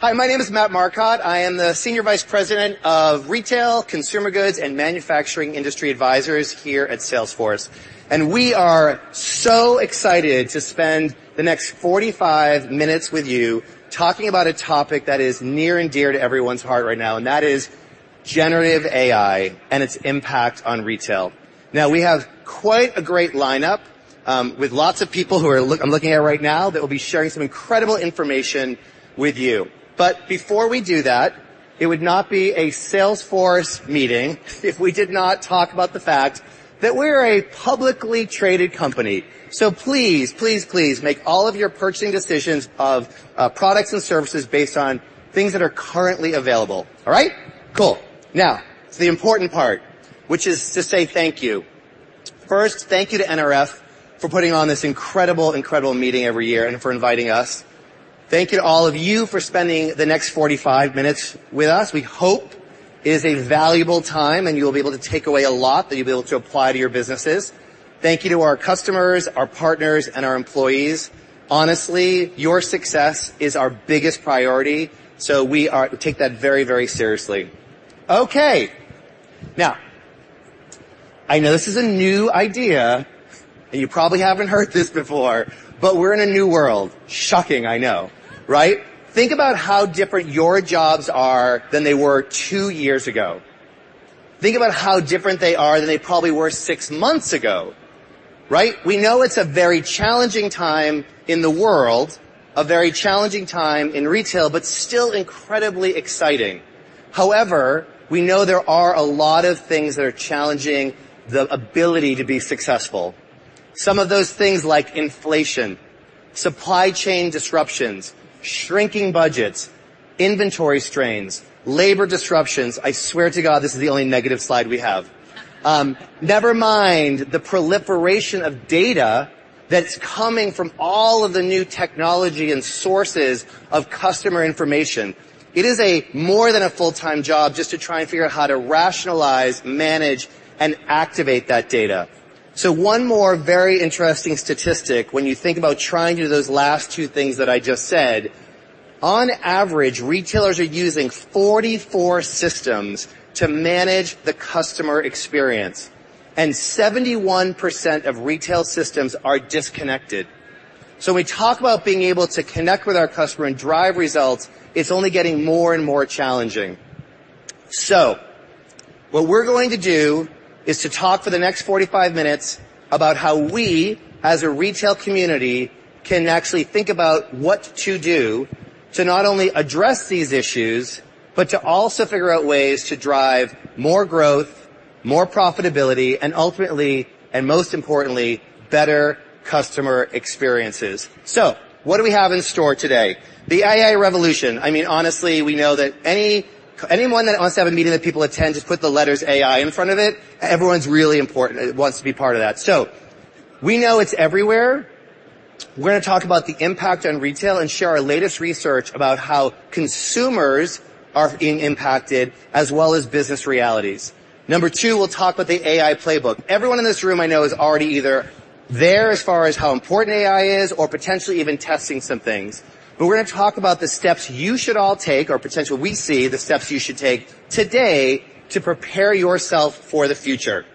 Hi, my name is Matt Marcotte. I am the Senior Vice President of Retail, Consumer Goods, and Manufacturing Industry Advisors here at Salesforce, and we are so excited to spend the next 45 minutes with you talking about a topic that is near and dear to everyone's heart right now, and that is Generative AI and its impact on retail. Now, we have quite a great lineup with lots of people who are, I'm looking at right now, that will be sharing some incredible information with you. But before we do that, it would not be a Salesforce meeting if we did not talk about the fact that we're a publicly traded company. So please, please, please, make all of your purchasing decisions of products and services based on things that are currently available. All right? Cool. Now, the important part, which is to say thank you. First, thank you to NRF for putting on this incredible, incredible meeting every year and for inviting us. Thank you to all of you for spending the next 45 minutes with us. We hope it is a valuable time, and you'll be able to take away a lot that you'll be able to apply to your businesses. Thank you to our customers, our partners, and our employees. Honestly, your success is our biggest priority, so we take that very, very seriously. Okay, now, I know this is a new idea, and you probably haven't heard this before, but we're in a new world. Shocking, I know, right? Think about how different your jobs are than they were two years ago. Think about how different they are than they probably were six months ago, right? We know it's a very challenging time in the world, a very challenging time in retail, but still incredibly exciting. However, we know there are a lot of things that are challenging the ability to be successful. Some of those things like inflation, supply chain disruptions, shrinking budgets, inventory strains, labor disruptions. I swear to God, this is the only negative slide we have. Never mind the proliferation of data that's coming from all of the new technology and sources of customer information. It is a more than a full-time job just to try and figure out how to rationalize, manage, and activate that data. So one more very interesting statistic when you think about trying to do those last two things that I just said, on average, retailers are using 44 systems to manage the customer experience, and 71% of retail systems are disconnected. So we talk about being able to connect with our customer and drive results, it's only getting more and more challenging. So what we're going to do is to talk for the next 45 minutes about how we, as a retail community, can actually think about what to do to not only address these issues, but to also figure out ways to drive more growth, more profitability, and ultimately, and most importantly, better customer experiences. So what do we have in store today? The AI revolution. I mean, honestly, we know that anyone that wants to have a meeting that people attend, just put the letters AI in front of it, everyone's really important, wants to be part of that. So we know it's everywhere. We're going to talk about the impact on retail and share our latest research about how consumers are being impacted, as well as business realities. Number two, we'll talk about the AI playbook. Everyone in this room I know is already either there as far as how important AI is or potentially even testing some things. But we're going to talk about the steps you should all take or potentially we see, the steps you should take today to prepare yourself for the future.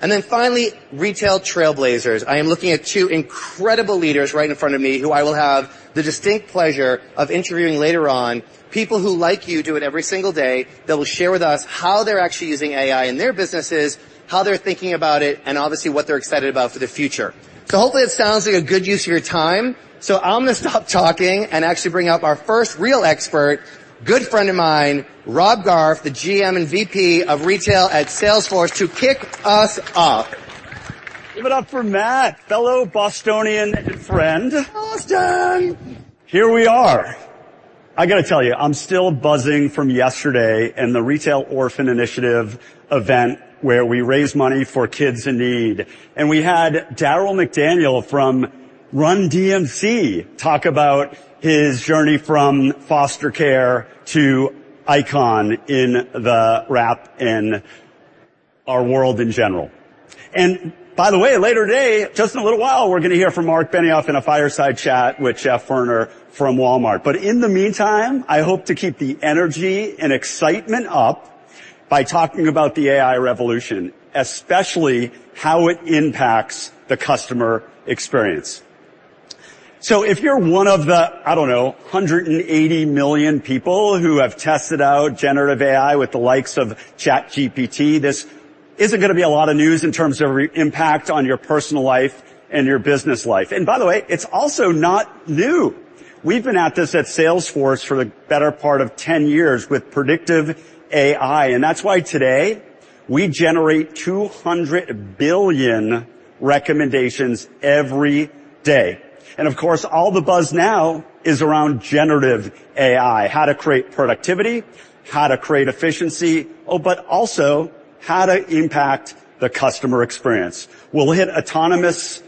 And then finally, retail trailblazers. I am looking at two incredible leaders right in front of me, who I will have the distinct pleasure of interviewing later on, people who, like you, do it every single day, that will share with us how they're actually using AI in their businesses, how they're thinking about it, and obviously, what they're excited about for the future. Hopefully, this sounds like a good use of your time. I'm going to stop talking and actually bring up our first real expert, good friend of mine, Rob Garf, the GM and VP of Retail at Salesforce, to kick us off. Give it up for Matt, fellow Bostonian and friend. Boston! Here we are. I gotta tell you, I'm still buzzing from yesterday and the Retail Orphan Initiative event, where we raised money for kids in need. We had Darryl McDaniels from Run-DMC talk about his journey from foster care to icon in the rap and our world in general. By the way, later today, just in a little while, we're going to hear from Marc Benioff in a fireside chat with John Furner from Walmart. In the meantime, I hope to keep the energy and excitement up by talking about the AI revolution, especially how it impacts the customer experience. If you're one of the, I don't know, 180 million people who have tested out generative AI with the likes of ChatGPT, this isn't gonna be a lot of news in terms of impact on your personal life and your business life. By the way, it's also not new. We've been at this at Salesforce for the better part of 10 years with predictive AI, and that's why today, we generate 200 billion recommendations every day. Of course, all the buzz now is around generative AI, how to create productivity, how to create efficiency, oh, but also how to impact the customer experience. We'll hit autonomous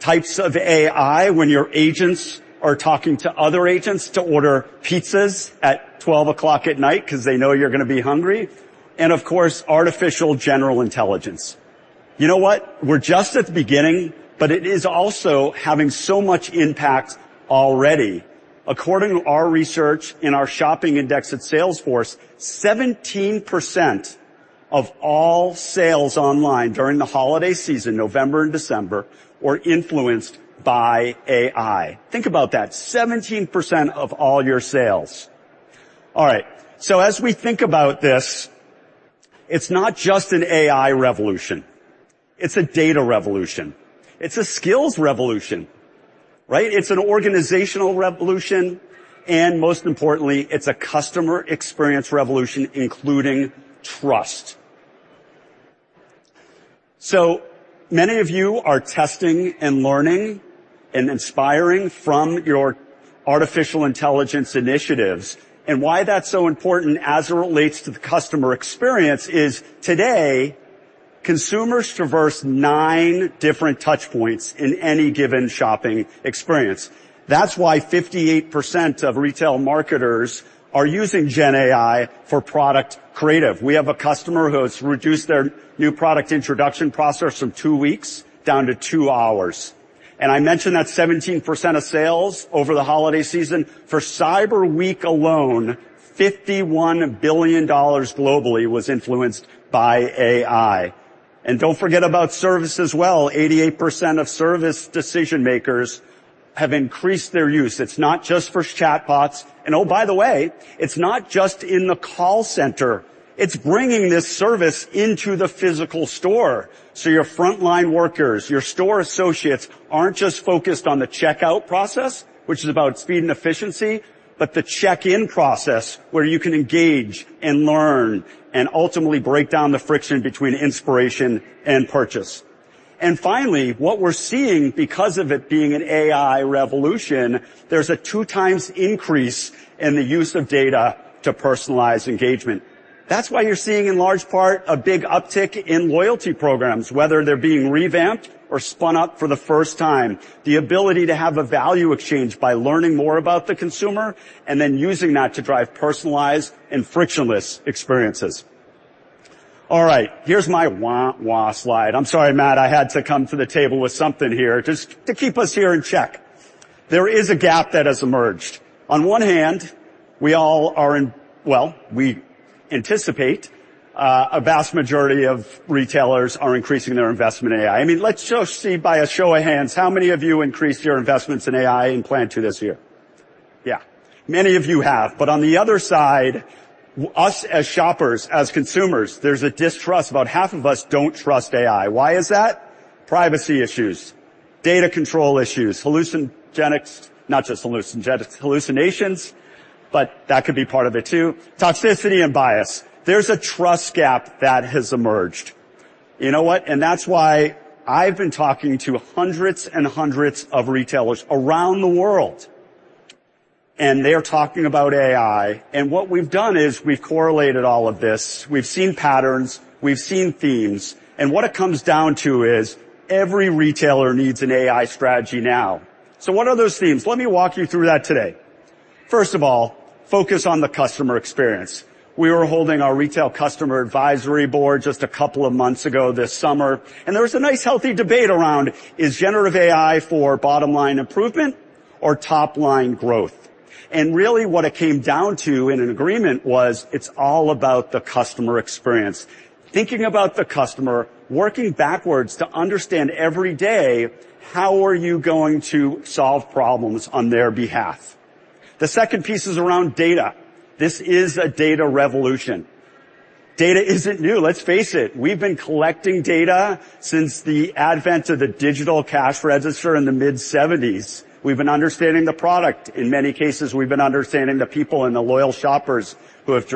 types of AI when your agents are talking to other agents to order pizzas at 12:00 A.M. because they know you're going to be hungry, and of course, artificial general intelligence... You know what? We're just at the beginning, but it is also having so much impact already. According to our research in our Shopping Index at Salesforce, 17% of all sales online during the holiday season, November and December, were influenced by AI. Think about that, 17% of all your sales. All right, so as we think about this, it's not just an AI revolution, it's a data revolution. It's a skills revolution, right? It's an organizational revolution, and most importantly, it's a customer experience revolution, including trust. So many of you are testing and learning and inspiring from your artificial intelligence initiatives, and why that's so important as it relates to the customer experience is today, consumers traverse nine different touch points in any given shopping experience. That's why 58% of retail marketers are using GenAI for product creative. We have a customer who has reduced their new product introduction process from two weeks down to two hours, and I mentioned that 17% of sales over the holiday season. For Cyber Week alone, $51 billion globally was influenced by AI. And don't forget about service as well. 88% of service decision makers have increased their use. It's not just for chatbots, and oh, by the way, it's not just in the call center. It's bringing this service into the physical store. So your frontline workers, your store associates, aren't just focused on the checkout process, which is about speed and efficiency, but the check-in process, where you can engage and learn and ultimately break down the friction between inspiration and purchase. And finally, what we're seeing because of it being an AI revolution, there's a 2x increase in the use of data to personalize engagement. That's why you're seeing, in large part, a big uptick in loyalty programs, whether they're being revamped or spun up for the first time. The ability to have a value exchange by learning more about the consumer and then using that to drive personalized and frictionless experiences. All right, here's my wah-wah slide. I'm sorry, Matt, I had to come to the table with something here, just to keep us here in check. There is a gap that has emerged. On one hand, we all are in... Well, we anticipate a vast majority of retailers are increasing their investment in AI. I mean, let's just see by a show of hands, how many of you increased your investments in AI and plan to this year? Yeah, many of you have, but on the other side, us as shoppers, as consumers, there's a distrust. About half of us don't trust AI. Why is that? Privacy issues, data control issues, hallucinogenics, not just hallucinogenics, hallucinations, but that could be part of it too. Toxicity and bias. There's a trust gap that has emerged. You know what? That's why I've been talking to hundreds and hundreds of retailers around the world, and they are talking about AI. What we've done is we've correlated all of this. We've seen patterns, we've seen themes, and what it comes down to is every retailer needs an AI strategy now. What are those themes? Let me walk you through that today. First of all, focus on the customer experience. We were holding our retail customer advisory board just a couple of months ago this summer, and there was a nice, healthy debate around: Is generative AI for bottom-line improvement or top-line growth? Really, what it came down to in an agreement was it's all about the customer experience. Thinking about the customer, working backwards to understand every day, how are you going to solve problems on their behalf? The second piece is around data. This is a data revolution. Data isn't new. Let's face it, we've been collecting data since the advent of the digital cash register in the mid-1970s. We've been understanding the product. In many cases, we've been understanding the people and the loyal shoppers who have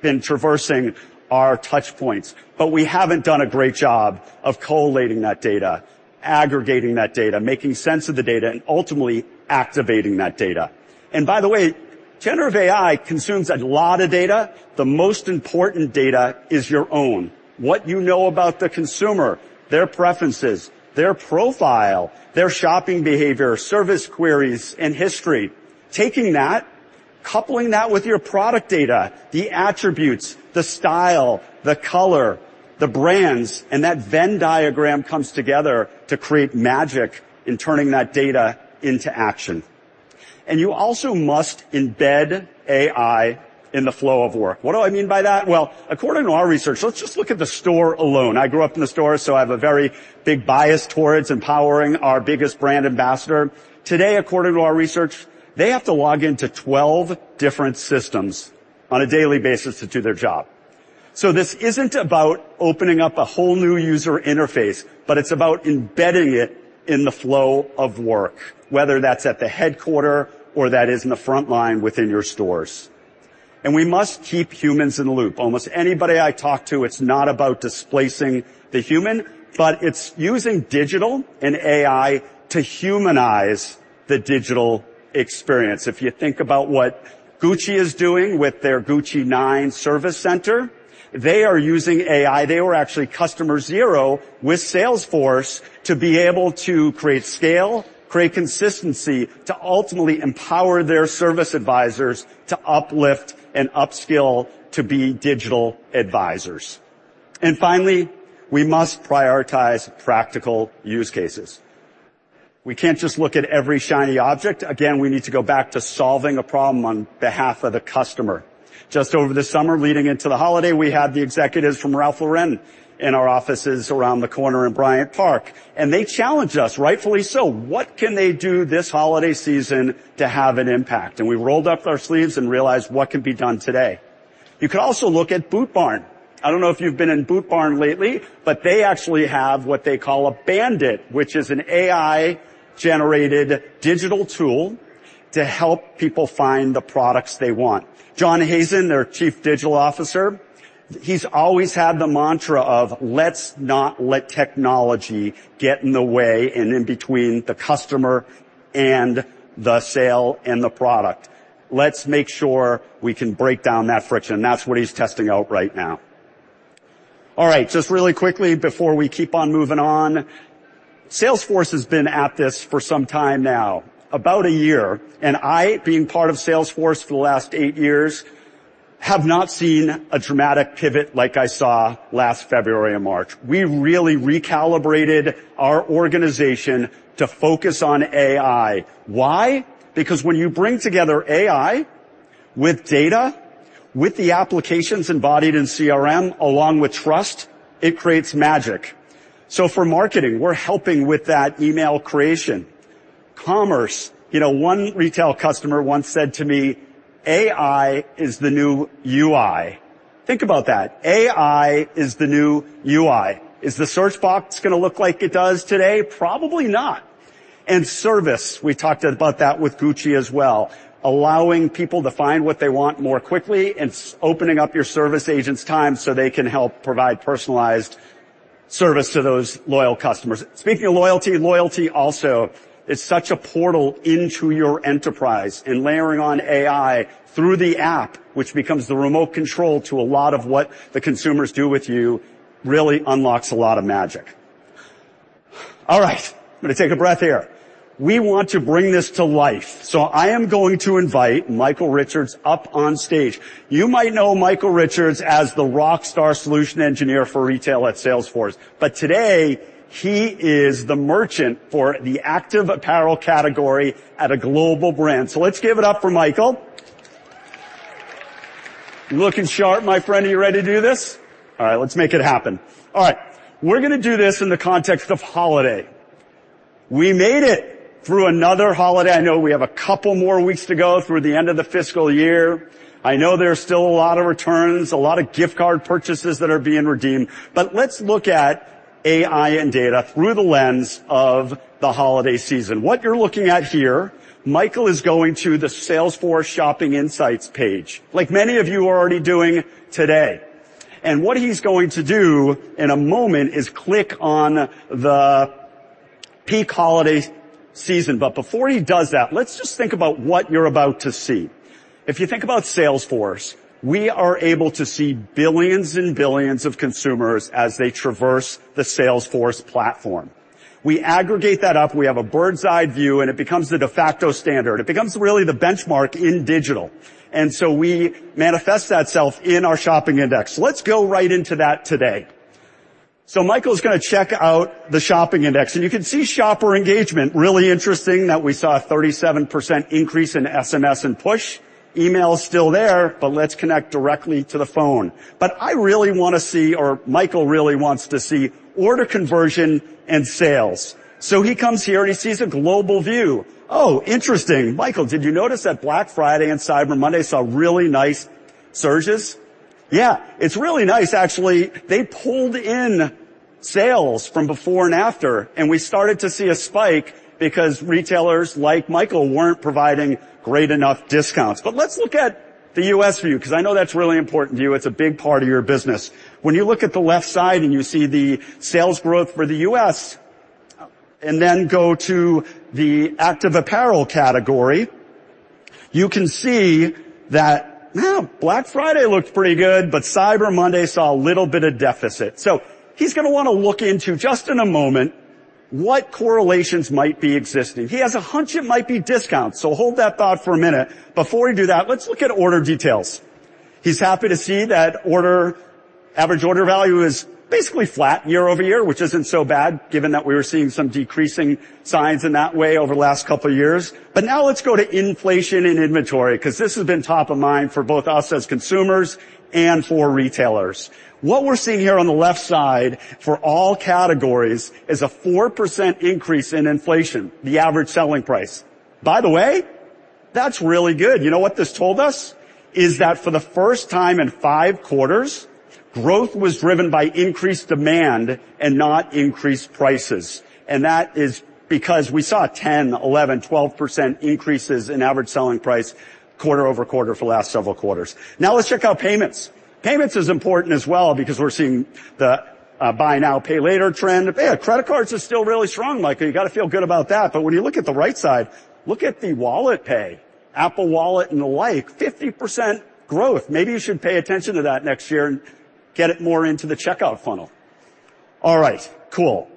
been traversing our touch points, but we haven't done a great job of collating that data, aggregating that data, making sense of the data, and ultimately activating that data. And by the way, generative AI consumes a lot of data. The most important data is your own. What you know about the consumer, their preferences, their profile, their shopping behavior, service queries and history. Taking that, coupling that with your product data, the attributes, the style, the color, the brands, and that Venn diagram comes together to create magic in turning that data into action. You also must embed AI in the flow of work. What do I mean by that? Well, according to our research, let's just look at the store alone. I grew up in the store, so I have a very big bias towards empowering our biggest brand ambassador. Today, according to our research, they have to log in to 12 different systems on a daily basis to do their job. So this isn't about opening up a whole new user interface, but it's about embedding it in the flow of work, whether that's at the headquarters or that is in the front line within your stores. We must keep humans in the loop. Almost anybody I talk to, it's not about displacing the human, but it's using digital and AI to humanize the digital experience. If you think about what Gucci is doing with their Gucci 9 service center, they are using AI. They were actually customer zero with Salesforce to be able to create scale, create consistency, to ultimately empower their service advisors to uplift and upskill to be digital advisors. And finally, we must prioritize practical use cases. We can't just look at every shiny object. Again, we need to go back to solving a problem on behalf of the customer. Just over the summer, leading into the holiday, we had the executives from Ralph Lauren in our offices around the corner in Bryant Park, and they challenged us, rightfully so: What can they do this holiday season to have an impact? And we rolled up our sleeves and realized what can be done today. You could also look at Boot Barn. I don't know if you've been in Boot Barn lately, but they actually have what they call a Bandit, which is an AI-generated digital tool to help people find the products they want. John Hazen, their Chief Digital Officer, he's always had the mantra of, "Let's not let technology get in the way and in between the customer and the sale and the product. Let's make sure we can break down that friction," and that's what he's testing out right now. All right, just really quickly before we keep on moving on. Salesforce has been at this for some time now, about a year, and I, being part of Salesforce for the last eight years, have not seen a dramatic pivot like I saw last February and March. We really recalibrated our organization to focus on AI. Why? Because when you bring together AI with data, with the applications embodied in CRM, along with trust, it creates magic. So for marketing, we're helping with that email creation. Commerce, you know, one retail customer once said to me, "AI is the new UI." Think about that. AI is the new UI. Is the search box gonna look like it does today? Probably not. And service, we talked about that with Gucci as well, allowing people to find what they want more quickly and opening up your service agents' time so they can help provide personalized service to those loyal customers. Speaking of loyalty, loyalty also is such a portal into your enterprise. In layering on AI through the app, which becomes the remote control to a lot of what the consumers do with you, really unlocks a lot of magic. All right, I'm gonna take a breath here. We want to bring this to life, so I am going to invite Michael Richards up on stage. You might know Michael Richards as the rockstar Solution Engineer for retail at Salesforce, but today, he is the merchant for the active apparel category at a global brand. So let's give it up for Michael. You're looking sharp, my friend. Are you ready to do this? All right, let's make it happen. All right. We're gonna do this in the context of holiday. We made it through another holiday. I know we have a couple more weeks to go through the end of the fiscal year. I know there are still a lot of returns, a lot of gift card purchases that are being redeemed, but let's look at AI and data through the lens of the holiday season. What you're looking at here, Michael, is going to the Salesforce Shopping Insights page, like many of you are already doing today. And what he's going to do in a moment is click on the peak holiday season. But before he does that, let's just think about what you're about to see. If you think about Salesforce, we are able to see billions and billions of consumers as they traverse the Salesforce platform. We aggregate that up, we have a bird's-eye view, and it becomes the de facto standard. It becomes really the benchmark in digital, and so we manifest that self in our Shopping Index. Let's go right into that today. So Michael's gonna check out the Shopping Index, and you can see shopper engagement. Really interesting that we saw a 37% increase in SMS and push. Email is still there, but let's connect directly to the phone. I really wanna see, or Michael really wants to see, order conversion and sales. So he comes here, and he sees a global view. Oh, interesting! Michael, did you notice that Black Friday and Cyber Monday saw really nice surges? Yeah, it's really nice, actually. They pulled in sales from before and after, and we started to see a spike because retailers like Michael weren't providing great enough discounts. But let's look at the U.S. view, 'cause I know that's really important to you. It's a big part of your business. When you look at the left side and you see the sales growth for the U.S., and then go to the active apparel category, you can see that, yeah, Black Friday looked pretty good, but Cyber Monday saw a little bit of deficit. So he's gonna wanna look into, just in a moment, what correlations might be existing. He has a hunch it might be discounts, so hold that thought for a minute. Before we do that, let's look at order details. He's happy to see that order average order value is basically flat year-over-year, which isn't so bad, given that we were seeing some decreasing signs in that way over the last couple of years. But now let's go to inflation and inventory, 'cause this has been top of mind for both us as consumers and for retailers. What we're seeing here on the left side, for all categories, is a 4% increase in inflation, the average selling price. By the way, that's really good. You know what this told us? It's that for the first time in five quarters, growth was driven by increased demand and not increased prices, and that is because we saw 10%, 11%, 12% increases in average selling price quarter-over-quarter for the last several quarters. Now let's check out payments. Payments is important as well because we're seeing the buy now, pay later trend. Yeah, credit cards are still really strong, Michael. You gotta feel good about that, but when you look at the right side, look at the wallet pay, Apple Wallet and the like, 50% growth. Maybe you should pay attention to that next year and get it more into the checkout funnel. All right, cool.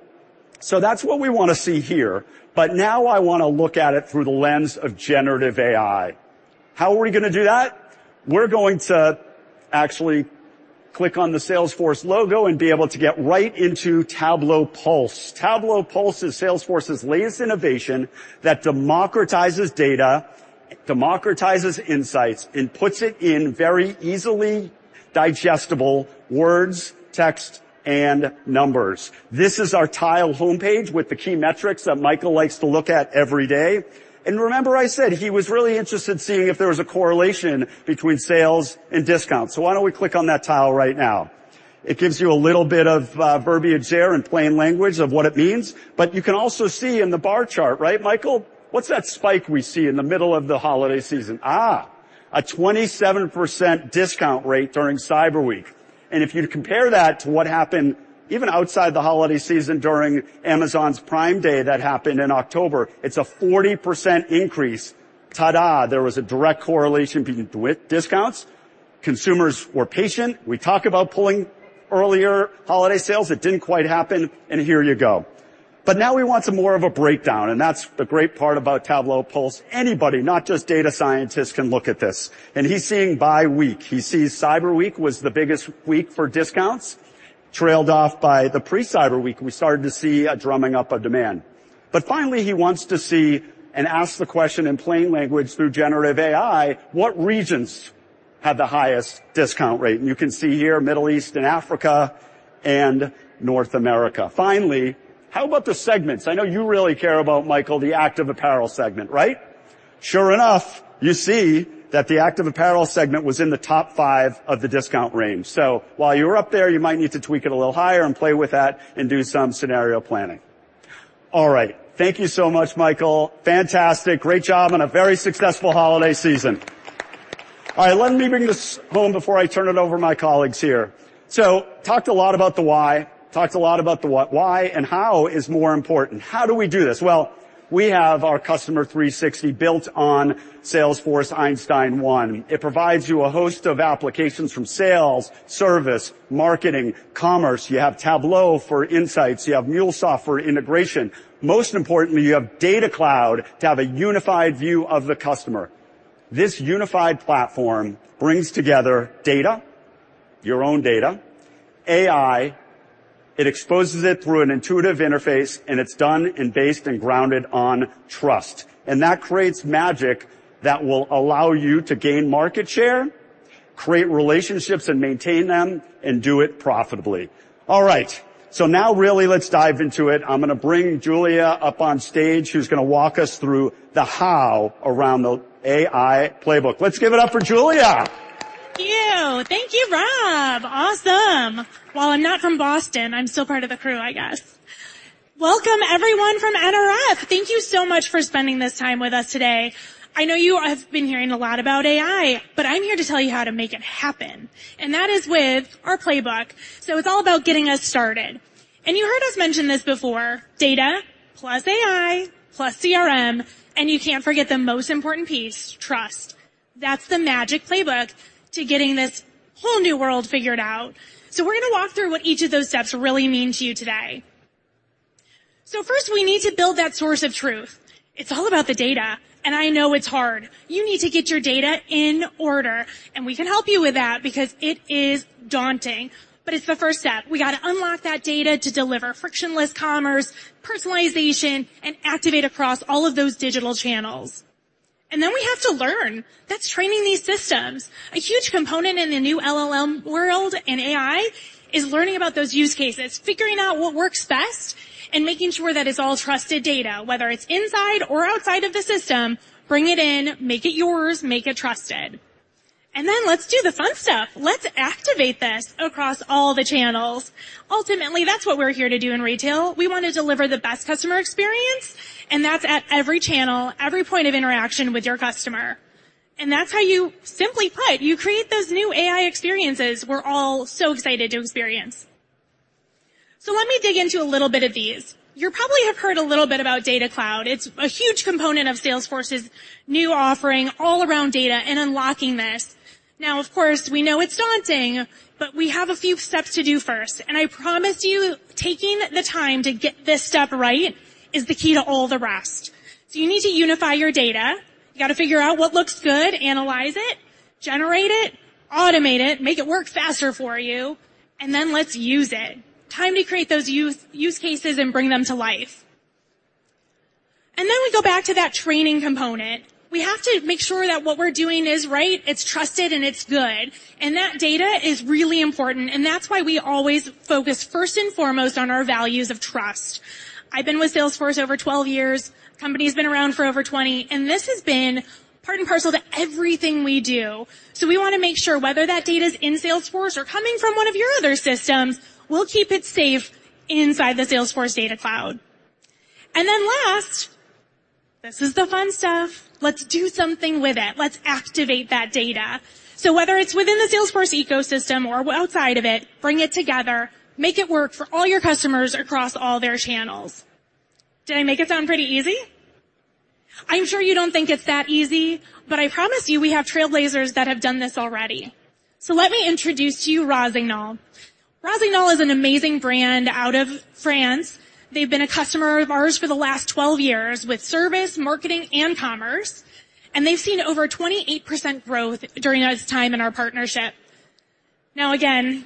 So that's what we wanna see here, but now I wanna look at it through the lens of generative AI. How are we gonna do that? We're going to click on the Salesforce logo and be able to get right into Tableau Pulse. Tableau Pulse is Salesforce's latest innovation that democratizes data, democratizes insights, and puts it in very easily digestible words, text, and numbers. This is our tile homepage with the key metrics that Michael likes to look at every day. And remember I said he was really interested in seeing if there was a correlation between sales and discounts. So why don't we click on that tile right now? It gives you a little bit of verbiage there in plain language of what it means. But you can also see in the bar chart, right, Michael? What's that spike we see in the middle of the holiday season? Ah, a 27% discount rate during Cyber Week. If you compare that to what happened even outside the holiday season during Amazon's Prime Day, that happened in October, it's a 40% increase. Ta-da! There was a direct correlation between with discounts. Consumers were patient. We talked about pulling earlier holiday sales. It didn't quite happen, and here you go. Now we want some more of a breakdown, and that's the great part about Tableau Pulse. Anybody, not just data scientists, can look at this, and he's seeing by week. He sees Cyber Week was the biggest week for discounts, trailed off by the pre-Cyber Week. We started to see a drumming up of demand. Finally, he wants to see and ask the question in plain language through Generative AI: What regions had the highest discount rate? You can see here Middle East and Africa and North America. Finally, how about the segments? I know you really care about, Michael, the active apparel segment, right? Sure enough, you see that the active apparel segment was in the top five of the discount range. So while you were up there, you might need to tweak it a little higher and play with that and do some scenario planning. All right. Thank you so much, Michael. Fantastic! Great job and a very successful holiday season. All right, let me bring this home before I turn it over to my colleagues here. So talked a lot about the why, talked a lot about the what. Why and how is more important. How do we do this? Well, we have our Customer 360 built on Salesforce Einstein 1. It provides you a host of applications from sales, service, marketing, commerce. You have Tableau for insights. You have MuleSoft for integration. Most importantly, you have Data Cloud to have a unified view of the customer. This unified platform brings together data, your own data, AI. It exposes it through an intuitive interface, and it's done and based and grounded on trust, and that creates magic that will allow you to gain market share, create relationships and maintain them, and do it profitably. All right, so now really let's dive into it. I'm gonna bring Julia up on stage, who's gonna walk us through the how around the AI playbook. Let's give it up for Julia. Thank you. Thank you, Rob. Awesome! While I'm not from Boston, I'm still part of the crew, I guess. Welcome, everyone, from NRF. Thank you so much for spending this time with us today. I know you have been hearing a lot about AI, but I'm here to tell you how to make it happen, and that is with our playbook. It's all about getting us started. You heard us mention this before, data plus AI, plus CRM, and you can't forget the most important piece, trust. That's the magic playbook to getting this whole new world figured out. We're gonna walk through what each of those steps really mean to you today. First, we need to build that source of truth. It's all about the data, and I know it's hard. You need to get your data in order, and we can help you with that because it is daunting, but it's the first step. We got to unlock that data to deliver frictionless commerce, personalization, and activate across all of those digital channels. And then we have to learn. That's training these systems. A huge component in the new LLM world and AI is learning about those use cases, figuring out what works best, and making sure that it's all trusted data, whether it's inside or outside of the system, bring it in, make it yours, make it trusted. And then let's do the fun stuff. Let's activate this across all the channels. Ultimately, that's what we're here to do in retail. We want to deliver the best customer experience, and that's at every channel, every point of interaction with your customer. That's how you simply put, you create those new AI experiences we're all so excited to experience. So let me dig into a little bit of these. You probably have heard a little bit about Data Cloud. It's a huge component of Salesforce's new offering all around data and unlocking this. Now, of course, we know it's daunting, but we have a few steps to do first, and I promise you, taking the time to get this step right is the key to all the rest. So you need to unify your data. You got to figure out what looks good, analyze it, generate it, automate it, make it work faster for you, and then let's use it. Time to create those use cases and bring them to life. Then we go back to that training component. We have to make sure that what we're doing is right, it's trusted, and it's good. That data is really important, and that's why we always focus first and foremost on our values of trust. I've been with Salesforce over 12 years. Company's been around for over 20, and this has been part and parcel to everything we do. So we want to make sure whether that data is in Salesforce or coming from one of your other systems, we'll keep it safe inside the Salesforce Data Cloud. Then last, this is the fun stuff. Let's do something with it. Let's activate that data. So whether it's within the Salesforce ecosystem or outside of it, bring it together, make it work for all your customers across all their channels. Did I make it sound pretty easy? I'm sure you don't think it's that easy, but I promise you, we have trailblazers that have done this already. So let me introduce to you Rossignol. Rossignol is an amazing brand out of France. They've been a customer of ours for the last 12 years with service, marketing, and commerce, and they've seen over 28% growth during its time in our partnership. Now, again,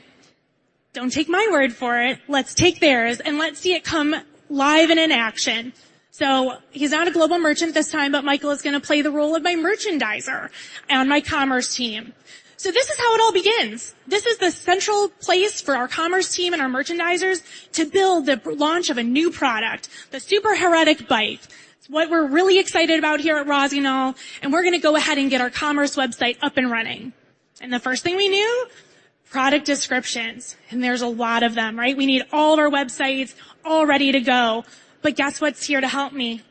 don't take my word for it, let's take theirs, and let's see it come live and in action. So he's not a global merchant this time, but Michael is gonna play the role of my merchandiser on my commerce team. So this is how it all begins. This is the central place for our commerce team and our merchandisers to build the launch of a new product, the Super Heroic Bike. It's what we're really excited about here at Rossignol, and we're gonna go ahead and get our commerce website up and running. The first thing we knew, product descriptions, and there's a lot of them, right? We need all of our websites all ready to go. But guess what's here to help me?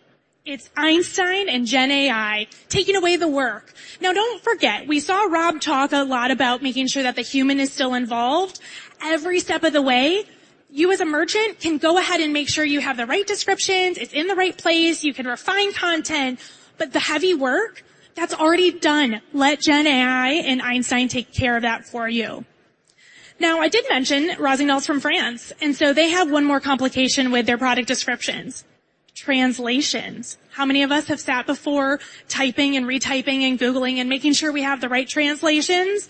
It's Einstein and Gen AI, taking away the work. Now, don't forget, we saw Rob talk a lot about making sure that the human is still involved every step of the way. You, as a merchant, can go ahead and make sure you have the right descriptions, it's in the right place, you can refine content, but the heavy work, that's already done. Let Gen AI and Einstein take care of that for you. Now, I did mention Rossignol is from France, and so they have one more complication with their product descriptions: translations. How many of us have sat before, typing and retyping and googling and making sure we have the right translations?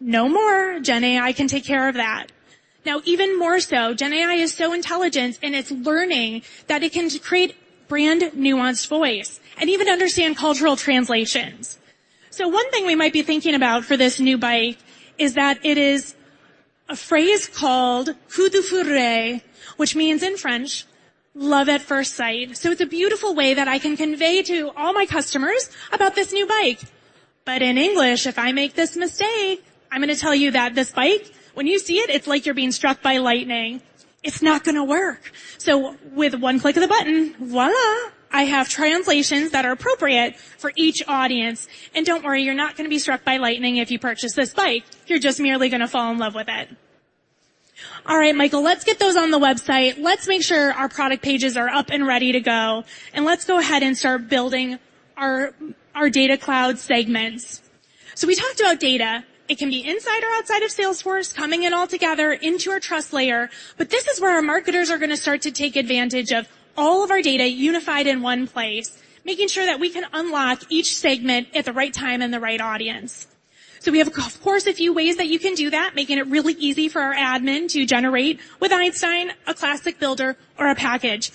No more. Gen AI can take care of that. Now, even more so, Gen AI is so intelligent, and it's learning that it can create brand nuanced voice and even understand cultural translations. So one thing we might be thinking about for this new bike is that it is a phrase called "coup de foudre", which means in French, "love at first sight." So it's a beautiful way that I can convey to all my customers about this new bike. But in English, if I make this mistake, I'm gonna tell you that this bike, when you see it, it's like you're being struck by lightning. It's not gonna work. So with one click of the button, voilà! I have translations that are appropriate for each audience. Don't worry, you're not gonna be struck by lightning if you purchase this bike, you're just merely gonna fall in love with it. All right, Michael, let's get those on the website. Let's make sure our product pages are up and ready to go, and let's go ahead and start building our Data Cloud segments. We talked about data. It can be inside or outside of Salesforce, coming in all together into our trust layer. But this is where our marketers are gonna start to take advantage of all of our data unified in one place, making sure that we can unlock each segment at the right time and the right audience. We have, of course, a few ways that you can do that, making it really easy for our admin to generate with Einstein, a classic builder or a package.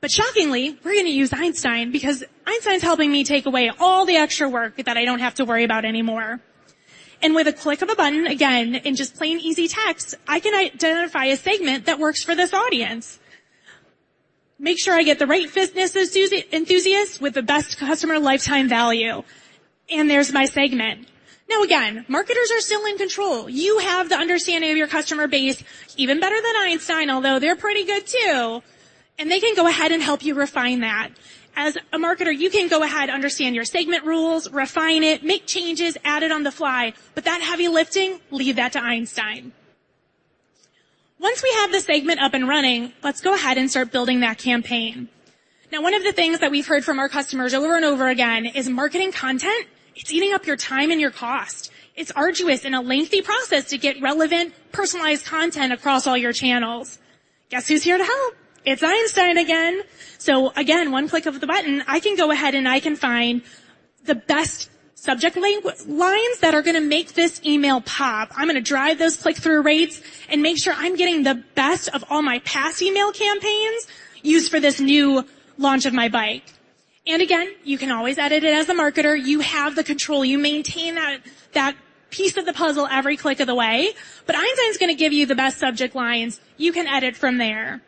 But shockingly, we're gonna use Einstein because Einstein is helping me take away all the extra work that I don't have to worry about anymore. And with a click of a button, again, in just plain easy text, I can identify a segment that works for this audience. Make sure I get the right fitness enthusiast with the best customer lifetime value. And there's my segment. Now, again, marketers are still in control. You have the understanding of your customer base even better than Einstein, although they're pretty good too, and they can go ahead and help you refine that. As a marketer, you can go ahead, understand your segment rules, refine it, make changes, add it on the fly, but that heavy lifting, leave that to Einstein. Once we have the segment up and running, let's go ahead and start building that campaign. Now, one of the things that we've heard from our customers over and over again is marketing content; it's eating up your time and your cost. It's arduous and a lengthy process to get relevant, personalized content across all your channels. Guess who's here to help? It's Einstein again. So again, one click of the button, I can go ahead, and I can find the best subject lines that are gonna make this email pop. I'm gonna drive those click-through rates and make sure I'm getting the best of all my past email campaigns used for this new launch of my bike. And again, you can always edit it. As the marketer, you have the control. You maintain that, that piece of the puzzle every click of the way. But Einstein's gonna give you the best subject lines. You can edit from there.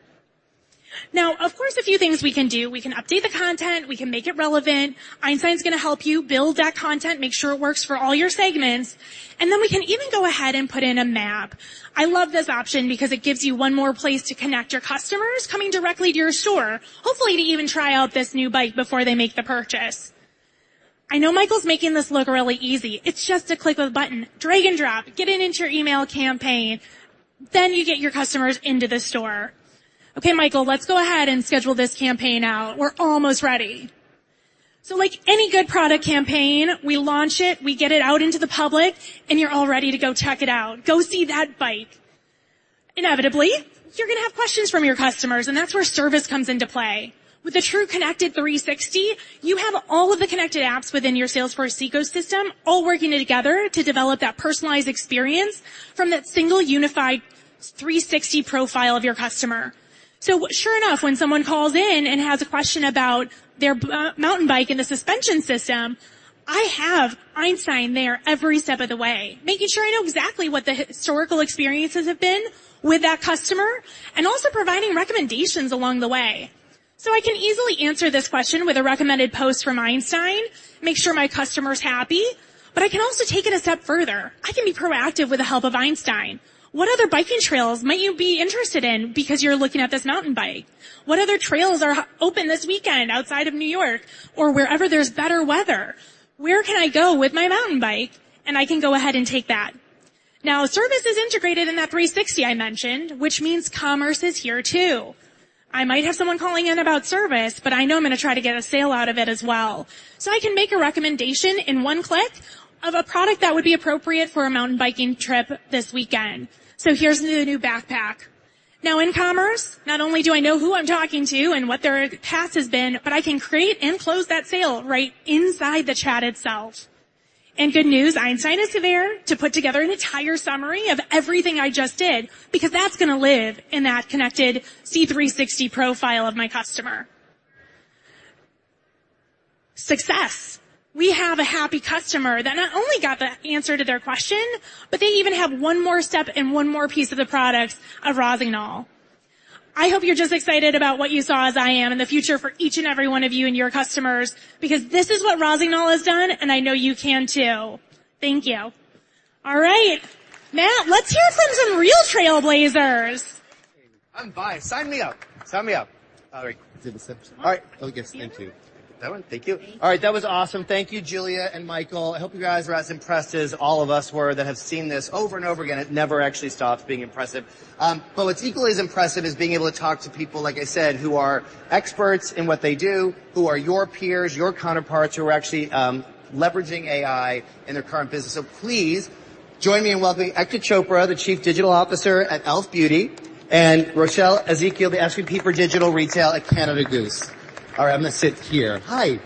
Now, of course, a few things we can do. We can update the content. We can make it relevant. Einstein's gonna help you build that content, make sure it works for all your segments, and then we can even go ahead and put in a map. I love this option because it gives you one more place to connect your customers coming directly to your store, hopefully, to even try out this new bike before they make the purchase. I know Michael's making this look really easy. It's just a click of a button, drag and drop, get it into your email campaign, then you get your customers into the store. Okay, Michael, let's go ahead and schedule this campaign out. We're almost ready. So like any good product campaign, we launch it, we get it out into the public, and you're all ready to go check it out. Go see that bike. Inevitably, you're gonna have questions from your customers, and that's where service comes into play. With the True Connected 360, you have all of the connected apps within your Salesforce ecosystem, all working together to develop that personalized experience from that single, unified 360 profile of your customer. So sure enough, when someone calls in and has a question about their mountain bike and the suspension system, I have Einstein there every step of the way, making sure I know exactly what the historical experiences have been with that customer, and also providing recommendations along the way. So I can easily answer this question with a recommended post from Einstein, make sure my customer's happy, but I can also take it a step further. I can be proactive with the help of Einstein. What other biking trails might you be interested in because you're looking at this mountain bike? What other trails are open this weekend outside of New York or wherever there's better weather? Where can I go with my mountain bike?" I can go ahead and take that. Now, service is integrated in that 360 I mentioned, which means commerce is here too. I might have someone calling in about service, but I know I'm gonna try to get a sale out of it as well. So I can make a recommendation in one click of a product that would be appropriate for a mountain biking trip this weekend. So here's the new backpack. Now, in commerce, not only do I know who I'm talking to and what their past has been, but I can create and close that sale right inside the chat itself. Good news, Einstein is there to put together an entire summary of everything I just did, because that's gonna live in that connected Customer 360 profile of my customer. Success! We have a happy customer that not only got the answer to their question, but they even have one more step and one more piece of the product of Rossignol. I hope you're just excited about what you saw as I am, and the future for each and every one of you and your customers, because this is what Rossignol has done, and I know you can, too. Thank you. All right. Now, let's hear from some real trailblazers. I'm biased. Sign me up. Sign me up. All right, did this. All right. Oh, yes, thank you. That one? Thank you. Thank you. All right, that was awesome. Thank you, Julia and Michael. I hope you guys are as impressed as all of us were that have seen this over and over again. It never actually stops being impressive. But what's equally as impressive is being able to talk to people, like I said, who are experts in what they do, who are your peers, your counterparts, who are actually leveraging AI in their current business. So please join me in welcoming Ekta Chopra, the Chief Digital Officer at e.l.f. Beauty, and Rochelle Ezekiel, the SVP for Digital Retail at Canada Goose. All right, I'm gonna sit here. Hi.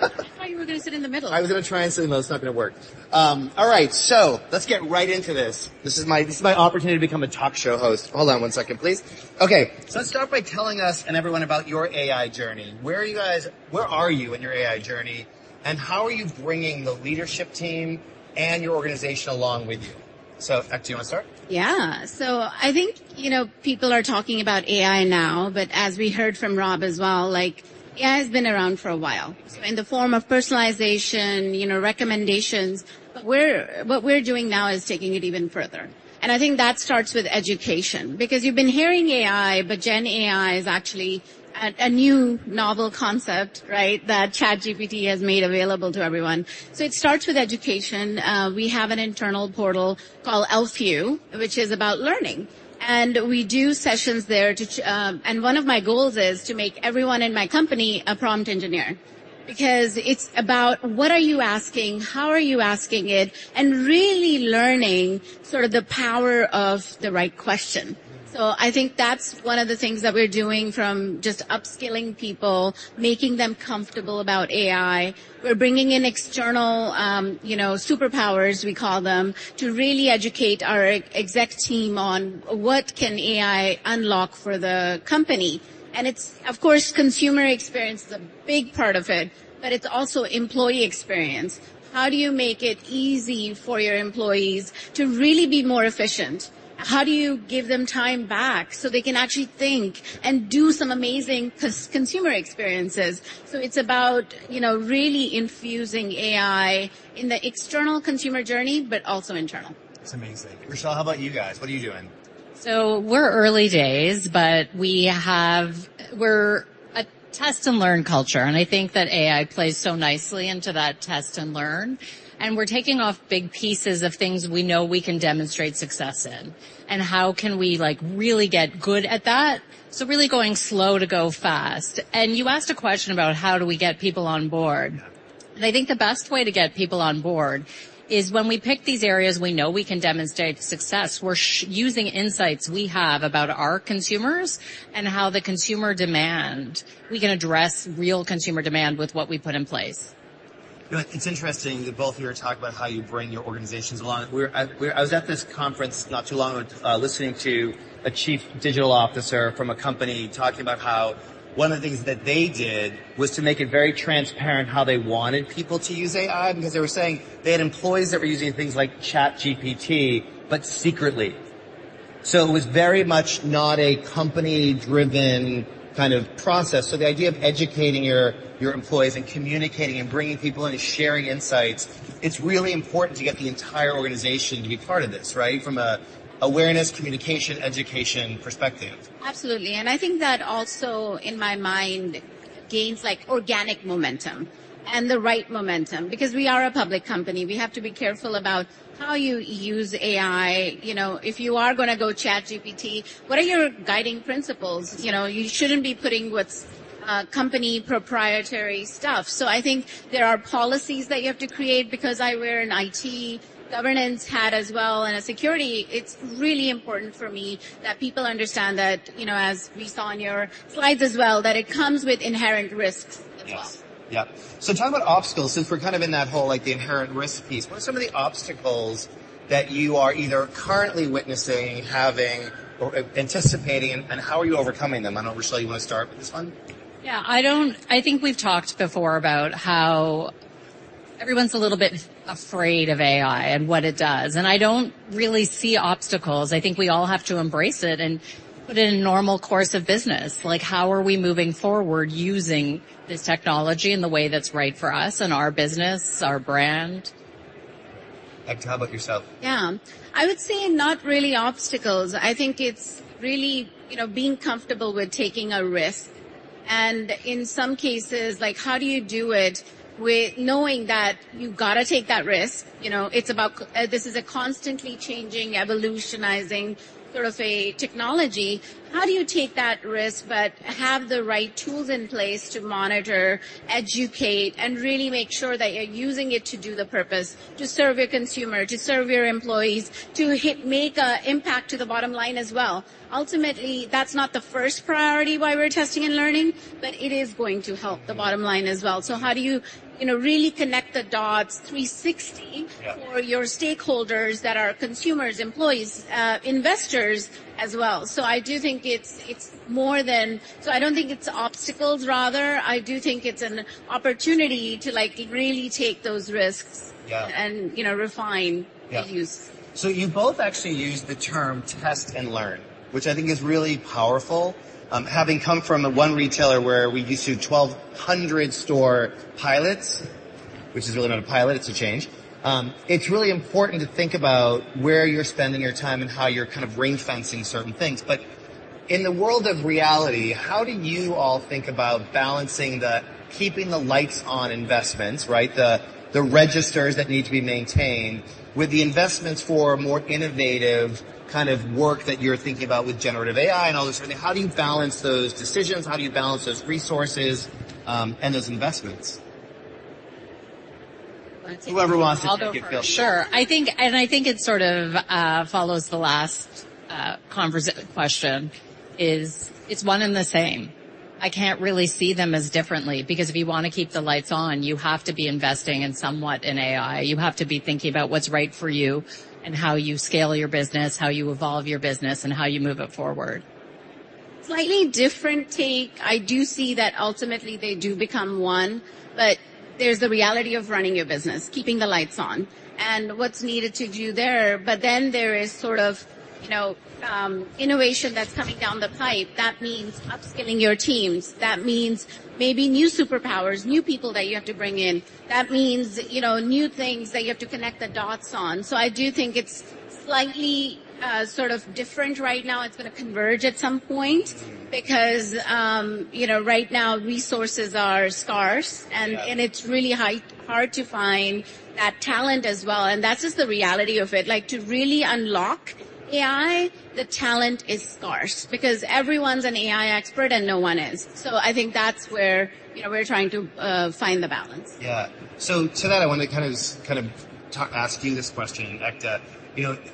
I thought you were gonna sit in the middle. I was gonna try and sit, but it's not gonna work. All right, so let's get right into this. This is my, this is my opportunity to become a talk show host. Hold on one second, please. Okay, so let's start by telling us and everyone about your AI journey. Where are you guys—where are you in your AI journey, and how are you bringing the leadership team and your organization along with you? So, Ekta, do you want to start? Yeah. So I think, you know, people are talking about AI now, but as we heard from Rob as well, like, AI has been around for a while, so in the form of personalization, you know, recommendations, but what we're doing now is taking it even further. And I think that starts with education, because you've been hearing AI, but Gen AI is actually a new novel concept, right, that ChatGPT has made available to everyone. So it starts with education. We have an internal portal called e.l.f. U, which is about learning, and we do sessions there to... And one of my goals is to make everyone in my company a prompt engineer, because it's about: what are you asking? How are you asking it? And really learning sort of the power of the right question. I think that's one of the things that we're doing from just upskilling people, making them comfortable about AI. We're bringing in external, you know, superpowers, we call them, to really educate our exec team on what can AI unlock for the company. It's, of course, consumer experience is a big part of it, but it's also employee experience. How do you make it easy for your employees to really be more efficient? How do you give them time back so they can actually think and do some amazing consumer experiences? It's about, you know, really infusing AI in the external consumer journey, but also internal. It's amazing. Rochelle, how about you guys? What are you doing? So we're early days, but we have... We're a test-and-learn culture, and I think that AI plays so nicely into that test and learn. And we're taking off big pieces of things we know we can demonstrate success in, and how can we, like, really get good at that? So really going slow to go fast. And you asked a question about how do we get people on board. Yeah. I think the best way to get people on board is when we pick these areas we know we can demonstrate success. We're using insights we have about our consumers and how the consumer demand. We can address real consumer demand with what we put in place. You know what? It's interesting that both of you are talking about how you bring your organizations along. I was at this conference not too long ago, listening to a chief digital officer from a company talking about how one of the things that they did was to make it very transparent how they wanted people to use AI, because they were saying they had employees that were using things like ChatGPT, but secretly. So it was very much not a company-driven kind of process. So the idea of educating your employees and communicating and bringing people in and sharing insights, it's really important to get the entire organization to be part of this, right? From an awareness, communication, education perspective. Absolutely. And I think that also, in my mind, gains like organic momentum and the right momentum. Because we are a public company, we have to be careful about how you use AI. You know, if you are gonna go ChatGPT, what are your guiding principles? You know, you shouldn't be putting what's company proprietary stuff. So I think there are policies that you have to create, because I wear an IT governance hat as well, and a security, it's really important for me that people understand that, you know, as we saw on your slides as well, that it comes with inherent risks as well. Yes. Yep. So talk about obstacles, since we're kind of in that whole, like, the inherent risk piece, what are some of the obstacles that you are either currently witnessing, having, or anticipating, and how are you overcoming them? I don't know, Rochelle, you want to start with this one? Yeah, I don't... I think we've talked before about how everyone's a little bit afraid of AI and what it does, and I don't really see obstacles. I think we all have to embrace it and put it in normal course of business, like, how are we moving forward using this technology in the way that's right for us and our business, our brand? Ekta, how about yourself? Yeah. I would say not really obstacles. I think it's really, you know, being comfortable with taking a risk and in some cases, like, how do you do it with knowing that you've got to take that risk? You know, it's about this is a constantly changing, evolutionizing, sort of a technology. How do you take that risk but have the right tools in place to monitor, educate, and really make sure that you're using it to do the purpose, to serve your consumer, to serve your employees, to hit make an impact to the bottom line as well? Ultimately, that's not the first priority why we're testing and learning, but it is going to help the bottom line as well. So how do you, you know, really connect the dots three sixty- Yeah For your stakeholders that are consumers, employees, investors as well? So I do think it's, it's more than. So I don't think it's obstacles, rather, I do think it's an opportunity to, like, really take those risks. Yeah and, you know, refine Yeah -the use. So you both actually used the term test and learn, which I think is really powerful. Having come from one retailer where we used to do 1,200 store pilots, which is really not a pilot, it's a change. It's really important to think about where you're spending your time and how you're kind of ring-fencing certain things. But in the world of reality, how do you all think about balancing the keeping the lights on investments, right? The registers that need to be maintained with the investments for more innovative kind of work that you're thinking about with generative AI and all this. How do you balance those decisions? How do you balance those resources, and those investments? I'll take- Whoever wants to take it, go. Sure. I think and I think it sort of follows the last conversation question, is it's one and the same. I can't really see them as different, because if you want to keep the lights on, you have to be investing somewhat in AI. You have to be thinking about what's right for you and how you scale your business, how you evolve your business, and how you move it forward. Slightly different take. I do see that ultimately they do become one, but there's the reality of running your business, keeping the lights on and what's needed to do there. But then there is sort of, you know, innovation that's coming down the pipe. That means upskilling your teams. That means maybe new superpowers, new people that you have to bring in. That means, you know, new things that you have to connect the dots on. So I do think it's slightly, sort of different right now. It's going to converge at some point because, you know, right now, resources are scarce, and- Yeah... and it's really high, hard to find that talent as well, and that's just the reality of it. Like, to really unlock AI, the talent is scarce because everyone's an AI expert and no one is. So I think that's where, you know, we're trying to find the balance. Yeah. So to that, I want to kind of ask you this question, Ekta. You know,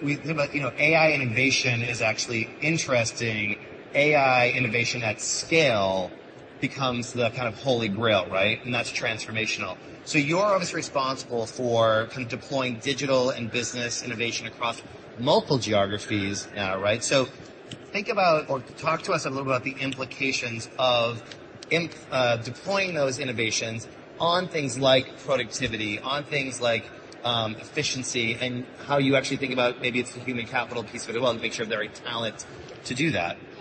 we think about, you know, AI innovation is actually interesting. AI innovation at scale becomes the kind of holy grail, right? And that's transformational. So you're obviously responsible for kind of deploying digital and business innovation across multiple geographies now, right? So think about or talk to us a little about the implications of deploying those innovations on things like productivity, on things like efficiency, and how you actually think about maybe it's the human capital piece as well, to make sure the right talent to do that. Yeah.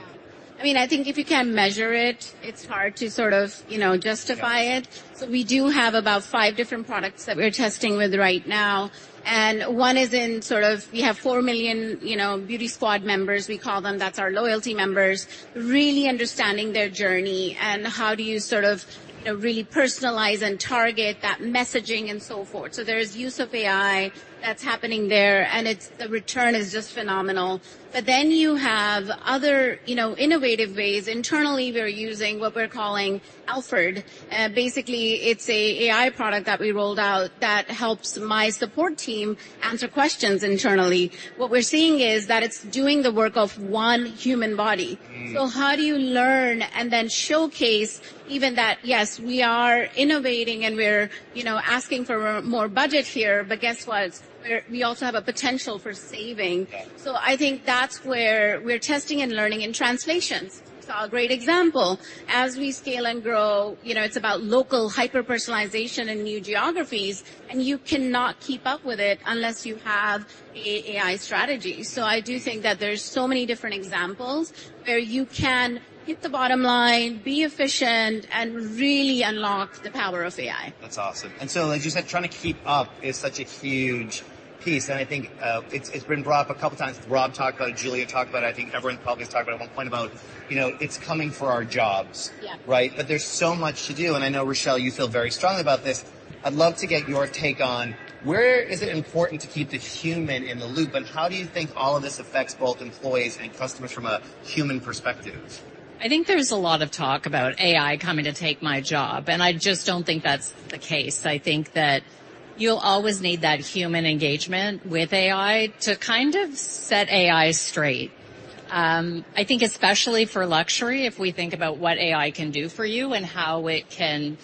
I mean, I think if you can measure it, it's hard to sort of, you know, justify it. Yeah. So we do have about five different products that we're testing with right now, and one is in sort of... We have 4 million, you know, Beauty Squad members, we call them. That's our loyalty members. Really understanding their journey and how do you sort of, you know, really personalize and target that messaging and so forth. So there's use of AI that's happening there, and it's, the return is just phenomenal. But then you have other, you know, innovative ways. Internally, we're using what we're calling Alfred. Basically, it's a AI product that we rolled out that helps my support team answer questions internally. What we're seeing is that it's doing the work of one human body. So, how do you learn and then showcase even that? Yes, we are innovating, and we're, you know, asking for more budget here, but guess what? We're, we also have a potential for saving. Yeah. So I think that's where we're testing and learning in translations. It's a great example. As we scale and grow, you know, it's about local hyper-personalization in new geographies, and you cannot keep up with it unless you have a AI strategy. So I do think that there's so many different examples where you can hit the bottom line, be efficient, and really unlock the power of AI. That's awesome. And so, as you said, trying to keep up is such a huge piece, and I think, it's been brought up a couple of times. Rob talked about it, Julia talked about it, I think everyone's probably talked about it at one point about, you know, it's coming for our jobs. Yeah. Right? But there's so much to do, and I know, Rochelle, you feel very strongly about this. I'd love to get your take on where is it important to keep the human in the loop, and how do you think all of this affects both employees and customers from a human perspective? I think there's a lot of talk about AI coming to take my job, and I just don't think that's the case. I think that you'll always need that human engagement with AI to kind of set AI straight. I think especially for luxury, if we think about what AI can do for you and how it can,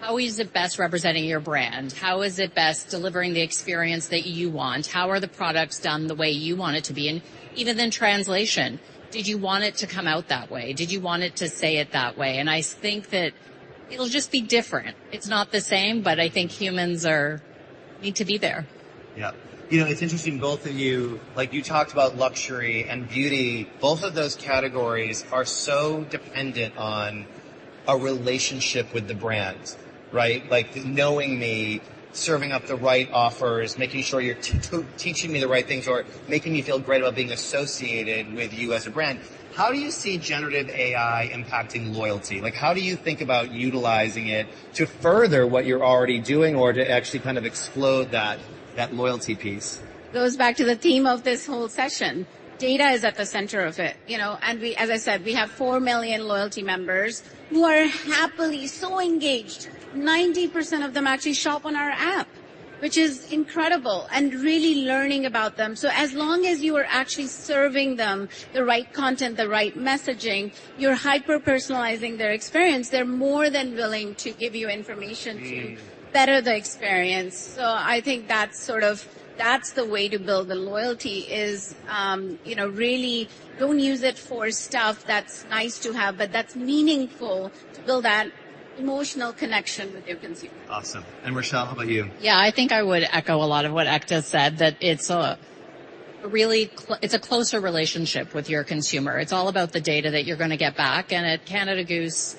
how is it best representing your brand? How is it best delivering the experience that you want? How are the products done the way you want it to be? And even then, translation. Did you want it to come out that way? Did you want it to say it that way? And I think that it'll just be different. It's not the same, but I think humans are... need to be there. Yeah. You know, it's interesting, both of you, like, you talked about luxury and beauty. Both of those categories are so dependent on a relationship with the brand, right? Like, knowing me, serving up the right offers, making sure you're teaching me the right things or making me feel great about being associated with you as a brand. How do you see generative AI impacting loyalty? Like, how do you think about utilizing it to further what you're already doing or to actually kind of explode that loyalty piece? It goes back to the theme of this whole session. Data is at the center of it, you know? And we, as I said, we have 4 million loyalty members who are happily so engaged. 90% of them actually shop on our app, which is incredible, and really learning about them. So as long as you are actually serving them the right content, the right messaging, you're hyper personalizing their experience, they're more than willing to give you information- Mm. To better the experience. So I think that's sort of... That's the way to build the loyalty is, you know, really don't use it for stuff that's nice to have, but that's meaningful to build that emotional connection with your consumer. Awesome. Rochelle, how about you? Yeah, I think I would echo a lot of what Ekta said, that it's a closer relationship with your consumer. It's all about the data that you're gonna get back. And at Canada Goose,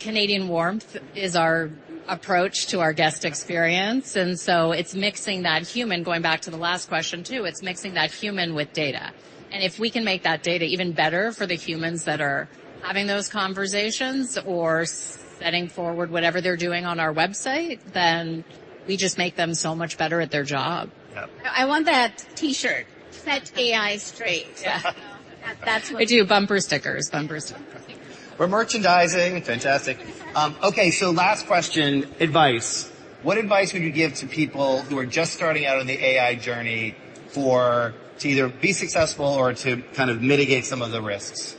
Canadian warmth is our approach to our guest experience, and so it's mixing that human... Going back to the last question, too, it's mixing that human with data. And if we can make that data even better for the humans that are having those conversations or setting forward whatever they're doing on our website, then we just make them so much better at their job. Yeah. I want that T-shirt. "Set AI straight. Yeah. That's what- We do bumper stickers. Bumper stickers. We're merchandising. Fantastic. Okay, so last question: advice. What advice would you give to people who are just starting out on the AI journey for... to either be successful or to kind of mitigate some of the risks?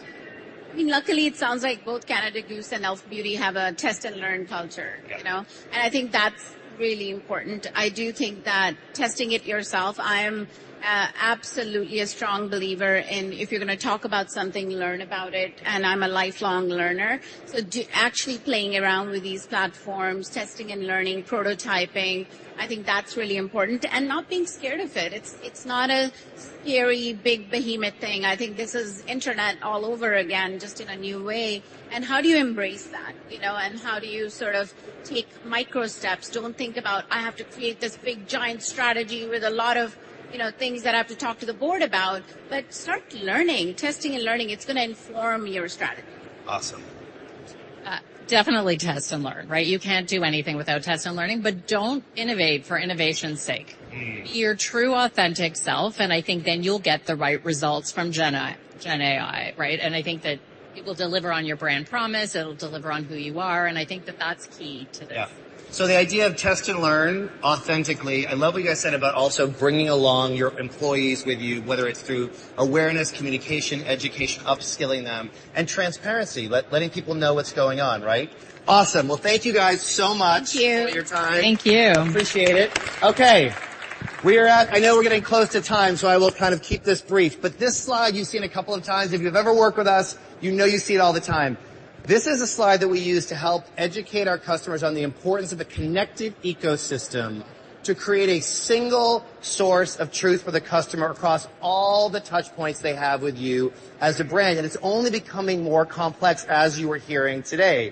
I mean, luckily, it sounds like both Canada Goose and e.l.f. Beauty have a test-and-learn culture. Yeah. You know, and I think that's really important. I do think that testing it yourself. I'm absolutely a strong believer in if you're gonna talk about something, learn about it, and I'm a lifelong learner. So actually playing around with these platforms, testing and learning, prototyping, I think that's really important, and not being scared of it. It's not a scary, big, behemoth thing. I think this is internet all over again, just in a new way. And how do you embrace that, you know? And how do you sort of take micro steps? Don't think about, "I have to create this big, giant strategy with a lot of, you know, things that I have to talk to the board about," but start learning, testing and learning. It's gonna inform your strategy. Awesome. Definitely test and learn, right? You can't do anything without test and learning, but don't innovate for innovation's sake. Mm. Your true, authentic self, and I think then you'll get the right results from Gen AI, Gen AI, right? I think that it will deliver on your brand promise, it'll deliver on who you are, and I think that that's key to this. Yeah. So the idea of test and learn authentically. I love what you guys said about also bringing along your employees with you, whether it's through awareness, communication, education, upskilling them, and transparency, letting people know what's going on, right? Awesome. Well, thank you guys so much- Thank you. for your time. Thank you. Appreciate it. Okay, we are at... I know we're getting close to time, so I will kind of keep this brief, but this slide you've seen a couple of times. If you've ever worked with us, you know you see it all the time. This is a slide that we use to help educate our customers on the importance of a connected ecosystem to create a single source of truth for the customer across all the touch points they have with you as a brand, and it's only becoming more complex, as you are hearing today.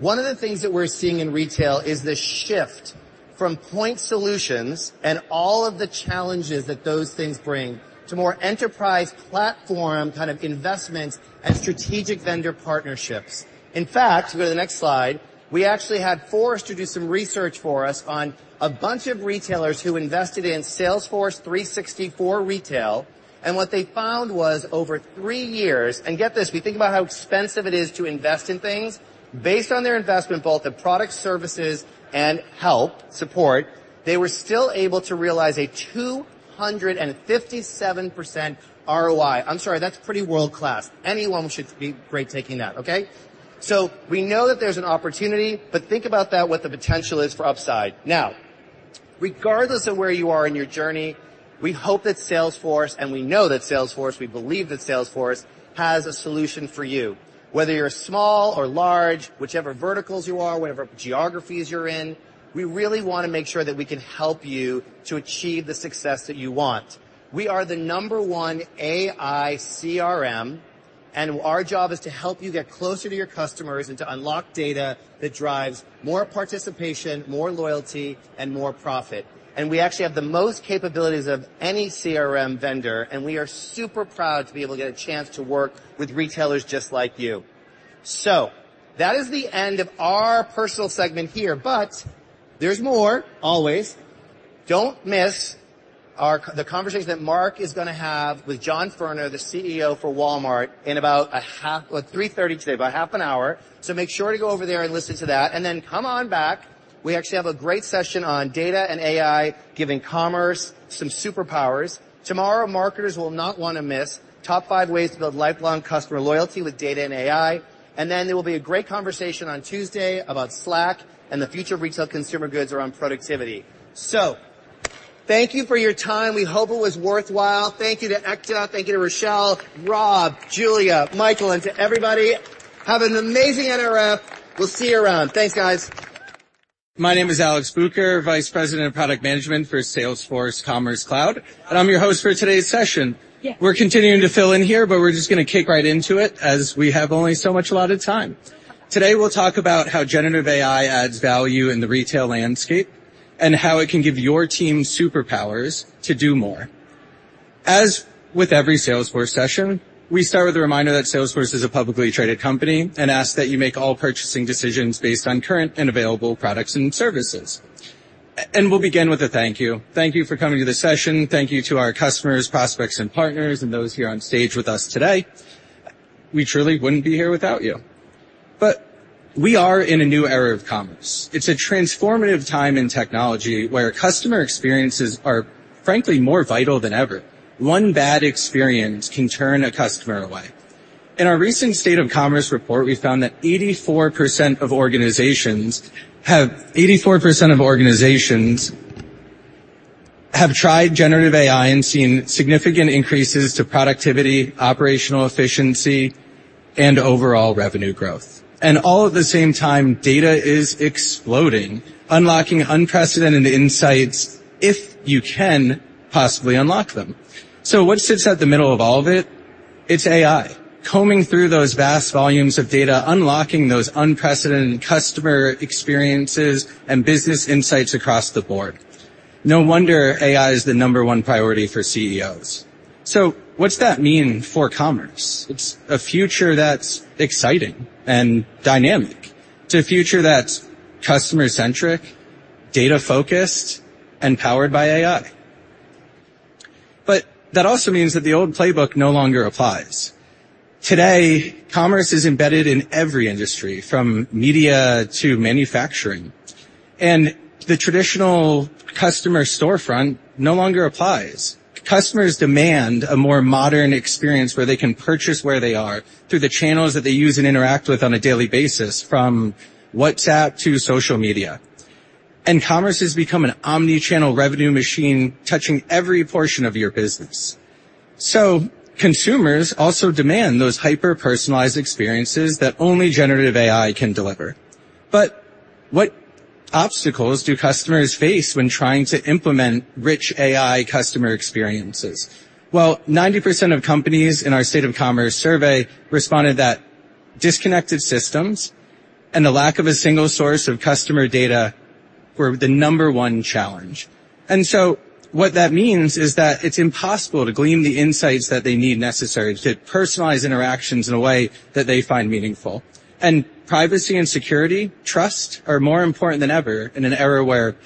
One of the things that we're seeing in retail is the shift from point solutions and all of the challenges that those things bring, to more enterprise platform kind of investments and strategic vendor partnerships. In fact, go to the next slide. We actually had Forrester do some research for us on a bunch of retailers who invested in Salesforce 360 for retail, and what they found was over three years... And get this, we think about how expensive it is to invest in things. Based on their investment, both the product services and help, support, they were still able to realize a 257% ROI. I'm sorry, that's pretty world-class. Anyone should be great taking that, okay? So we know that there's an opportunity, but think about that, what the potential is for upside. Now, regardless of where you are in your journey, we hope that Salesforce, and we know that Salesforce, we believe that Salesforce has a solution for you. Whether you're small or large, whichever verticals you are, whatever geographies you're in, we really wanna make sure that we can help you to achieve the success that you want. We are the No. 1 AI CRM, and our job is to help you get closer to your customers and to unlock data that drives more participation, more loyalty, and more profit. We actually have the most capabilities of any CRM vendor, and we are super proud to be able to get a chance to work with retailers just like you. That is the end of our personal segment here, but there's more, always. Don't miss our—the conversation that Marc is gonna have with John Furner, the CEO for Walmart, in about a half... Well, 3:30 today, about half an hour. So make sure to go over there and listen to that, and then come on back. We actually have a great session on data and AI, giving commerce some superpowers. Tomorrow, marketers will not wanna miss: Top Five Ways to Build Lifelong Customer Loyalty with Data and AI. And then there will be a great conversation on Tuesday about Slack and the future of retail consumer goods around productivity. So thank you for your time. We hope it was worthwhile. Thank you to Ekta, thank you to Rochelle, Rob, Julia, Michael, and to everybody. Have an amazing NRF. We'll see you around. Thanks, guys. My name is Alex Bucher, Vice President of Product Management for Salesforce Commerce Cloud, and I'm your host for today's session. We're continuing to fill in here, but we're just going to kick right into it, as we have only so much allotted time. Today, we'll talk about how generative AI adds value in the retail landscape and how it can give your team superpowers to do more. As with every Salesforce session, we start with a reminder that Salesforce is a publicly traded company and ask that you make all purchasing decisions based on current and available products and services. And we'll begin with a thank you. Thank you for coming to this session. Thank you to our customers, prospects, and partners, and those here on stage with us today. We truly wouldn't be here without you. But we are in a new era of commerce. It's a transformative time in technology, where customer experiences are, frankly, more vital than ever. One bad experience can turn a customer away. In our recent State of Commerce report, we found that 84% of organizations have 84% of organizations have tried generative AI and seen significant increases to productivity, operational efficiency, and overall revenue growth. And all at the same time, data is exploding, unlocking unprecedented insights if you can possibly unlock them. So what sits at the middle of all of it? It's AI, combing through those vast volumes of data, unlocking those unprecedented customer experiences and business insights across the board. No wonder AI is the number one priority for CEOs. So what's that mean for commerce? It's a future that's exciting and dynamic. It's a future that's customer-centric, data-focused, and powered by AI. But that also means that the old playbook no longer applies. Today, commerce is embedded in every industry, from media to manufacturing, and the traditional customer storefront no longer applies. Customers demand a more modern experience where they can purchase where they are through the channels that they use and interact with on a daily basis, from WhatsApp to social media. Commerce has become an omnichannel revenue machine, touching every portion of your business. Consumers also demand those hyper-personalized experiences that only generative AI can deliver. What obstacles do customers face when trying to implement rich AI customer experiences? Well, 90% of companies in our State of Commerce survey responded that disconnected systems and the lack of a single source of customer data were the number one challenge. What that means is that it's impossible to glean the insights that they need necessary to personalize interactions in a way that they find meaningful. Privacy and security, trust are more important than ever in an era where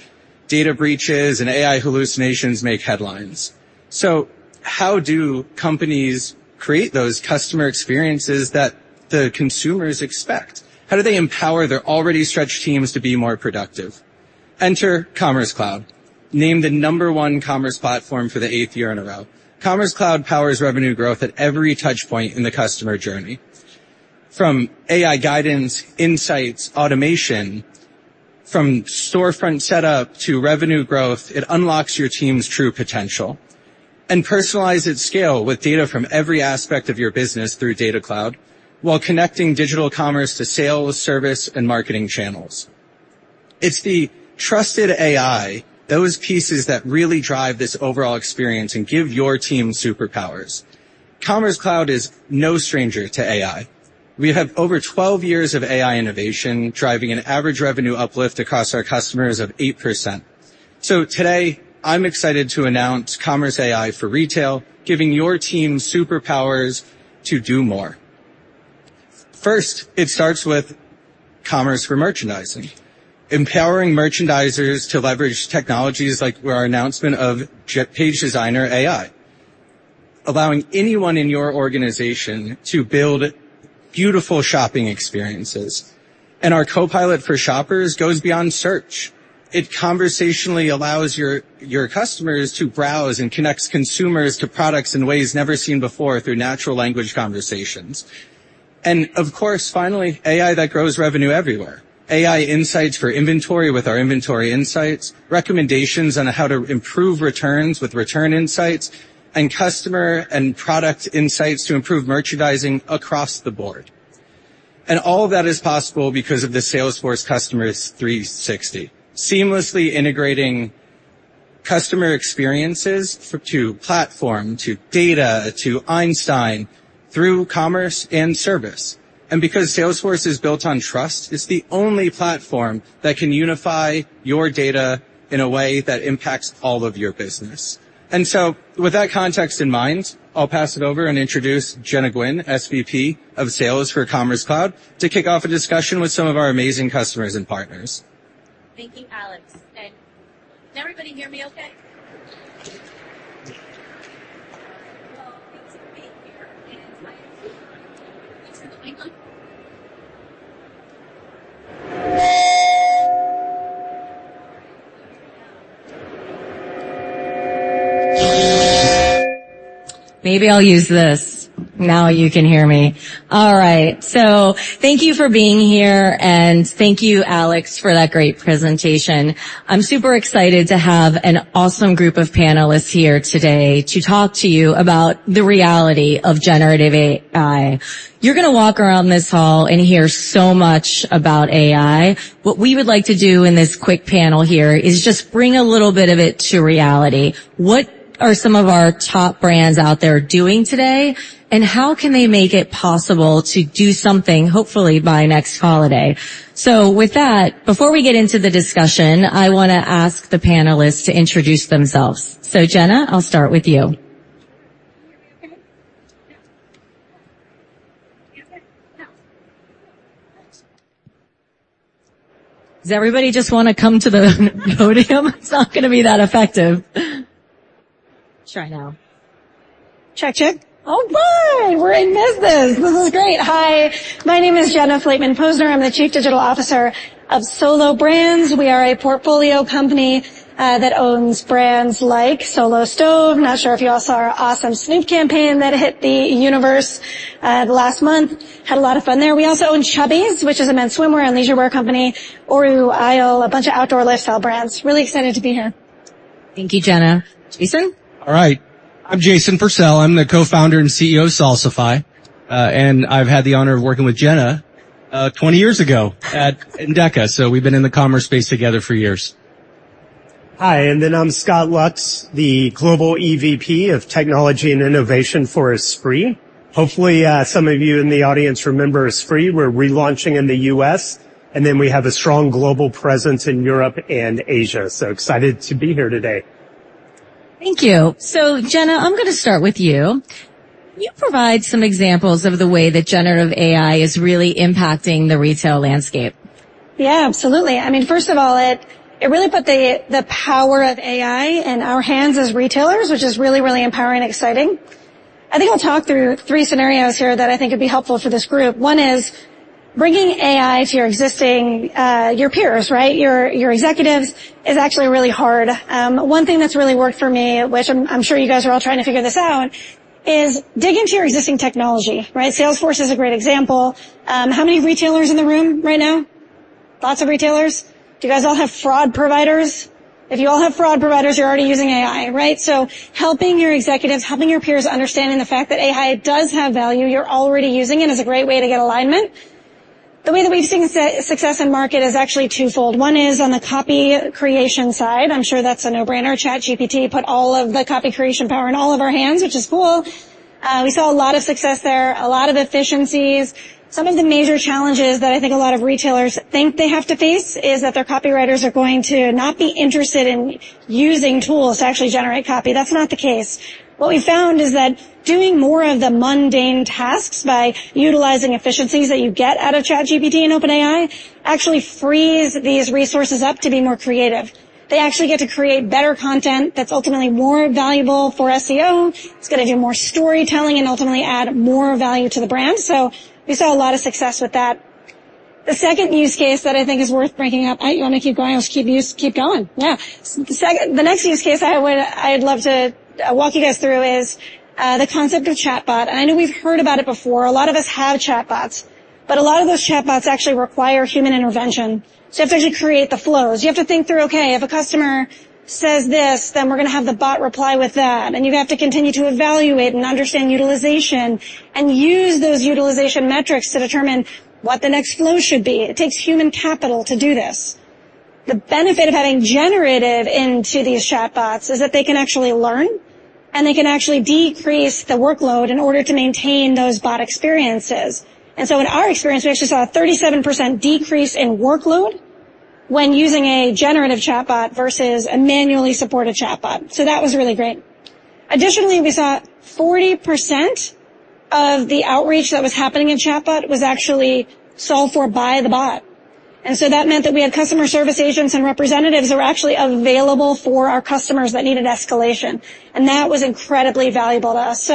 data breaches and AI hallucinations make headlines. So how do companies create those customer experiences that the consumers expect? How do they empower their already stretched teams to be more productive? Enter Commerce Cloud, named the number 1 commerce platform for the eighth year in a row. Commerce Cloud powers revenue growth at every touch point in the customer journey, from AI guidance, insights, automation, from storefront setup to revenue growth. It unlocks your team's true potential and personalizes its scale with data from every aspect of your business through Data Cloud, while connecting digital commerce to sales, service, and marketing channels. It's the trusted AI, those pieces that really drive this overall experience and give your team superpowers. Commerce Cloud is no stranger to AI. We have over 12 years of AI innovation, driving an average revenue uplift across our customers of 8%. So today, I'm excited to announce Commerce AI for retail, giving your team superpowers to do more. First, it starts with commerce for merchandising, empowering merchandisers to leverage technologies like our announcement of Gen Page Designer AI, allowing anyone in your organization to build beautiful shopping experiences. And our Copilot for shoppers goes beyond search. It conversationally allows your customers to browse and connects consumers to products in ways never seen before through natural language conversations. And of course, finally, AI that grows revenue everywhere. AI insights for inventory with our inventory insights, recommendations on how to improve returns with return insights, and customer and product insights to improve merchandising across the board. All of that is possible because of the Salesforce Customer 360, seamlessly integrating customer experiences to platform, to data, to Einstein through commerce and service. Because Salesforce is built on trust, it's the only platform that can unify your data in a way that impacts all of your business. So with that context in mind, I'll pass it over and introduce Genna Gwynn, SVP of Sales for Commerce Cloud, to kick off a discussion with some of our amazing customers and partners. Thank you, Alex. And can everybody hear me okay? Well, thanks for being here and... Maybe I'll use this. Now you can hear me. All right, so thank you for being here, and thank you, Alex, for that great presentation. I'm super excited to have an awesome group of panelists here today to talk to you about the reality of generative AI. You're gonna walk around this hall and hear so much about AI. What we would like to do in this quick panel here is just bring a little bit of it to reality. What are some of our top brands out there doing today, and how can they make it possible to do something, hopefully by next holiday? So with that, before we get into the discussion, I wanna ask the panelists to introduce themselves. So, Jenna, I'll start with you. Does everybody just wanna come to the podium? It's not gonna be that effective. Try now. Check, check. All right, we're in business. This is great. Hi, my name is Jenna Flateman Posner. I'm the Chief Digital Officer of Solo Brands. We are a portfolio company that owns brands like Solo Stove. Not sure if you all saw our awesome Snoop campaign that hit the universe last month. Had a lot of fun there. We also own Chubbies, which is a men's swimwear and leisurewear company, Oru, ISLE, a bunch of outdoor lifestyle brands. Really excited to be here. Thank you, Jenna. Jason? All right, I'm Jason Purcell. I'm the co-founder and CEO of Salsify, and I've had the honor of working with Jenna, 20 years ago at Endeca, so we've been in the commerce space together for years. Hi, and then I'm Scott Lutz, the Global EVP of Technology and Innovation for Esprit. Hopefully, some of you in the audience remember Esprit. We're relaunching in the U.S., and then we have a strong global presence in Europe and Asia. So excited to be here today. Thank you. Jenna, I'm gonna start with you. Can you provide some examples of the way that Generative AI is really impacting the retail landscape? Yeah, absolutely. I mean, first of all, it really put the power of AI in our hands as retailers, which is really, really empowering and exciting. I think I'll talk through three scenarios here that I think would be helpful for this group. One is bringing AI to your existing your peers, right? Your executives, is actually really hard. One thing that's really worked for me, which I'm sure you guys are all trying to figure this out, is dig into your existing technology, right? Salesforce is a great example. How many retailers in the room right now? Lots of retailers. Do you guys all have fraud providers? If you all have fraud providers, you're already using AI, right? So helping your executives, helping your peers understanding the fact that AI does have value, you're already using it, is a great way to get alignment. The way that we've seen success in market is actually twofold. One is on the copy creation side. I'm sure that's a no-brainer. ChatGPT put all of the copy creation power in all of our hands, which is cool. We saw a lot of success there, a lot of efficiencies. Some of the major challenges that I think a lot of retailers think they have to face is that their copywriters are going to not be interested in using tools to actually generate copy. That's not the case. What we found is that doing more of the mundane tasks by utilizing efficiencies that you get out of ChatGPT and OpenAI, actually frees these resources up to be more creative. They actually get to create better content that's ultimately more valuable for SEO. It's gonna do more storytelling and ultimately add more value to the brand. So we saw a lot of success with that. The second use case that I think is worth bringing up... I wanna keep going. Let's keep going, yeah. The next use case I would, I'd love to walk you guys through is the concept of chatbot. I know we've heard about it before. A lot of us have chatbots, but a lot of those chatbots actually require human intervention to actually create the flows. You have to think through, okay, if a customer says this, then we're gonna have the bot reply with that. And you have to continue to evaluate and understand utilization and use those utilization metrics to determine what the next flow should be. It takes human capital to do this. The benefit of having generative AI into these chatbots is that they can actually learn, and they can actually decrease the workload in order to maintain those bot experiences. So in our experience, we actually saw a 37% decrease in workload when using a generative chatbot versus a manually supported chatbot. That was really great. Additionally, we saw 40% of the outreach that was happening in chatbot was actually solved for by the bot, and so that meant that we had customer service agents and representatives who are actually available for our customers that needed escalation, and that was incredibly valuable to us.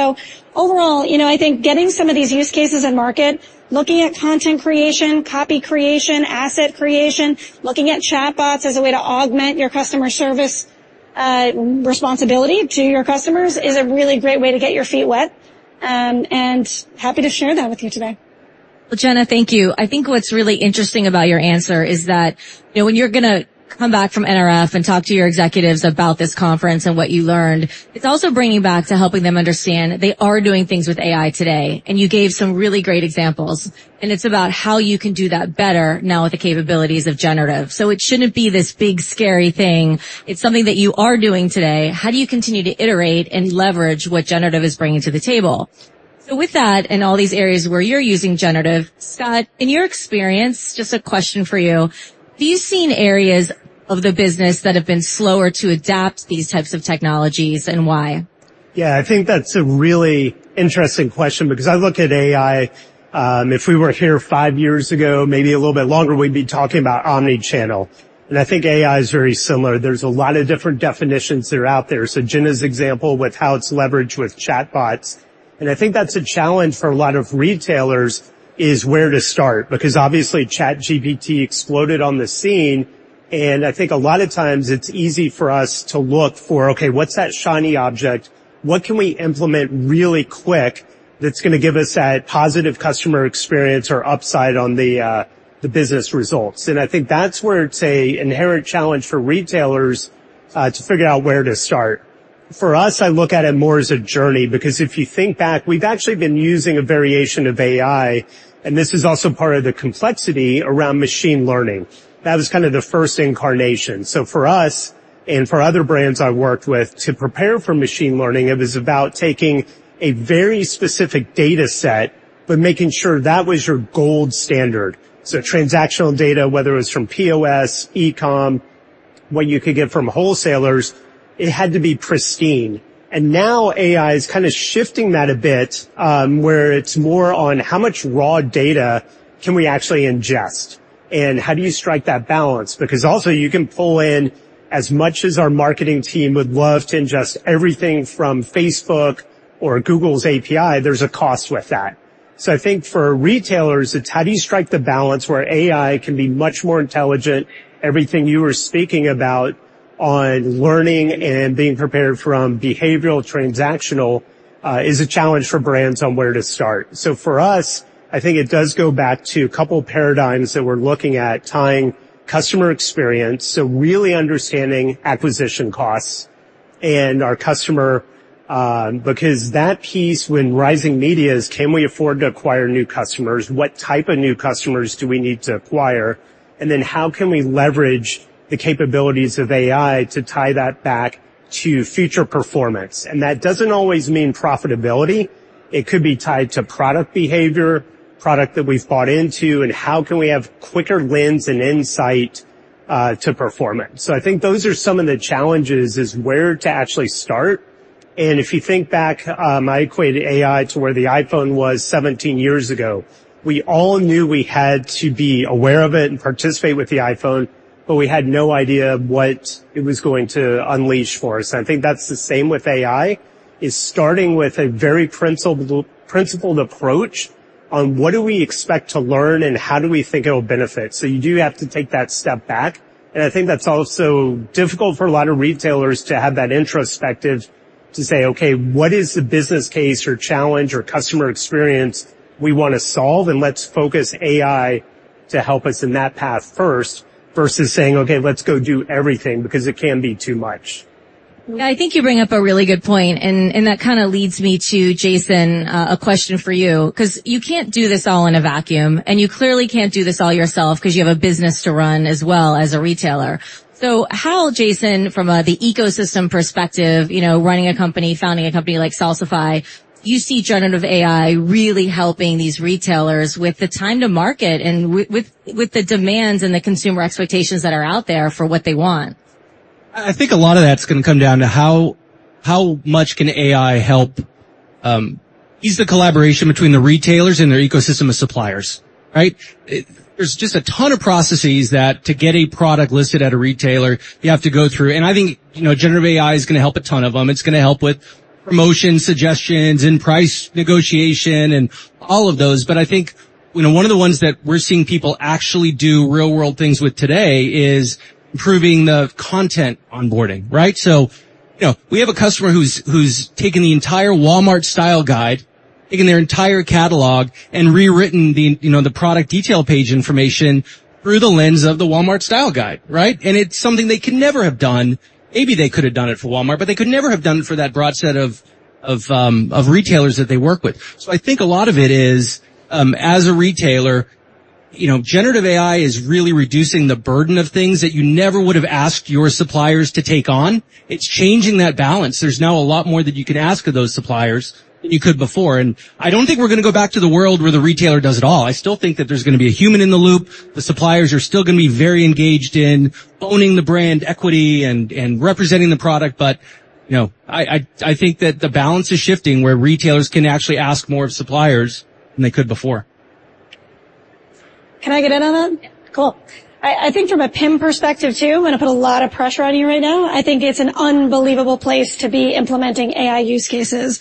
Overall, you know, I think getting some of these use cases in market, looking at content creation, copy creation, asset creation, looking at chatbots as a way to augment your customer service responsibility to your customers, is a really great way to get your feet wet, and happy to share that with you today. Well, Jenna, thank you. I think what's really interesting about your answer is that, you know, when you're gonna come back from NRF and talk to your executives about this conference and what you learned, it's also bringing back to helping them understand they are doing things with AI today, and you gave some really great examples. And it's about how you can do that better now with the capabilities of generative. So it shouldn't be this big, scary thing. It's something that you are doing today. How do you continue to iterate and leverage what generative is bringing to the table? So with that, in all these areas where you're using generative, Scott, in your experience, just a question for you: Do you seen areas of the business that have been slower to adapt these types of technologies, and why? Yeah, I think that's a really interesting question because I look at AI. If we were here five years ago, maybe a little bit longer, we'd be talking about omnichannel, and I think AI is very similar. There's a lot of different definitions that are out there. So Jenna's example with how it's leveraged with chatbots, and I think that's a challenge for a lot of retailers, is where to start. Because obviously, ChatGPT exploded on the scene, and I think a lot of times it's easy for us to look for, okay, what's that shiny object? What can we implement really quick that's gonna give us that positive customer experience or upside on the business results? And I think that's where it's an inherent challenge for retailers to figure out where to start. For us, I look at it more as a journey, because if you think back, we've actually been using a variation of AI, and this is also part of the complexity around machine learning. That was kind of the first incarnation. So for us, and for other brands I've worked with, to prepare for machine learning, it was about taking a very specific data set but making sure that was your gold standard. So transactional data, whether it was from POS, eCom, what you could get from wholesalers, it had to be pristine. And now AI is kind of shifting that a bit, where it's more on: how much raw data can we actually ingest, and how do you strike that balance? Because also you can pull in as much as our marketing team would love to ingest everything from Facebook or Google's API, there's a cost with that. So I think for retailers, it's how do you strike the balance where AI can be much more intelligent? Everything you were speaking about on learning and being prepared from behavioral, transactional, is a challenge for brands on where to start. So for us, I think it does go back to a couple of paradigms that we're looking at, tying customer experience, so really understanding acquisition costs and our customer, because that piece, when rising medias, can we afford to acquire new customers? What type of new customers do we need to acquire? And then how can we leverage the capabilities of AI to tie that back to future performance? And that doesn't always mean profitability. It could be tied to product behavior, product that we've bought into, and how can we have quicker wins and insight to performance? So I think those are some of the challenges, is where to actually start. And if you think back, I equated AI to where the iPhone was 17 years ago. We all knew we had to be aware of it and participate with the iPhone, but we had no idea what it was going to unleash for us. I think that's the same with AI, is starting with a very principled, principled approach on what do we expect to learn and how do we think it'll benefit. So you do have to take that step back, and I think that's also difficult for a lot of retailers to have that introspective to say, "Okay, what is the business case or challenge or customer experience we want to solve? Let's focus AI to help us in that path first," versus saying, "Okay, let's go do everything," because it can be too much. Yeah, I think you bring up a really good point, and that kind of leads me to Jason, a question for you, 'cause you can't do this all in a vacuum, and you clearly can't do this all yourself 'cause you have a business to run as well as a retailer. So how, Jason, from the ecosystem perspective, you know, running a company, founding a company like Salsify, do you see generative AI really helping these retailers with the time to market and with the demands and the consumer expectations that are out there for what they want? I think a lot of that's gonna come down to how much can AI help ease the collaboration between the retailers and their ecosystem of suppliers, right? It's. There's just a ton of processes that to get a product listed at a retailer, you have to go through. And I think, you know, generative AI is gonna help a ton of them. It's gonna help with promotion, suggestions, and price negotiation and all of those. But I think, you know, one of the ones that we're seeing people actually do real-world things with today is improving the content onboarding, right? So, you know, we have a customer who's taken the entire Walmart style guide, taken their entire catalog, and rewritten, you know, the product detail page information through the lens of the Walmart style guide, right? And it's something they could never have done. Maybe they could have done it for Walmart, but they could never have done it for that broad set of retailers that they work with. So I think a lot of it is, as a retailer, you know, Generative AI is really reducing the burden of things that you never would have asked your suppliers to take on. It's changing that balance. There's now a lot more that you can ask of those suppliers than you could before, and I don't think we're gonna go back to the world where the retailer does it all. I still think that there's gonna be a human in the loop. The suppliers are still gonna be very engaged in owning the brand equity and representing the product, but, you know, I think that the balance is shifting where retailers can actually ask more of suppliers than they could before. Can I get in on that? Yeah. Cool. I, I think from a PIM perspective, too, I'm gonna put a lot of pressure on you right now. I think it's an unbelievable place to be implementing AI use cases.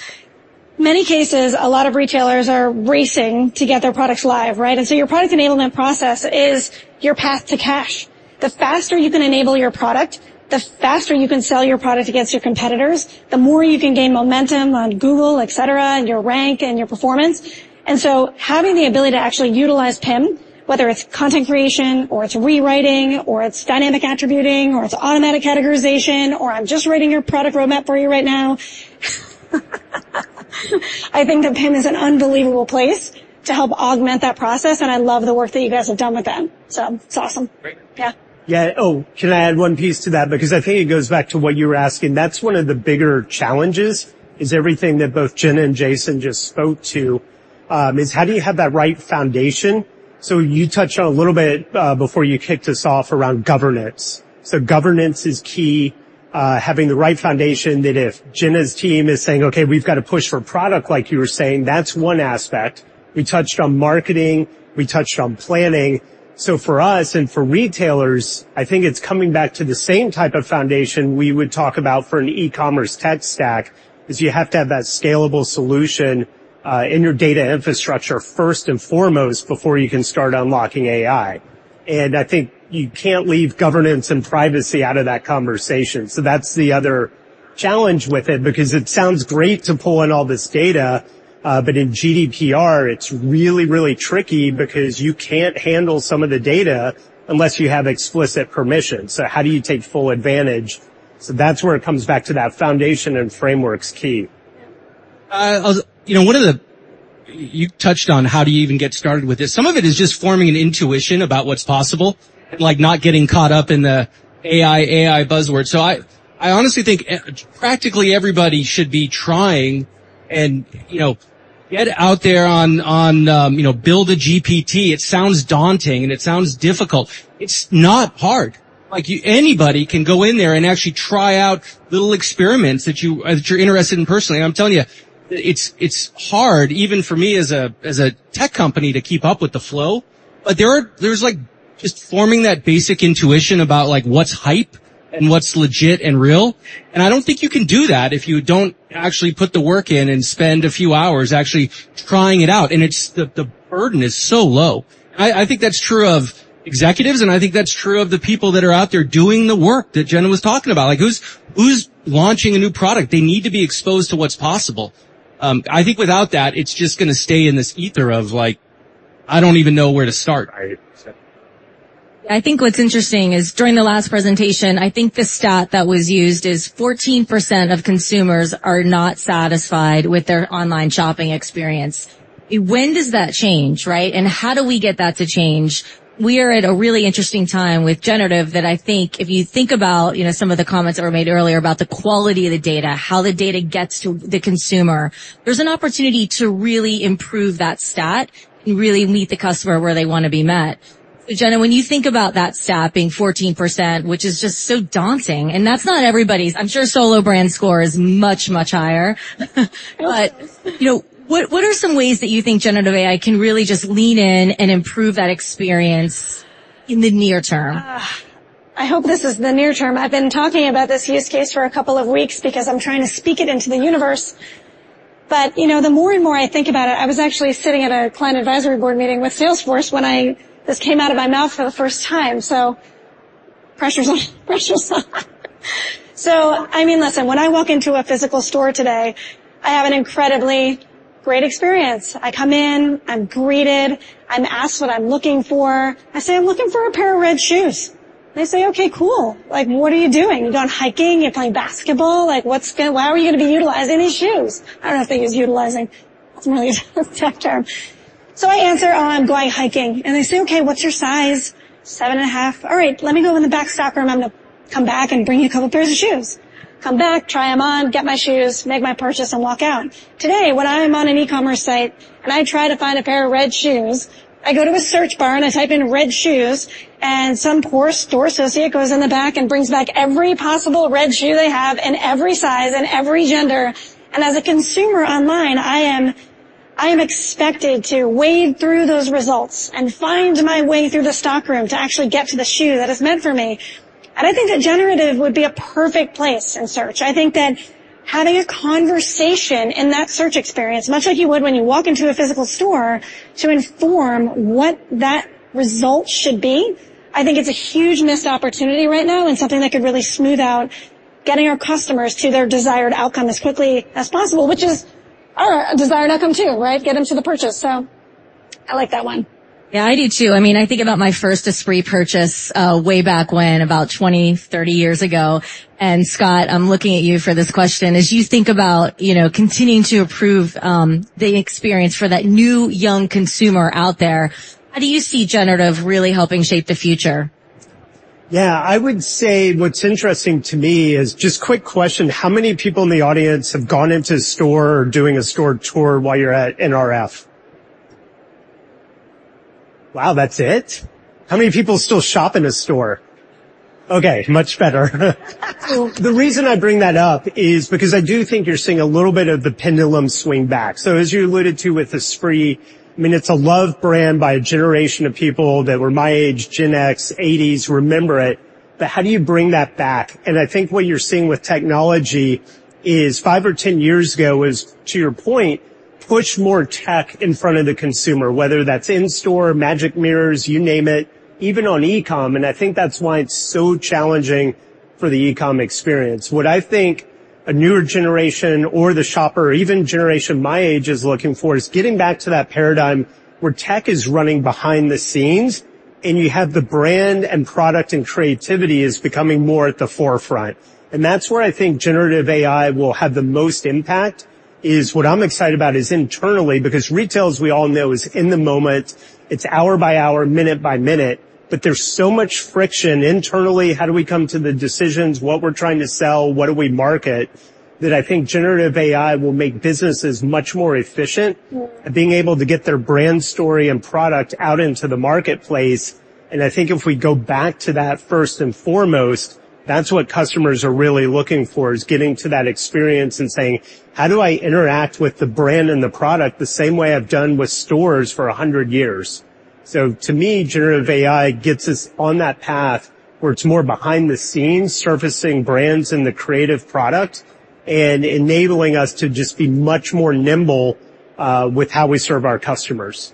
Many cases, a lot of retailers are racing to get their products live, right? And so your product enablement process is your path to cash. The faster you can enable your product, the faster you can sell your product against your competitors, the more you can gain momentum on Google, et cetera, and your rank and your performance. And so having the ability to actually utilize PIM, whether it's content creation or it's rewriting or it's dynamic attributing or it's automatic categorization, or I'm just writing your product roadmap for you right now, I think that PIM is an unbelievable place to help augment that process, and I love the work that you guys have done with them. So it's awesome. Great. Yeah. Yeah. Oh, can I add one piece to that? Because I think it goes back to what you were asking. That's one of the bigger challenges, is everything that both Jenna and Jason just spoke to, is how do you have that right foundation? So you touched on a little bit before you kicked us off around governance. So governance is key, having the right foundation, that if Jenna's team is saying, "Okay, we've got to push for product," like you were saying, that's one aspect. We touched on marketing, we touched on planning. So for us and for retailers, I think it's coming back to the same type of foundation we would talk about for an e-commerce tech stack, is you have to have that scalable solution in your data infrastructure first and foremost, before you can start unlocking AI. I think you can't leave governance and privacy out of that conversation. That's the other challenge with it, because it sounds great to pull in all this data, but in GDPR, it's really, really tricky because you can't handle some of the data unless you have explicit permission. How do you take full advantage? That's where it comes back to that foundation and framework's key. You know, you touched on how do you even get started with this. Some of it is just forming an intuition about what's possible and, like, not getting caught up in the AI buzzword. So I honestly think practically everybody should be trying and, you know, get out there, you know, build a GPT. It sounds daunting, and it sounds difficult. It's not hard. Like, anybody can go in there and actually try out little experiments that you're interested in personally. I'm telling you, it's hard even for me as a tech company, to keep up with the flow. There's, like, just forming that basic intuition about, like, what's hype and what's legit and real, and I don't think you can do that if you don't actually put the work in and spend a few hours actually trying it out, and it's the burden is so low. I think that's true of executives, and I think that's true of the people that are out there doing the work that Jenna was talking about. Like, who's launching a new product? They need to be exposed to what's possible. I think without that, it's just gonna stay in this ether of, like, I don't even know where to start. I understand. I think what's interesting is during the last presentation, I think the stat that was used is 14% of consumers are not satisfied with their online shopping experience. When does that change, right? And how do we get that to change? We are at a really interesting time with generative that I think if you think about, you know, some of the comments that were made earlier about the quality of the data, how the data gets to the consumer, there's an opportunity to really improve that stat and really meet the customer where they want to be met. Jenna, when you think about that stat being 14%, which is just so daunting, and that's not everybody's... I'm sure Solo Brands score is much, much higher. You know, what, what are some ways that you think Generative AI can really just lean in and improve that experience in the near term? I hope this is the near term. I've been talking about this use case for a couple of weeks because I'm trying to speak it into the universe. But, you know, the more and more I think about it, I was actually sitting at a client advisory board meeting with Salesforce when I... this came out of my mouth for the first time, so pressure's on. Pressure's on. So, I mean, listen, when I walk into a physical store today, I have an incredibly great experience. I come in, I'm greeted, I'm asked what I'm looking for. I say, "I'm looking for a pair of red shoes." They say: "Okay, cool. Like, what are you doing? You going hiking? You playing basketball? Like, what's how are you gonna be utilizing these shoes?" I don't know if they use utilizing. That's a really tech term. So I answer, "Oh, I'm going hiking." And they say: "Okay, what's your size?" "7.5." "All right, let me go in the back stockroom, I'm gonna come back and bring you a couple pairs of shoes." Come back, try them on, get my shoes, make my purchase, and walk out. Today, when I'm on an e-commerce site, and I try to find a pair of red shoes, I go to a search bar, and I type in "red shoes," and some poor store associate goes in the back and brings back every possible red shoe they have in every size and every gender. And as a consumer online, I am, I am expected to wade through those results and find my way through the stockroom to actually get to the shoe that is meant for me. I think that generative would be a perfect place in search. I think that having a conversation in that search experience, much like you would when you walk into a physical store, to inform what that result should be, I think it's a huge missed opportunity right now and something that could really smooth out getting our customers to their desired outcome as quickly as possible, which is our desired outcome, too, right? Get them to the purchase. I like that one. Yeah, I do too. I mean, I think about my first Esprit purchase way back when, about 20, 30 years ago. And, Scott, I'm looking at you for this question: As you think about, you know, continuing to improve the experience for that new young consumer out there, how do you see generative really helping shape the future? Yeah, I would say what's interesting to me is... Just quick question: How many people in the audience have gone into a store or doing a store tour while you're at NRF? Wow, that's it? How many people still shop in a store? Okay, much better. The reason I bring that up is because I do think you're seeing a little bit of the pendulum swing back. So as you alluded to with Esprit, I mean, it's a loved brand by a generation of people that were my age, Gen X, eighties, remember it, but how do you bring that back? And I think what you're seeing with technology is five or 10 years ago, was, to your point, push more tech in front of the consumer, whether that's in-store, magic mirrors, you name it, even on e-com, and I think that's why it's so challenging for the e-com experience. What I think a newer generation or the shopper, or even generation my age, is looking for is getting back to that paradigm where tech is running behind the scenes, and you have the brand and product and creativity is becoming more at the forefront. That's where I think generative AI will have the most impact, is what I'm excited about is internally, because retail, as we all know, is in the moment. It's hour by hour, minute by minute, but there's so much friction internally. How do we come to the decisions, what we're trying to sell, what do we market? That I think generative AI will make businesses much more efficient. That being able to get their brand story and product out into the marketplace. And I think if we go back to that first and foremost, that's what customers are really looking for, is getting to that experience and saying: "How do I interact with the brand and the product the same way I've done with stores for 100 years?"... So to me, Generative AI gets us on that path where it's more behind the scenes, surfacing brands in the creative product and enabling us to just be much more nimble, with how we serve our customers.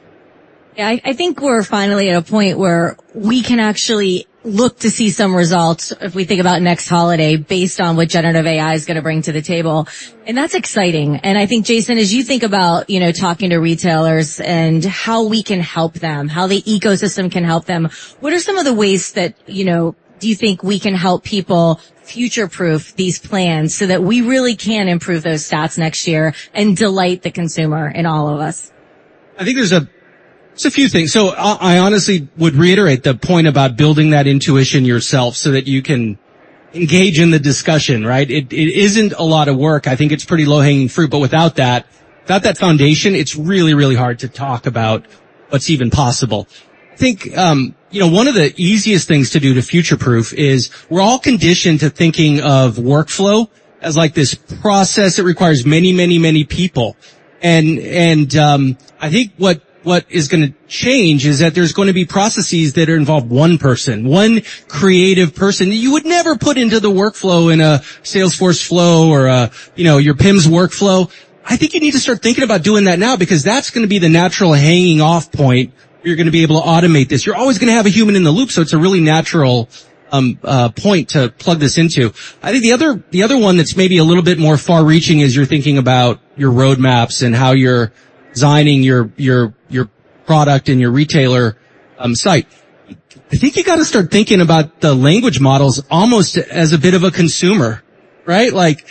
Yeah, I, I think we're finally at a point where we can actually look to see some results if we think about next holiday, based on what generative AI is gonna bring to the table. And that's exciting. And I think, Jason, as you think about, you know, talking to retailers and how we can help them, how the ecosystem can help them, what are some of the ways that, you know, do you think we can help people future-proof these plans so that we really can improve those stats next year and delight the consumer in all of us? I think there's a few things. So I honestly would reiterate the point about building that intuition yourself so that you can engage in the discussion, right? It isn't a lot of work. I think it's pretty low-hanging fruit, but without that, without that foundation, it's really, really hard to talk about what's even possible. I think, you know, one of the easiest things to do to future-proof is we're all conditioned to thinking of workflow as, like, this process that requires many, many, many people. And I think what is gonna change is that there's gonna be processes that involve one person, one creative person that you would never put into the workflow in a Salesforce flow or a, you know, your PIMs workflow. I think you need to start thinking about doing that now because that's gonna be the natural hanging off point, you're gonna be able to automate this. You're always gonna have a human in the loop, so it's a really natural point to plug this into. I think the other one that's maybe a little bit more far-reaching as you're thinking about your roadmaps and how you're designing your product and your retailer site. I think you got to start thinking about the language models almost as a bit of a consumer, right? Like,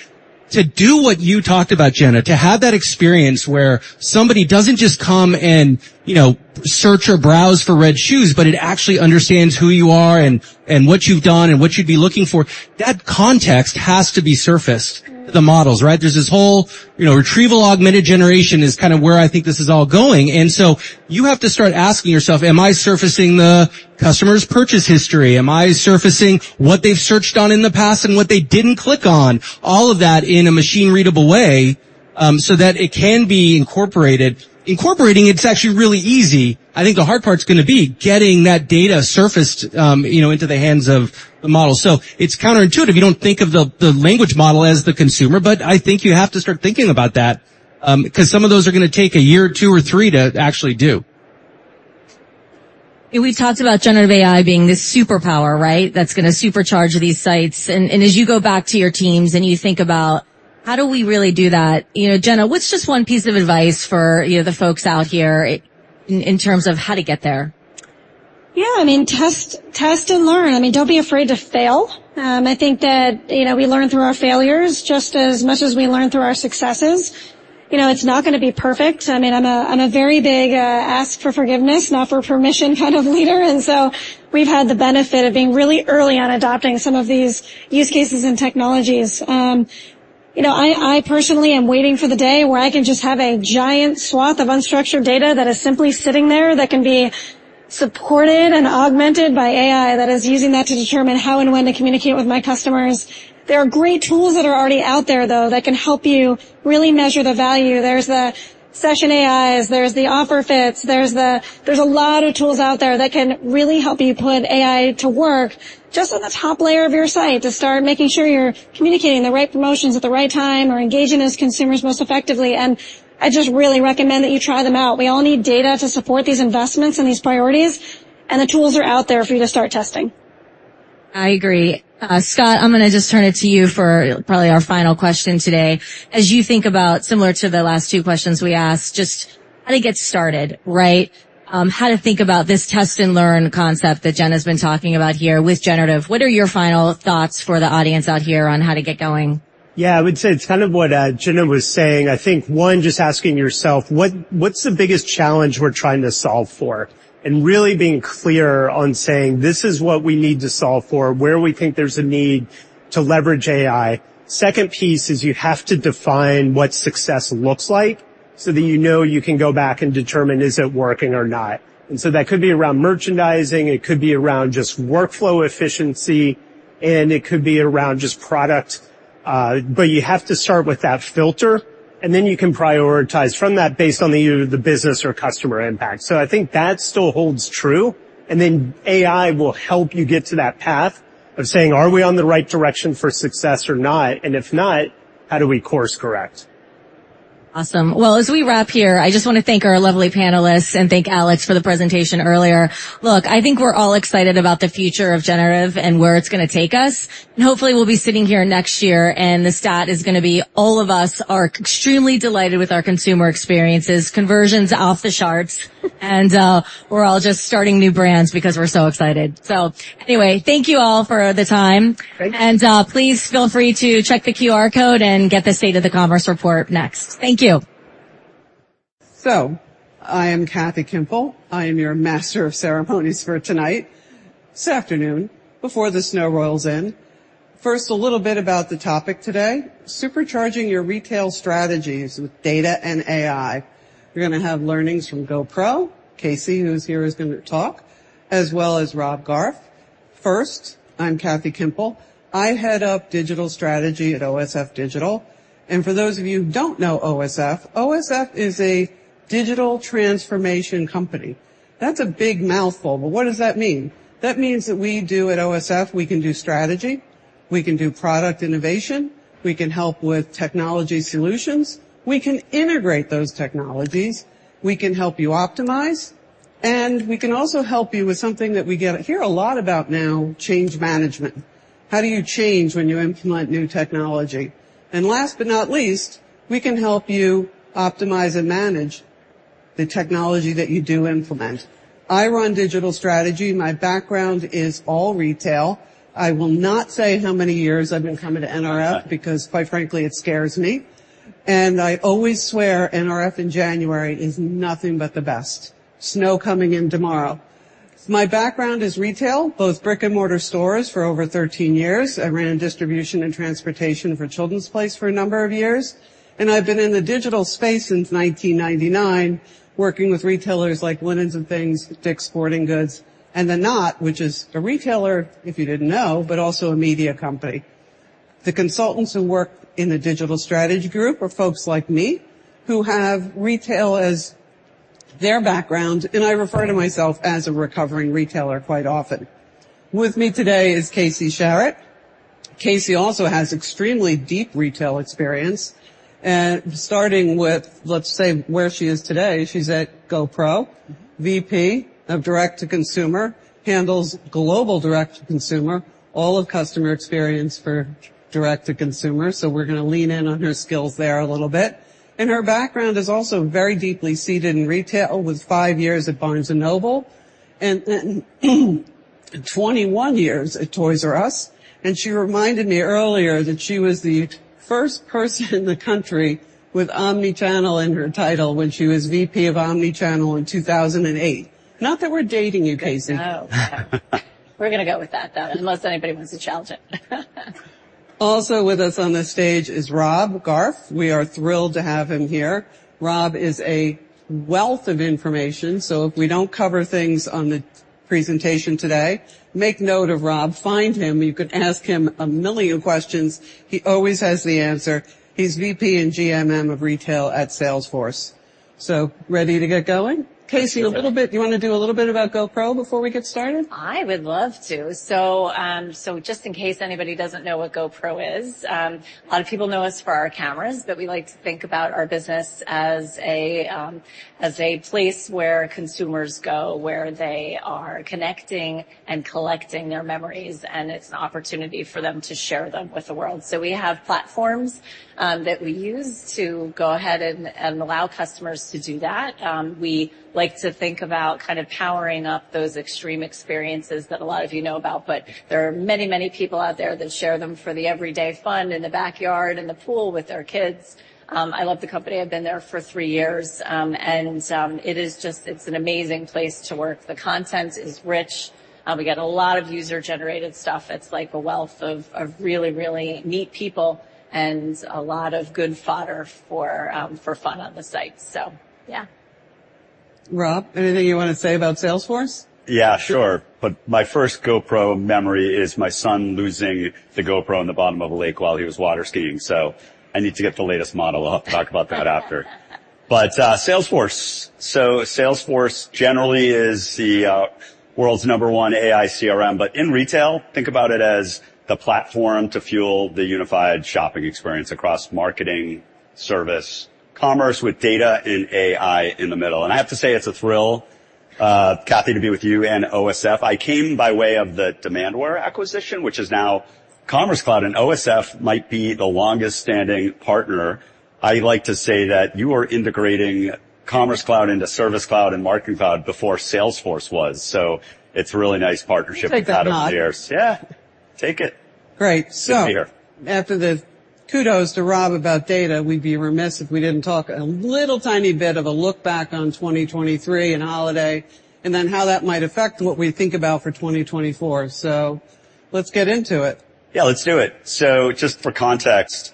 to do what you talked about, Jenna, to have that experience where somebody doesn't just come and, you know, search or browse for red shoes, but it actually understands who you are and, and what you've done and what you'd be looking for, that context has to be surfaced, the models, right? There's this whole, you know, retrieval, augmented generation is kind of where I think this is all going. And so you have to start asking yourself: Am I surfacing the customer's purchase history? Am I surfacing what they've searched on in the past and what they didn't click on? All of that in a machine-readable way, so that it can be incorporated. Incorporating it is actually really easy. I think the hard part is gonna be getting that data surfaced, you know, into the hands of the model. So it's counterintuitive. You don't think of the language model as the consumer, but I think you have to start thinking about that, 'cause some of those are gonna take a year or two or three to actually do. We've talked about generative AI being this superpower, right? That's gonna supercharge these sites. And as you go back to your teams and you think about how do we really do that? You know, Jenna, what's just one piece of advice for, you know, the folks out here in terms of how to get there? Yeah, I mean, test, test and learn. I mean, don't be afraid to fail. I think that, you know, we learn through our failures just as much as we learn through our successes. You know, it's not gonna be perfect. I mean, I'm a very big ask for forgiveness, not for permission, kind of leader. And so we've had the benefit of being really early on adopting some of these use cases and technologies. You know, I personally am waiting for the day where I can just have a giant swath of unstructured data that is simply sitting there, that can be supported and augmented by AI, that is using that to determine how and when to communicate with my customers. There are great tools that are already out there, though, that can help you really measure the value. There's the Session AI, there's the OfferFit, there's a lot of tools out there that can really help you put AI to work just on the top layer of your site, to start making sure you're communicating the right promotions at the right time or engaging those consumers most effectively, and I just really recommend that you try them out. We all need data to support these investments and these priorities, and the tools are out there for you to start testing. I agree. Scott, I'm gonna just turn it to you for probably our final question today. As you think about, similar to the last two questions we asked, just how to get started, right? How to think about this test-and-learn concept that Jenna's been talking about here with generative. What are your final thoughts for the audience out here on how to get going? Yeah, I would say it's kind of what Jenna was saying. I think, one, just asking yourself: What's the biggest challenge we're trying to solve for? And really being clear on saying, "This is what we need to solve for, where we think there's a need to leverage AI." Second piece is you have to define what success looks like, so that you know you can go back and determine, is it working or not? And so that could be around merchandising, it could be around just workflow efficiency, and it could be around just product. But you have to start with that filter, and then you can prioritize from that based on the business or customer impact. So I think that still holds true. Then AI will help you get to that path of saying: Are we on the right direction for success or not? And if not, how do we course correct? Awesome. Well, as we wrap here, I just wanna thank our lovely panelists and thank Alex for the presentation earlier. Look, I think we're all excited about the future of generative and where it's gonna take us. And hopefully, we'll be sitting here next year, and the stat is gonna be all of us are extremely delighted with our consumer experiences, conversions off the charts, and we're all just starting new brands because we're so excited. So anyway, thank you all for the time. Great. And, please feel free to check the QR code and get the State of the Commerce report next. Thank you. So I am Kathy Kimple. I am your master of ceremonies for tonight, this afternoon, before the snow rolls in. First, a little bit about the topic today: supercharging your retail strategies with data and AI. You're gonna have learnings from GoPro. Kacey, who's here, is going to talk, as well as Rob Garf. First, I'm Kathy Kimple. I head up digital strategy at OSF Digital, and for those of you who don't know OSF, OSF is a digital transformation company. That's a big mouthful, but what does that mean? That means that we do at OSF, we can do strategy, we can do product innovation, we can help with technology solutions, we can integrate those technologies, we can help you optimize, and we can also help you with something that we get to hear a lot about now: change management. How do you change when you implement new technology? Last but not least, we can help you optimize and manage the technology that you do implement. I run digital strategy. My background is all retail. I will not say how many years I've been coming to NRF, because, quite frankly, it scares me, and I always swear NRF in January is nothing but the best. Snow coming in tomorrow. My background is retail, both brick-and-mortar stores for over 13 years. I ran distribution and transportation for Children's Place for a number of years, and I've been in the digital space since 1999, working with retailers like Linens 'n Things, Dick's Sporting Goods, and then The Knot, which is a retailer, if you didn't know, but also a media company. The consultants who work in the digital strategy group are folks like me, who have retail as their background, and I refer to myself as a recovering retailer quite often. With me today is Kacey Sharrett. Kacey also has extremely deep retail experience, and starting with, let's say, where she is today, she's at GoPro, VP of Direct to Consumer, handles global direct to consumer, all of customer experience for direct to consumer, so we're going to lean in on her skills there a little bit. Her background is also very deeply seated in retail, with 5 years at Barnes & Noble and 21 years at Toys R Us, and she reminded me earlier that she was the first person in the country with omnichannel in her title when she was VP of omnichannel in 2008. Not that we're dating you, Kacey. No. We're going to go with that, though, unless anybody wants to challenge it. Also with us on the stage is Rob Garf. We are thrilled to have him here. Rob is a wealth of information, so if we don't cover things on the presentation today, make note of Rob. Find him. You could ask him a million questions. He always has the answer. He's VP and GM of Retail at Salesforce. So ready to get going? Ready. Kacey, a little bit—you want to do a little bit about GoPro before we get started? I would love to. So, so just in case anybody doesn't know what GoPro is, a lot of people know us for our cameras, but we like to think about our business as a, as a place where consumers go, where they are connecting and collecting their memories, and it's an opportunity for them to share them with the world. So we have platforms, that we use to go ahead and, and allow customers to do that. We like to think about kind of powering up those extreme experiences that a lot of you know about, but there are many, many people out there that share them for the everyday fun in the backyard and the pool with their kids. I love the company. I've been there for three years, and, it is just, it's an amazing place to work. The content is rich. We get a lot of user-generated stuff. It's like a wealth of, of really, really neat people and a lot of good fodder for, for fun on the site. So yeah. Rob, anything you want to say about Salesforce? Yeah, sure, but my first GoPro memory is my son losing the GoPro in the bottom of a lake while he was water skiing. So I need to get the latest model. I'll talk about that after. But, Salesforce. So Salesforce generally is the world's number one AI CRM, but in retail, think about it as the platform to fuel the unified shopping experience across marketing, service, commerce, with data and AI in the middle. And I have to say, it's a thrill, Kathy, to be with you and OSF. I came by way of the Demandware acquisition, which is now Commerce Cloud, and OSF might be the longest-standing partner. I like to say that you are integrating Commerce Cloud into Service Cloud and Marketing Cloud before Salesforce was. So it's a really nice partnership with- Take that note. Yeah, take it. Great. Good to be here. So after the kudos to Rob about data, we'd be remiss if we didn't talk a little tiny bit of a look back on 2023 and holiday, and then how that might affect what we think about for 2024. So let's get into it. Yeah, let's do it. So just for context,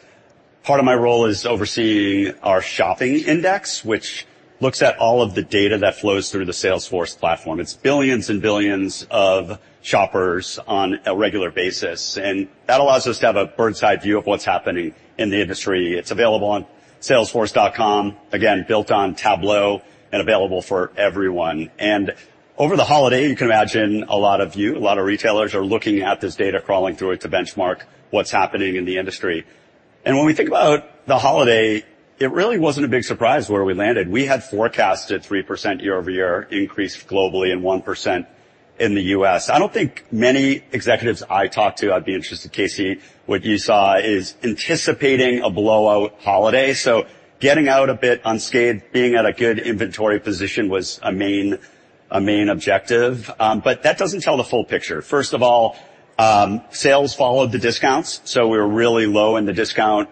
part of my role is overseeing our Shopping Index, which looks at all of the data that flows through the Salesforce platform. It's billions and billions of shoppers on a regular basis, and that allows us to have a bird's-eye view of what's happening in the industry. It's available on Salesforce.com, again, built on Tableau and available for everyone. And over the holiday, you can imagine a lot of you, a lot of retailers are looking at this data, crawling through it to benchmark what's happening in the industry. And when we think about the holiday, it really wasn't a big surprise where we landed. We had forecasted 3% year-over-year increase globally and 1% in the U.S. I don't think many executives I talked to, I'd be interested, Kacey, what you saw is anticipating a blowout holiday. So getting out a bit unscathed, being at a good inventory position was a main, a main objective. But that doesn't tell the full picture. First of all, sales followed the discounts, so we were really low in the discount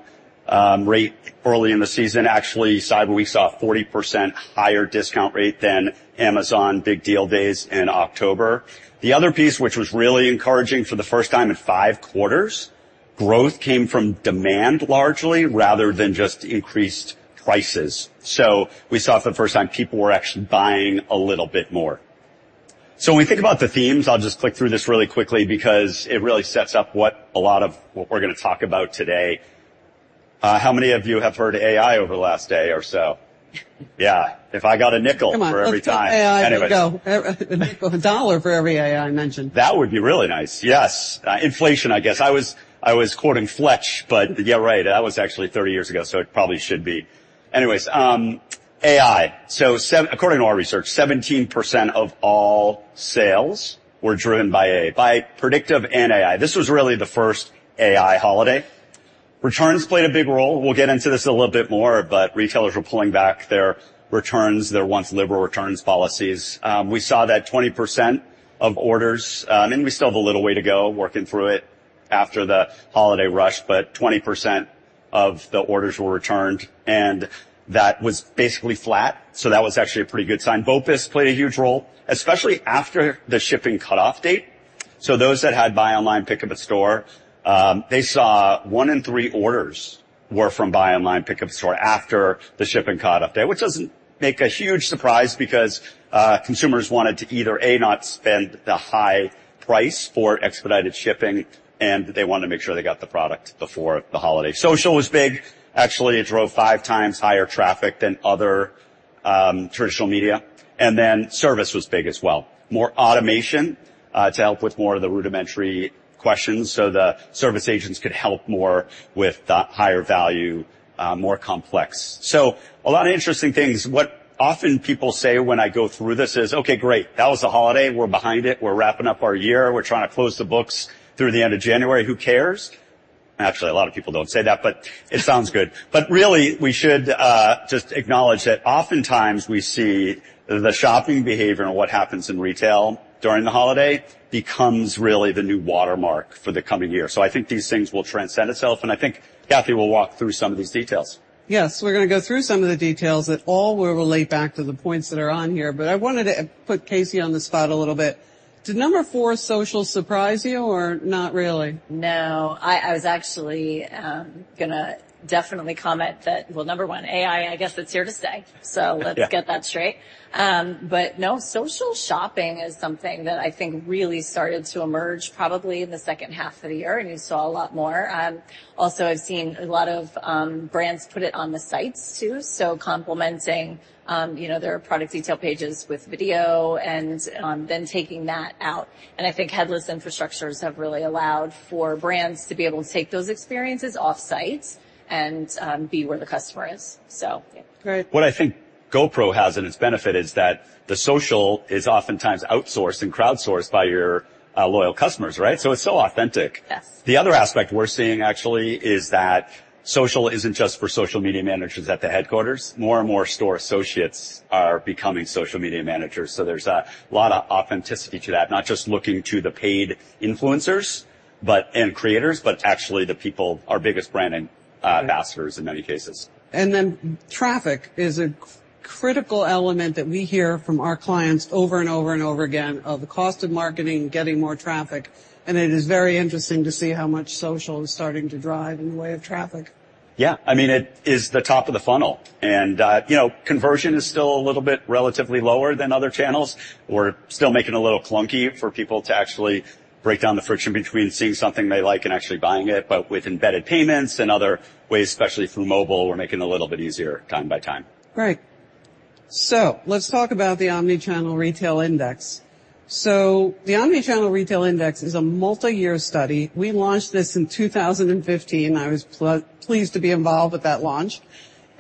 rate early in the season. Actually, Cyber Week, we saw a 40% higher discount rate than Amazon Big Deal Days in October. The other piece, which was really encouraging, for the first time in five quarters growth came from demand largely, rather than just increased prices. So we saw for the first time, people were actually buying a little bit more. So when we think about the themes, I'll just click through this really quickly because it really sets up what a lot of what we're gonna talk about today. How many of you have heard AI over the last day or so? Yeah, if I got a nickel for every time- Come on, let's get AI to go. A nickel, a dollar for every AI mentioned. That would be really nice. Yes. Inflation, I guess. I was, I was quoting Fletch, but yeah, right, that was actually 30 years ago, so it probably should be. Anyways, AI. So according to our research, 17% of all sales were driven by A, by predictive and AI. This was really the first AI holiday. Returns played a big role. We'll get into this a little bit more, but retailers were pulling back their returns, their once liberal returns policies. We saw that 20% of orders, and we still have a little way to go working through it after the holiday rush, but 20% of the orders were returned, and that was basically flat, so that was actually a pretty good sign. BOPIS played a huge role, especially after the shipping cutoff date. So those that had buy online, pick up at store, they saw one in three orders were from buy online, pick up in store after the shipping cutoff date, which doesn't make a huge surprise because consumers wanted to either, A, not spend the high price for expedited shipping, and they wanted to make sure they got the product before the holiday. Social was big. Actually, it drove five times higher traffic than other traditional media, and then service was big as well. More automation to help with more of the rudimentary questions, so the service agents could help more with the higher value, more complex. So a lot of interesting things. What often people say when I go through this is: "Okay, great. That was a holiday. We're behind it. We're wrapping up our year. We're trying to close the books through the end of January. "Who cares?" Actually, a lot of people don't say that, but it sounds good. But really, we should just acknowledge that oftentimes we see the shopping behavior and what happens in retail during the holiday becomes really the new watermark for the coming year. So I think these things will transcend itself, and I think Kathy will walk through some of these details. Yes, we're gonna go through some of the details that all will relate back to the points that are on here, but I wanted to put Kacey on the spot a little bit. Did number 4, social, surprise you or not really? No, I was actually gonna definitely comment that... Well, number one, AI, I guess, it's here to stay, so- Yeah. Let's get that straight. But no, social shopping is something that I think really started to emerge probably in the second half of the year, and you saw a lot more. Also, I've seen a lot of brands put it on the sites, too, so complementing, you know, their product detail pages with video and then taking that out. And I think headless infrastructure has really allowed for brands to be able to take those experiences off-site and be where the customer is, so yeah. Great. What I think GoPro has in its benefit is that the social is oftentimes outsourced and crowdsourced by your, loyal customers, right? So it's so authentic. Yes. The other aspect we're seeing, actually, is that social isn't just for social media managers at the headquarters. More and more store associates are becoming social media managers, so there's a lot of authenticity to that, not just looking to the paid influencers, but—and creators, but actually, the people, our biggest brand and, ambassadors in many cases. And then traffic is a critical element that we hear from our clients over and over and over again of the cost of marketing, getting more traffic, and it is very interesting to see how much social is starting to drive in the way of traffic. Yeah, I mean, it is the top of the funnel, and you know, conversion is still a little bit relatively lower than other channels, or still making a little clunky for people to actually break down the friction between seeing something they like and actually buying it. But with embedded payments and other ways, especially through mobile, we're making a little bit easier time by time. Great. So let's talk about the Omnichannel Retail Index. So the Omnichannel Retail Index is a multi-year study. We launched this in 2015. I was pleased to be involved with that launch,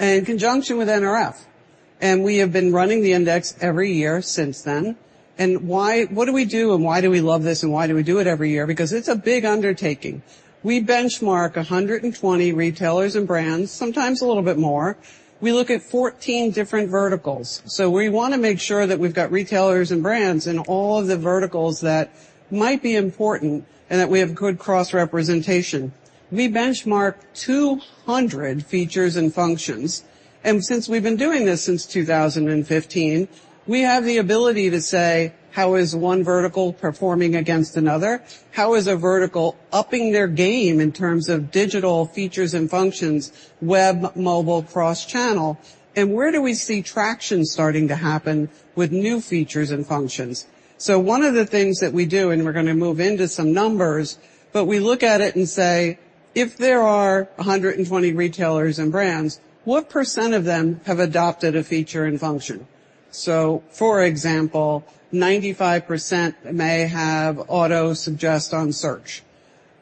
in conjunction with NRF, and we have been running the index every year since then. And why? What do we do, and why do we love this, and why do we do it every year? Because it's a big undertaking. We benchmark 120 retailers and brands, sometimes a little bit more. We look at 14 different verticals. So we wanna make sure that we've got retailers and brands in all of the verticals that might be important and that we have good cross-representation. We benchmark 200 features and functions, and since we've been doing this since 2015, we have the ability to say: How is one vertical performing against another? How is a vertical upping their game in terms of digital features and functions, web, mobile, cross-channel? And where do we see traction starting to happen with new features and functions? So one of the things that we do, and we're gonna move into some numbers, but we look at it and say: If there are 120 retailers and brands, what percent of them have adopted a feature and function? So for example, 95% may have auto-suggest on search,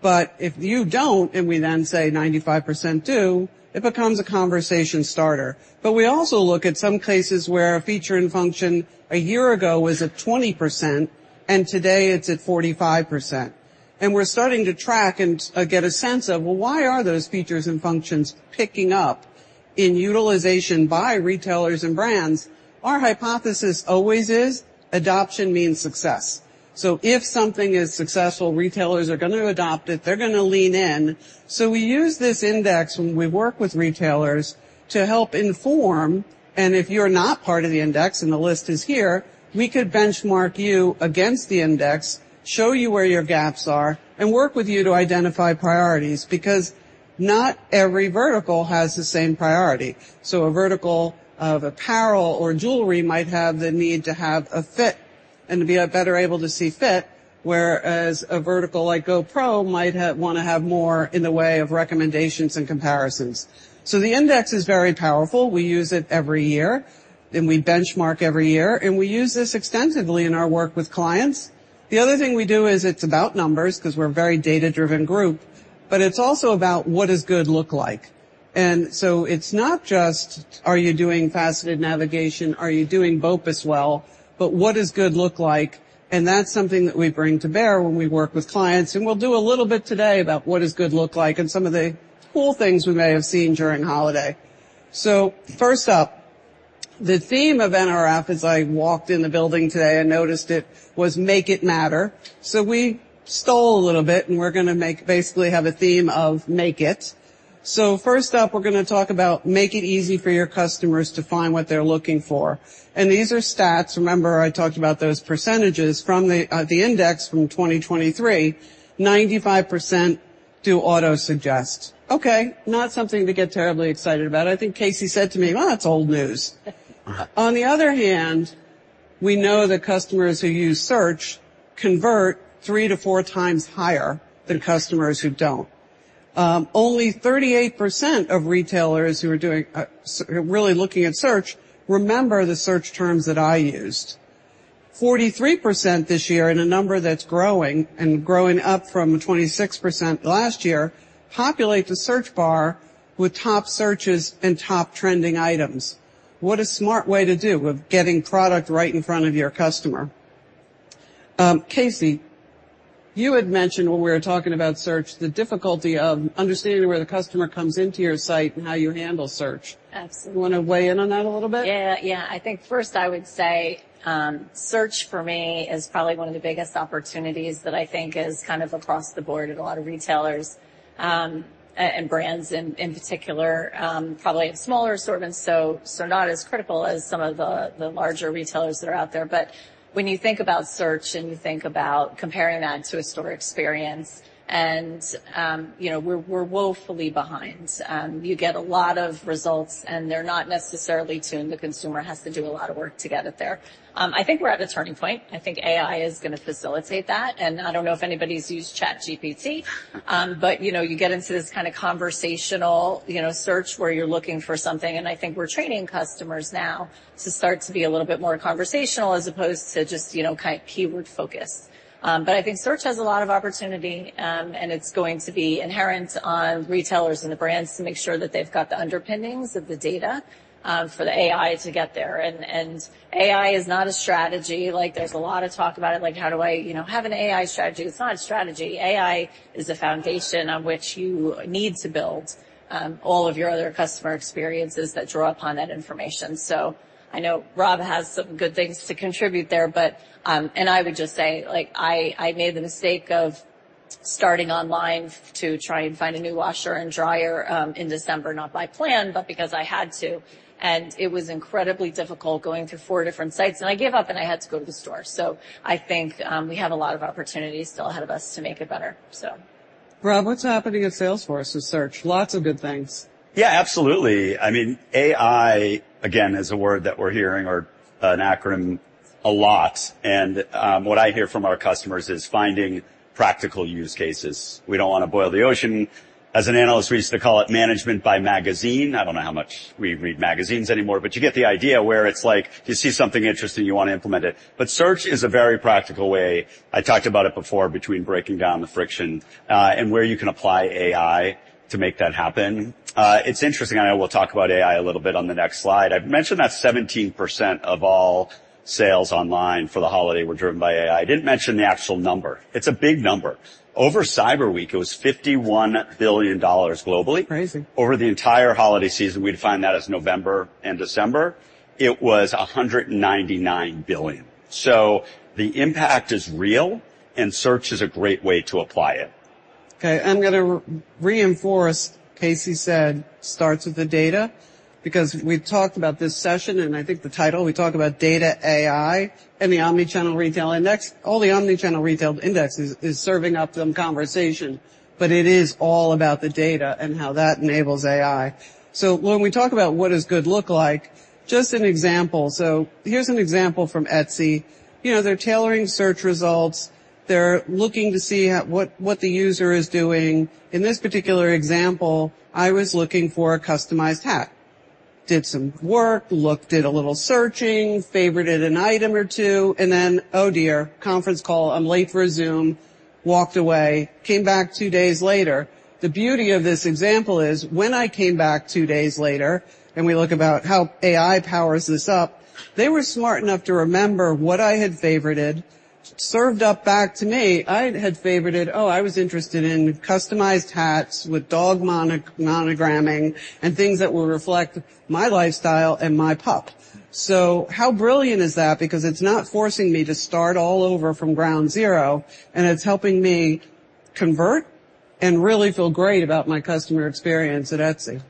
but if you don't, and we then say 95% do, it becomes a conversation starter. But we also look at some cases where a feature and function a year ago was at 20%, and today it's at 45%. And we're starting to track and get a sense of, well, why are those features and functions picking up in utilization by retailers and brands? Our hypothesis always is, adoption means success. So if something is successful, retailers are gonna adopt it, they're gonna lean in. So we use this index when we work with retailers to help inform, and if you're not part of the index, and the List is here, we could benchmark you against the index, show you where your gaps are, and work with you to identify priorities, because not every vertical has the same priority. So a vertical of apparel or jewelry might have the need to have a fit and to be better able to see fit, whereas a vertical like GoPro might want to have more in the way of recommendations and comparisons. So the index is very powerful. We use it every year, and we benchmark every year, and we use this extensively in our work with clients. The other thing we do is it's about numbers, 'cause we're a very data-driven group, but it's also about what does good look like. So it's not just: are you doing faceted navigation? Are you doing BOPIS well? But what does good look like? And that's something that we bring to bear when we work with clients, and we'll do a little bit today about what does good look like and some of the cool things we may have seen during holiday. So first up, the theme of NRF, as I walked in the building today and noticed it, was "Make It Matter." So we stole a little bit, and we're gonna make - basically have a theme of "Make It." So first up, we're gonna talk about make it easy for your customers to find what they're looking for. And these are stats. Remember, I talked about those percentages from the, the index from 2023. 95% do autosuggest. Okay, not something to get terribly excited about. I think Kacey said to me, "Well, that's old news." On the other hand, we know that customers who use search convert 3x-4x higher than customers who don't. Only 38% of retailers who are doing really looking at search, remember the search terms that I used. 43% this year, and a number that's growing and growing up from 26% last year, populate the search bar with top searches and top trending items. What a smart way to do of getting product right in front of your customer. Kacey, you had mentioned when we were talking about search, the difficulty of understanding where the customer comes into your site and how you handle search. Absolutely. You wanna weigh in on that a little bit? Yeah. Yeah. I think first I would say, search for me is probably one of the biggest opportunities that I think is kind of across the board at a lot of retailers, and brands in particular probably have smaller assortments, so not as critical as some of the larger retailers that are out there. But when you think about search and you think about comparing that to a store experience and, you know, we're woefully behind. You get a lot of results, and they're not necessarily tuned. The consumer has to do a lot of work to get it there. I think we're at a turning point. I think AI is gonna facilitate that, and I don't know if anybody's used ChatGPT, but, you know, you get into this kind of conversational, you know, search, where you're looking for something, and I think we're training customers now to start to be a little bit more conversational as opposed to just, you know, kind of keyword focus. But I think search has a lot of opportunity, and it's going to be inherent on retailers and the brands to make sure that they've got the underpinnings of the data, for the AI to get there. And AI is not a strategy. Like, there's a lot of talk about it, like, how do I, you know, have an AI strategy? It's not a strategy. AI is the foundation on which you need to build all of your other customer experiences that draw upon that information. So I know Rob has some good things to contribute there, but. I would just say, like, I made the mistake of starting online to try and find a new washer and dryer in December, not by plan, but because I had to, and it was incredibly difficult going through four different sites, and I gave up, and I had to go to the store. So I think we have a lot of opportunities still ahead of us to make it better, so. Rob, what's happening at Salesforce with search? Lots of good things. Yeah, absolutely. I mean, AI, again, is a word that we're hearing or an acronym a lot, and what I hear from our customers is finding practical use cases. We don't want to boil the ocean. As an analyst, we used to call it management by magazine. I don't know how much we read magazines anymore, but you get the idea where it's like, you see something interesting, you want to implement it. But search is a very practical way. I talked about it before, between breaking down the friction, and where you can apply AI to make that happen. It's interesting. I know we'll talk about AI a little bit on the next slide. I've mentioned that 17% of all sales online for the holiday were driven by AI. I didn't mention the actual number. It's a big number. Over Cyber Week, it was $51 billion globally. Amazing. Over the entire holiday season, we define that as November and December. It was $199 billion. So the impact is real, and search is a great way to apply it. Okay, I'm gonna reinforce, Kacey said, starts with the data, because we've talked about this session, and I think the title, we talk about data AI and the omnichannel retail index. All the omnichannel retail index is, is serving up some conversation, but it is all about the data and how that enables AI. So when we talk about what does good look like, just an example, so here's an example from Etsy. You know, they're tailoring search results. They're looking to see how—what the user is doing. In this particular example, I was looking for a customized hat. Did some work, looked, did a little searching, favorited an item or two, and then, "Oh, dear, conference call. I'm late for a Zoom." Walked away, came back two days later. The beauty of this example is, when I came back two days later, and we look about how AI powers this up, they were smart enough to remember what I had favorited, served up back to me. I had favorited... Oh, I was interested in customized hats with dog monogramming and things that will reflect my lifestyle and my pup. So how brilliant is that? Because it's not forcing me to start all over from ground zero, and it's helping me convert and really feel great about my customer experience at Etsy.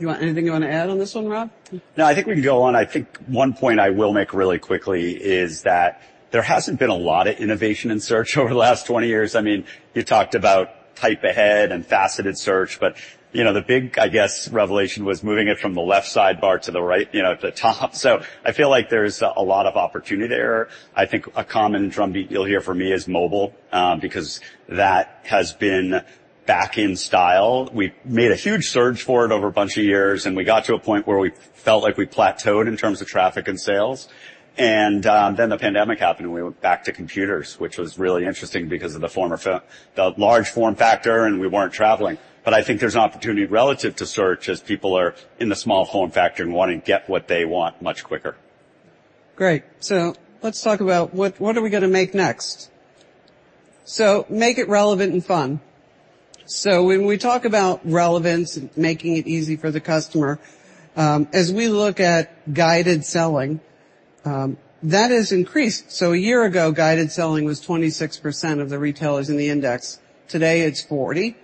You want anything you want to add on this one, Rob? No, I think we can go on. I think one point I will make really quickly is that there hasn't been a lot of innovation in search over the last 20 years. I mean, you talked about type ahead and faceted search, but, you know, the big, I guess, revelation was moving it from the left sidebar to the right, you know, at the top. So I feel like there's a, a lot of opportunity there. I think a common drumbeat you'll hear from me is mobile, because that has been back in style. We made a huge surge for it over a bunch of years, and we got to a point where we felt like we plateaued in terms of traffic and sales, and then the pandemic happened, and we went back to computers, which was really interesting because of the large form factor, and we weren't traveling. But I think there's an opportunity relative to search as people are in the small form factor and wanting to get what they want much quicker. Great. So let's talk about what, what are we going to make next? So make it relevant and fun. So when we talk about relevance and making it easy for the customer, as we look at guided selling, that has increased. So a year ago, guided selling was 26% of the retailers in the index. Today, it's 40%.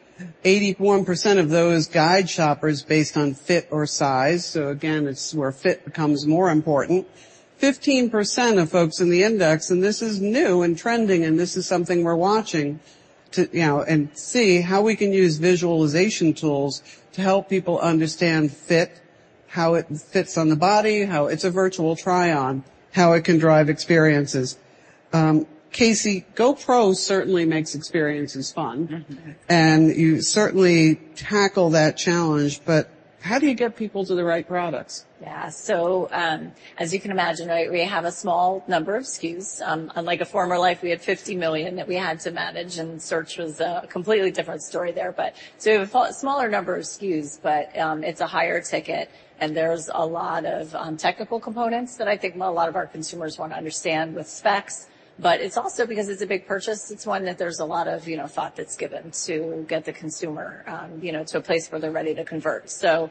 81% of those guide shoppers based on fit or size, so again, it's where fit becomes more important. 15% of folks in the index, and this is new and trending, and this is something we're watching to, you know, and see how we can use visualization tools to help people understand fit, how it fits on the body, how it's a virtual try-on, how it can drive experiences. Kacey, GoPro certainly makes experiences fun. You certainly tackle that challenge, but how do you get people to the right products? Yeah. So, as you can imagine, right, we have a small number of SKUs. Unlike a former life, we had 50 million that we had to manage, and search was a completely different story there, but to a smaller number of SKUs, but, it's a higher ticket, and there's a lot of technical components that I think a lot of our consumers want to understand with specs, but it's also because it's a big purchase. It's one that there's a lot of, you know, thought that's given to get the consumer, you know, to a place where they're ready to convert. So,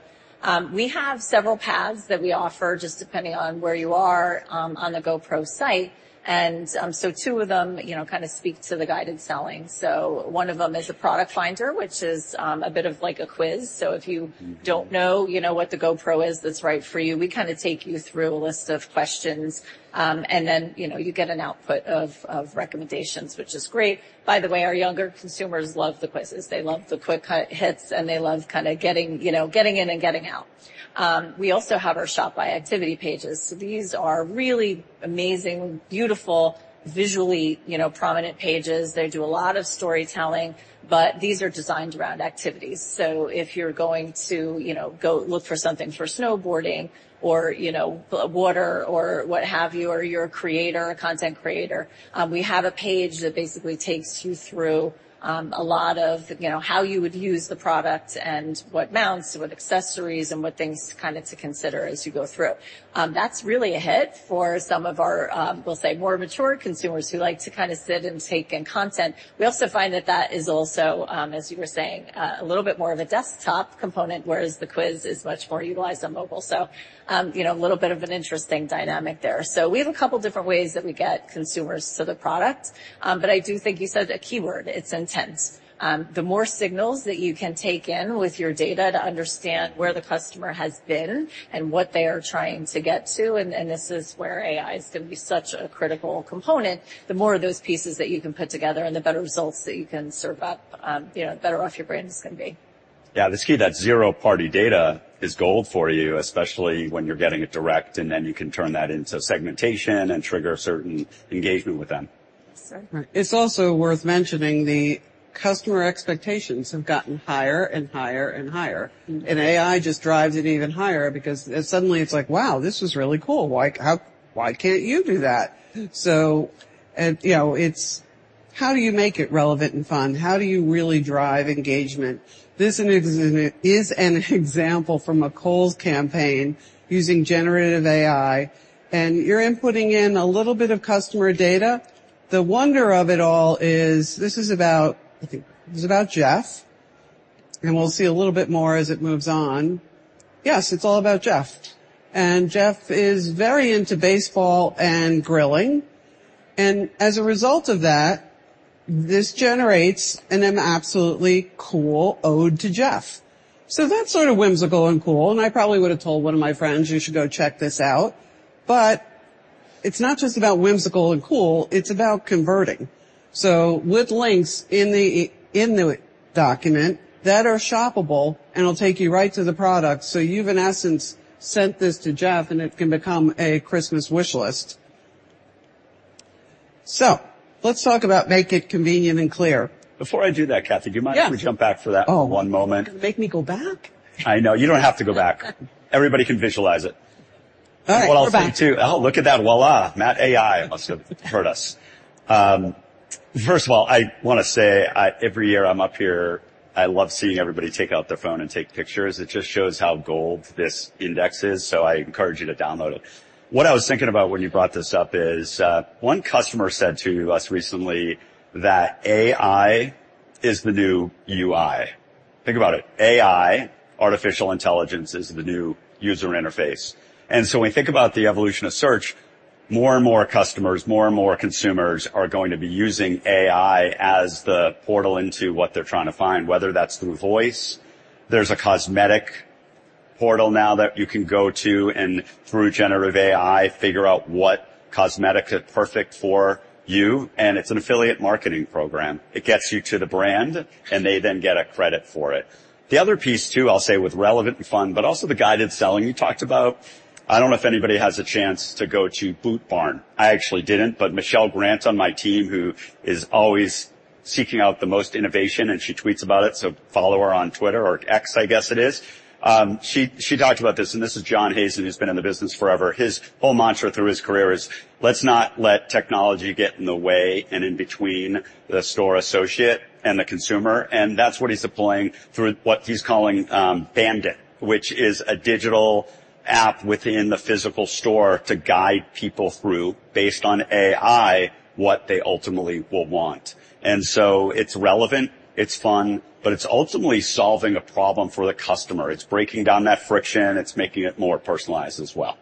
we have several paths that we offer, just depending on where you are, on the GoPro site, and, so two of them, you know, kind of speak to the guided selling. So one of them is a product finder, which is, a bit of like a quiz. So if you don't know, you know, what the GoPro is, that's right for you, we kind of take you through a List of questions, and then, you know, you get an output of, of recommendations, which is great. By the way, our younger consumers love the quizzes. They love the quick cut hits, and they love kind of getting, you know, getting in and getting out. We also have our shop by activity pages. So these are really amazing, beautiful, visually, you know, prominent pages. They do a lot of storytelling, but these are designed around activities. So if you're going to, you know, go look for something for snowboarding or, you know, water or what have you, or you're a creator, a content creator, we have a page that basically takes you through, a lot of, you know, how you would use the product and what mounts, what accessories, and what things kind of to consider as you go through. That's really a hit for some of our, we'll say, more mature consumers who like to kind of sit and take in content. We also find that that is also, as you were saying, a little bit more of a desktop component, whereas the quiz is much more utilized on mobile. So, you know, a little bit of an interesting dynamic there. So we have a couple of different ways that we get consumers to the product. I do think you said a keyword. It's intense. The more signals that you can take in with your data to understand where the customer has been and what they are trying to get to, and, and this is where AI is going to be such a critical component. The more of those pieces that you can put together and the better results that you can serve up, you know, the better off your brand is going to be. Yeah, the key to that Zero-Party Data is gold for you, especially when you're getting it direct, and then you can turn that into segmentation and trigger certain engagement with them. Certainly. It's also worth mentioning, the customer expectations have gotten higher and higher and higher, and AI just drives it even higher because suddenly it's like: Wow, this is really cool. Why, why can't you do that? So, you know, it's how do you make it relevant and fun? How do you really drive engagement? This is an example from a Kohl's campaign using Generative AI, and you're inputting in a little bit of customer data. The wonder of it all is, this is about, I think this is about Jeff, and we'll see a little bit more as it moves on. Yes, it's all about Jeff. And Jeff is very into baseball and grilling, and as a result of that, this generates an absolutely cool ode to Jeff. So that's sort of whimsical and cool, and I probably would have told one of my friends, "You should go check this out." But it's not just about whimsical and cool, it's about converting. So with links in the document that are shoppable, and it'll take you right to the product. So you've, in essence, sent this to Jeff, and it can become a Christmas wish list. So let's talk about make it convenient and clear. Before I do that, Kathy- Yeah. Do you mind if we jump back for that? Oh. -one moment? Make me go back? I know. You don't have to go back. Everybody can visualize it. All right, we're back. What I'll say, too... Oh, look at that. Voilà! That AI must have heard us. First of all, I want to say, every year I'm up here, I love seeing everybody take out their phone and take pictures. It just shows how good this index is, so I encourage you to download it. What I was thinking about when you brought this up is, one customer said to us recently that AI is the new UI. Think about it. AI, artificial intelligence, is the new user interface. And so when we think about the evolution of search... more and more customers, more and more consumers are going to be using AI as the portal into what they're trying to find, whether that's through voice. There's a cosmetic portal now that you can go to, and through Generative AI, figure out what cosmetics are perfect for you, and it's an affiliate marketing program. It gets you to the brand, and they then get a credit for it. The other piece, too, I'll say, with relevant and fun, but also the Guided Selling you talked about. I don't know if anybody has a chance to go to Boot Barn. I actually didn't, but Michelle Grant on my team, who is always seeking out the most innovation, and she tweets about it, so follow her on Twitter or X, I guess it is. She talked about this, and this is John Hazen, who's been in the business forever. His whole mantra through his career is: let's not let technology get in the way and in between the store associate and the consumer. That's what he's deploying through what he's calling, Bandit, which is a digital app within the physical store to guide people through, based on AI, what they ultimately will want. So it's relevant, it's fun, but it's ultimately solving a problem for the customer. It's breaking down that friction. It's making it more personalized as well.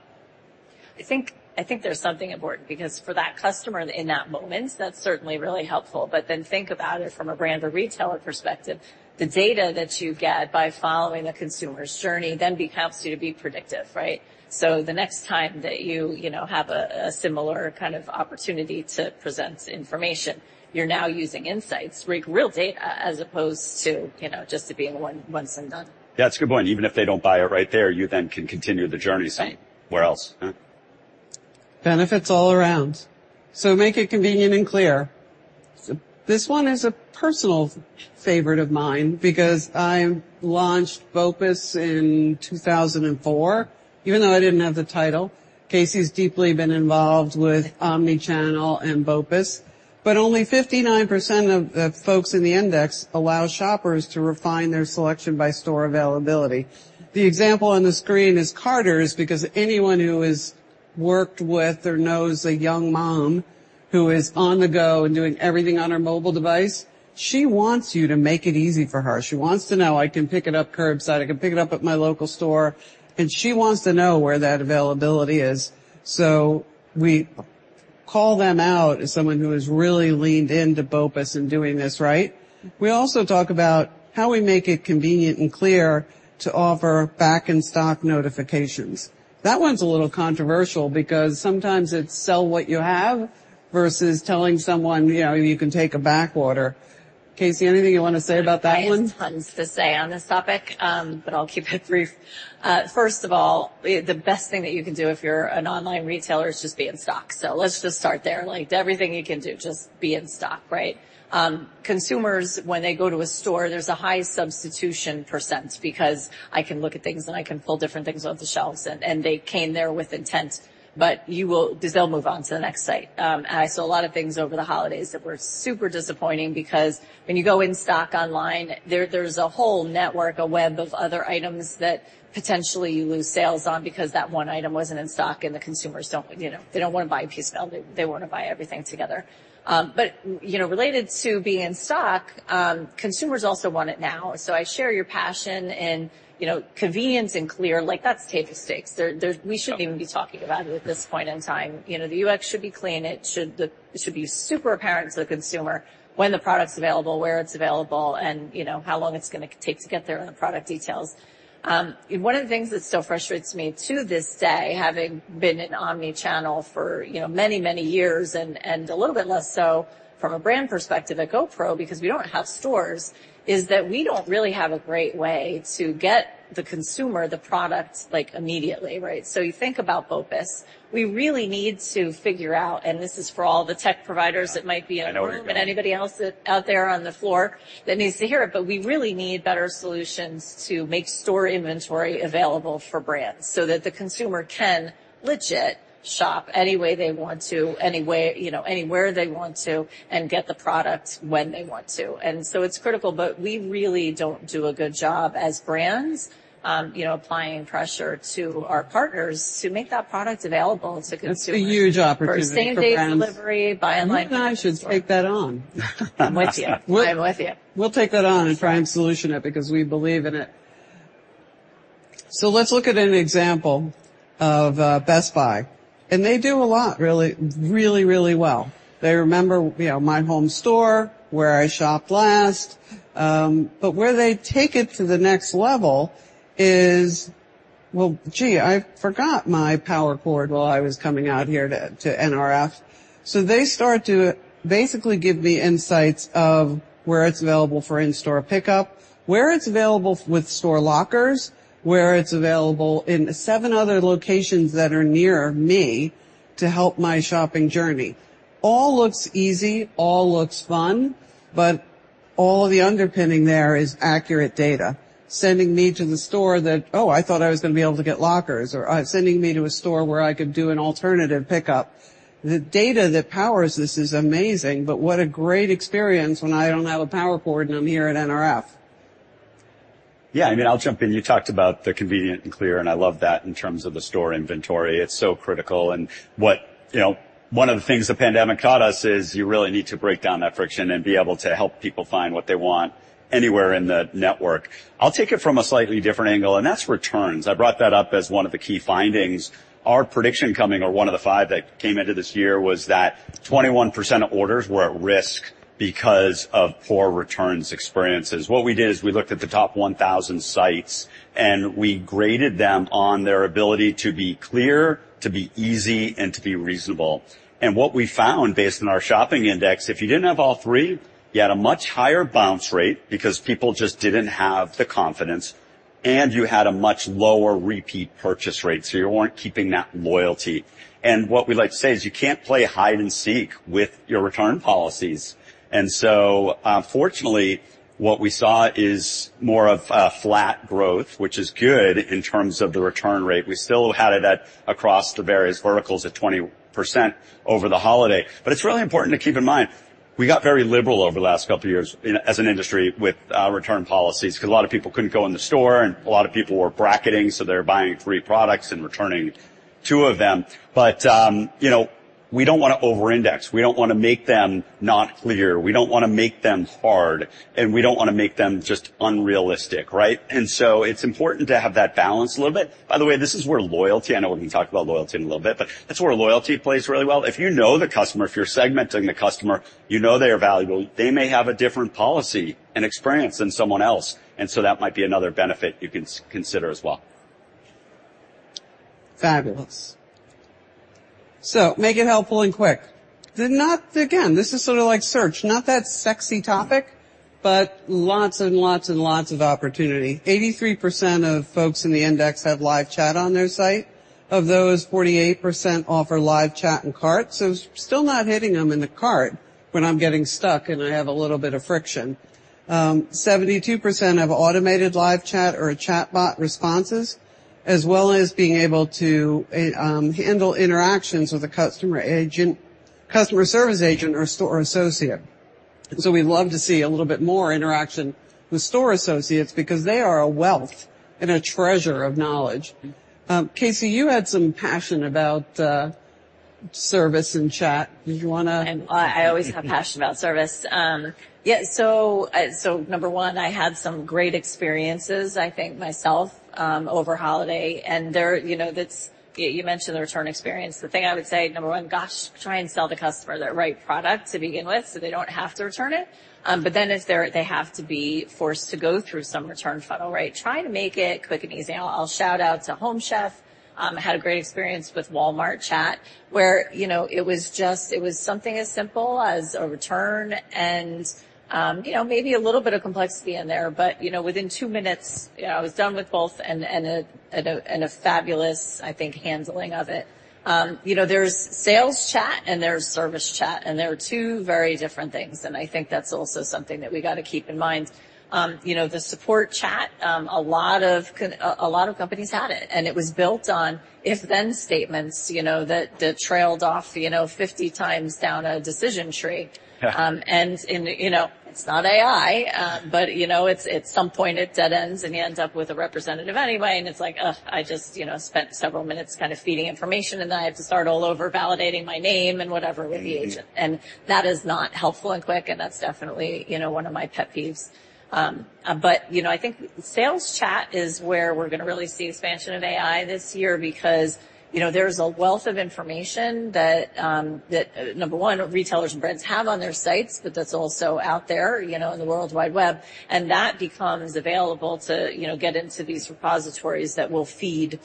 I think, I think there's something important because for that customer in that moment, that's certainly really helpful. But then think about it from a brand or retailer perspective. The data that you get by following a consumer's journey then becomes to be predictive, right? So the next time that you, you know, have a, a similar kind of opportunity to present information, you're now using insights, real data, as opposed to, you know, just it being a one- once and done. Yeah, that's a good point. Even if they don't buy it right there, you then can continue the journey- Right. Where else? Huh. Benefits all around. So make it convenient and clear. This one is a personal favorite of mine because I launched BOPIS in 2004, even though I didn't have the title. Kacey's deeply been involved with omnichannel and BOPIS, but only 59% of folks in the index allow shoppers to refine their selection by store availability. The example on the screen is Carter's, because anyone who has worked with or knows a young mom who is on the go and doing everything on her mobile device, she wants you to make it easy for her. She wants to know, "I can pick it up curbside, I can pick it up at my local store," and she wants to know where that availability is. So we call them out as someone who has really leaned into BOPIS in doing this, right? We also talk about how we make it convenient and clear to offer back-in-stock notifications. That one's a little controversial because sometimes it's sell what you have versus telling someone, you know, "You can take a back order." Kacey, anything you want to say about that one? I have tons to say on this topic, but I'll keep it brief. First of all, the best thing that you can do if you're an online retailer is just be in stock. So let's just start there. Like, everything you can do, just be in stock, right? Consumers, when they go to a store, there's a high substitution percent because I can look at things, and I can pull different things off the shelves, and they came there with intent, but you will—they'll move on to the next site. I saw a lot of things over the holidays that were super disappointing because when you go in stock online, there's a whole network, a web of other items that potentially you lose sales on because that one item wasn't in stock, and the consumers don't, you know, they don't want to buy a piece now. They want to buy everything together. But, you know, related to being in stock, consumers also want it now. So I share your passion and, you know, convenience and clear, like, that's table stakes. We shouldn't even be talking about it at this point in time. You know, the UX should be clean, it should be super apparent to the consumer when the product's available, where it's available, and you know, how long it's gonna take to get there, and the product details. One of the things that still frustrates me to this day, having been in omnichannel for, you know, many, many years and, and a little bit less so from a brand perspective at GoPro, because we don't have stores, is that we don't really have a great way to get the consumer the product, like, immediately, right? So you think about BOPIS. We really need to figure out, and this is for all the tech providers that might be in- I know. Anybody else that's out there on the floor that needs to hear it, but we really need better solutions to make store inventory available for brands so that the consumer can legit shop any way they want to, any way... you know, anywhere they want to, and get the product when they want to. And so it's critical, but we really don't do a good job as brands, you know, applying pressure to our partners to make that product available to consumers. It's a huge opportunity. For same-day delivery, buy online- Maybe I should take that on. I'm with you. I'm with you. We'll take that on and try and solution it because we believe in it. So let's look at an example of Best Buy, and they do a lot really, really, really well. They remember, you know, my home store, where I shopped last. But where they take it to the next level is: "Well, gee, I forgot my power cord while I was coming out here to NRF." So they start to basically give me insights of where it's available for in-store pickup, where it's available with store lockers, where it's available in seven other locations that are near me to help my shopping journey. All looks easy, all looks fun, but all the underpinning there is accurate data. Sending me to the store that, oh, I thought I was going to be able to get lockers, or, sending me to a store where I could do an alternative pickup. The data that powers this is amazing, but what a great experience when I don't have a power cord and I'm here at NRF. Yeah, I mean, I'll jump in. You talked about the convenient and clear, and I love that in terms of the store inventory. It's so critical. And what, you know, one of the things the pandemic taught us is you really need to break down that friction and be able to help people find what they want anywhere in the network. I'll take it from a slightly different angle, and that's returns. I brought that up as one of the key findings. Our prediction coming, or one of the five that came into this year, was that 21% of orders were at risk because of poor returns experiences. What we did is we looked at the top 1,000 sites, and we graded them on their ability to be clear, to be easy, and to be reasonable. And what we found, based on our Shopping Index, if you didn't have all three, you had a much higher bounce rate because people just didn't have the confidence, and you had a much lower repeat purchase rate, so you weren't keeping that loyalty. And what we like to say is, "You can't play hide and seek with your return policies." And so, unfortunately, what we saw is more of flat growth, which is good in terms of the return rate. We still had it at across the various verticals at 20% over the holiday. But it's really important to keep in mind, we got very liberal over the last couple of years in... As an industry with return policies, 'cause a lot of people couldn't go in the store, and a lot of people were bracketing, so they were buying three products and returning two of them. But, you know, we don't wanna over-index. We don't wanna make them not clear, we don't wanna make them hard, and we don't wanna make them just unrealistic, right? And so it's important to have that balance a little bit. By the way, this is where loyalty—I know we can talk about loyalty in a little bit, but that's where loyalty plays really well. If you know the customer, if you're segmenting the customer, you know they are valuable, they may have a different policy and experience than someone else, and so that might be another benefit you can consider as well. Fabulous. So make it helpful and quick. Not... Again, this is sort of like search, not that sexy topic, but lots and lots and lots of opportunity. 83% of folks in the index have live chat on their site. Of those, 48% offer live chat and cart. So still not hitting them in the cart when I'm getting stuck, and I have a little bit of friction. 72% have automated live chat or chatbot responses, as well as being able to handle interactions with a customer agent, customer service agent, or store associate. So we'd love to see a little bit more interaction with store associates because they are a wealth and a treasure of knowledge. Kacey, you had some passion about service and chat. Did you wanna- I always have passion about service. Yeah, so, so number one, I had some great experiences, I think, myself, over holiday, and there, you know, that's... You mentioned the return experience. The thing I would say, number one, gosh, try and sell the customer the right product to begin with, so they don't have to return it. But then if they're they have to be forced to go through some return funnel, right? Try to make it quick and easy. I'll shout out to Home Chef. I had a great experience with Walmart Chat, where, you know, it was just it was something as simple as a return and, you know, maybe a little bit of complexity in there, but, you know, within two minutes, I was done with both and a fabulous, I think, handling of it. You know, there's sales chat and there's service chat, and they are two very different things, and I think that's also something that we got to keep in mind. You know, the support chat, a lot of companies had it, and it was built on if/then statements, you know, that, that trailed off, you know, 50x down a decision tree. Yeah. And you know, it's not AI, but you know, it's at some point it dead ends, and you end up with a representative anyway, and it's like, ugh, I just you know spent several minutes kind of feeding information, and then I have to start all over validating my name and whatever with the agent. And that is not helpful and quick, and that's definitely, you know, one of my pet peeves. But, you know, I think sales chat is where we're gonna really see expansion of AI this year because, you know, there's a wealth of information that, that, number one, retailers and brands have on their sites, but that's also out there, you know, in the World Wide Web, and that becomes available to, you know, get into these repositories that will feed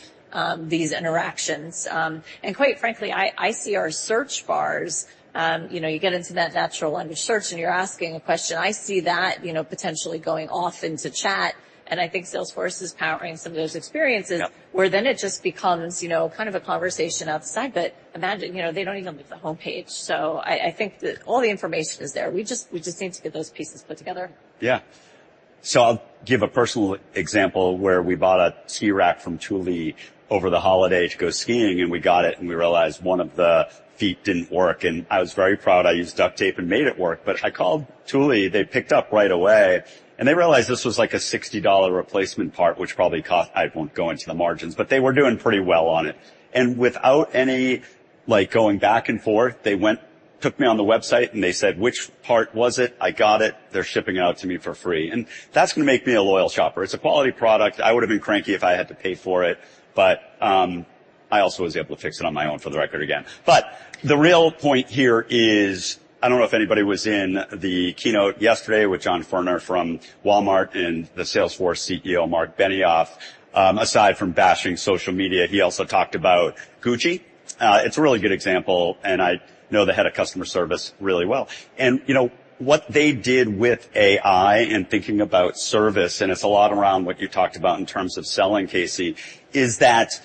these interactions. And quite frankly, I, I see our search bars, you know, you get into that natural language search, and you're asking a question. I see that, you know, potentially going off into chat, and I think Salesforce is powering some of those experiences- Yep... where then it just becomes, you know, kind of a conversation outside. But imagine, you know, they don't even leave the homepage, so I think that all the information is there. We just need to get those pieces put together. Yeah. So I'll give a personal example where we bought a ski rack from Thule over the holiday to go skiing, and we got it, and we realized one of the feet didn't work, and I was very proud. I used duct tape and made it work. But I called Thule, they picked up right away, and they realized this was, like, a $60 replacement part, which probably cost... I won't go into the margins, but they were doing pretty well on it. And without any, like, going back and forth, they went, took me on the website, and they said, "Which part was it?" I got it. They're shipping it out to me for free, and that's gonna make me a loyal shopper. It's a quality product. I would have been cranky if I had to pay for it, but, I also was able to fix it on my own, for the record, again. But the real point here is, I don't know if anybody was in the keynote yesterday with John Furner from Walmart and the Salesforce CEO, Marc Benioff. Aside from bashing social media, he also talked about Gucci. It's a really good example, and I know the head of customer service really well. And, you know, what they did with AI and thinking about service, and it's a lot around what you talked about in terms of selling, Kacey, is that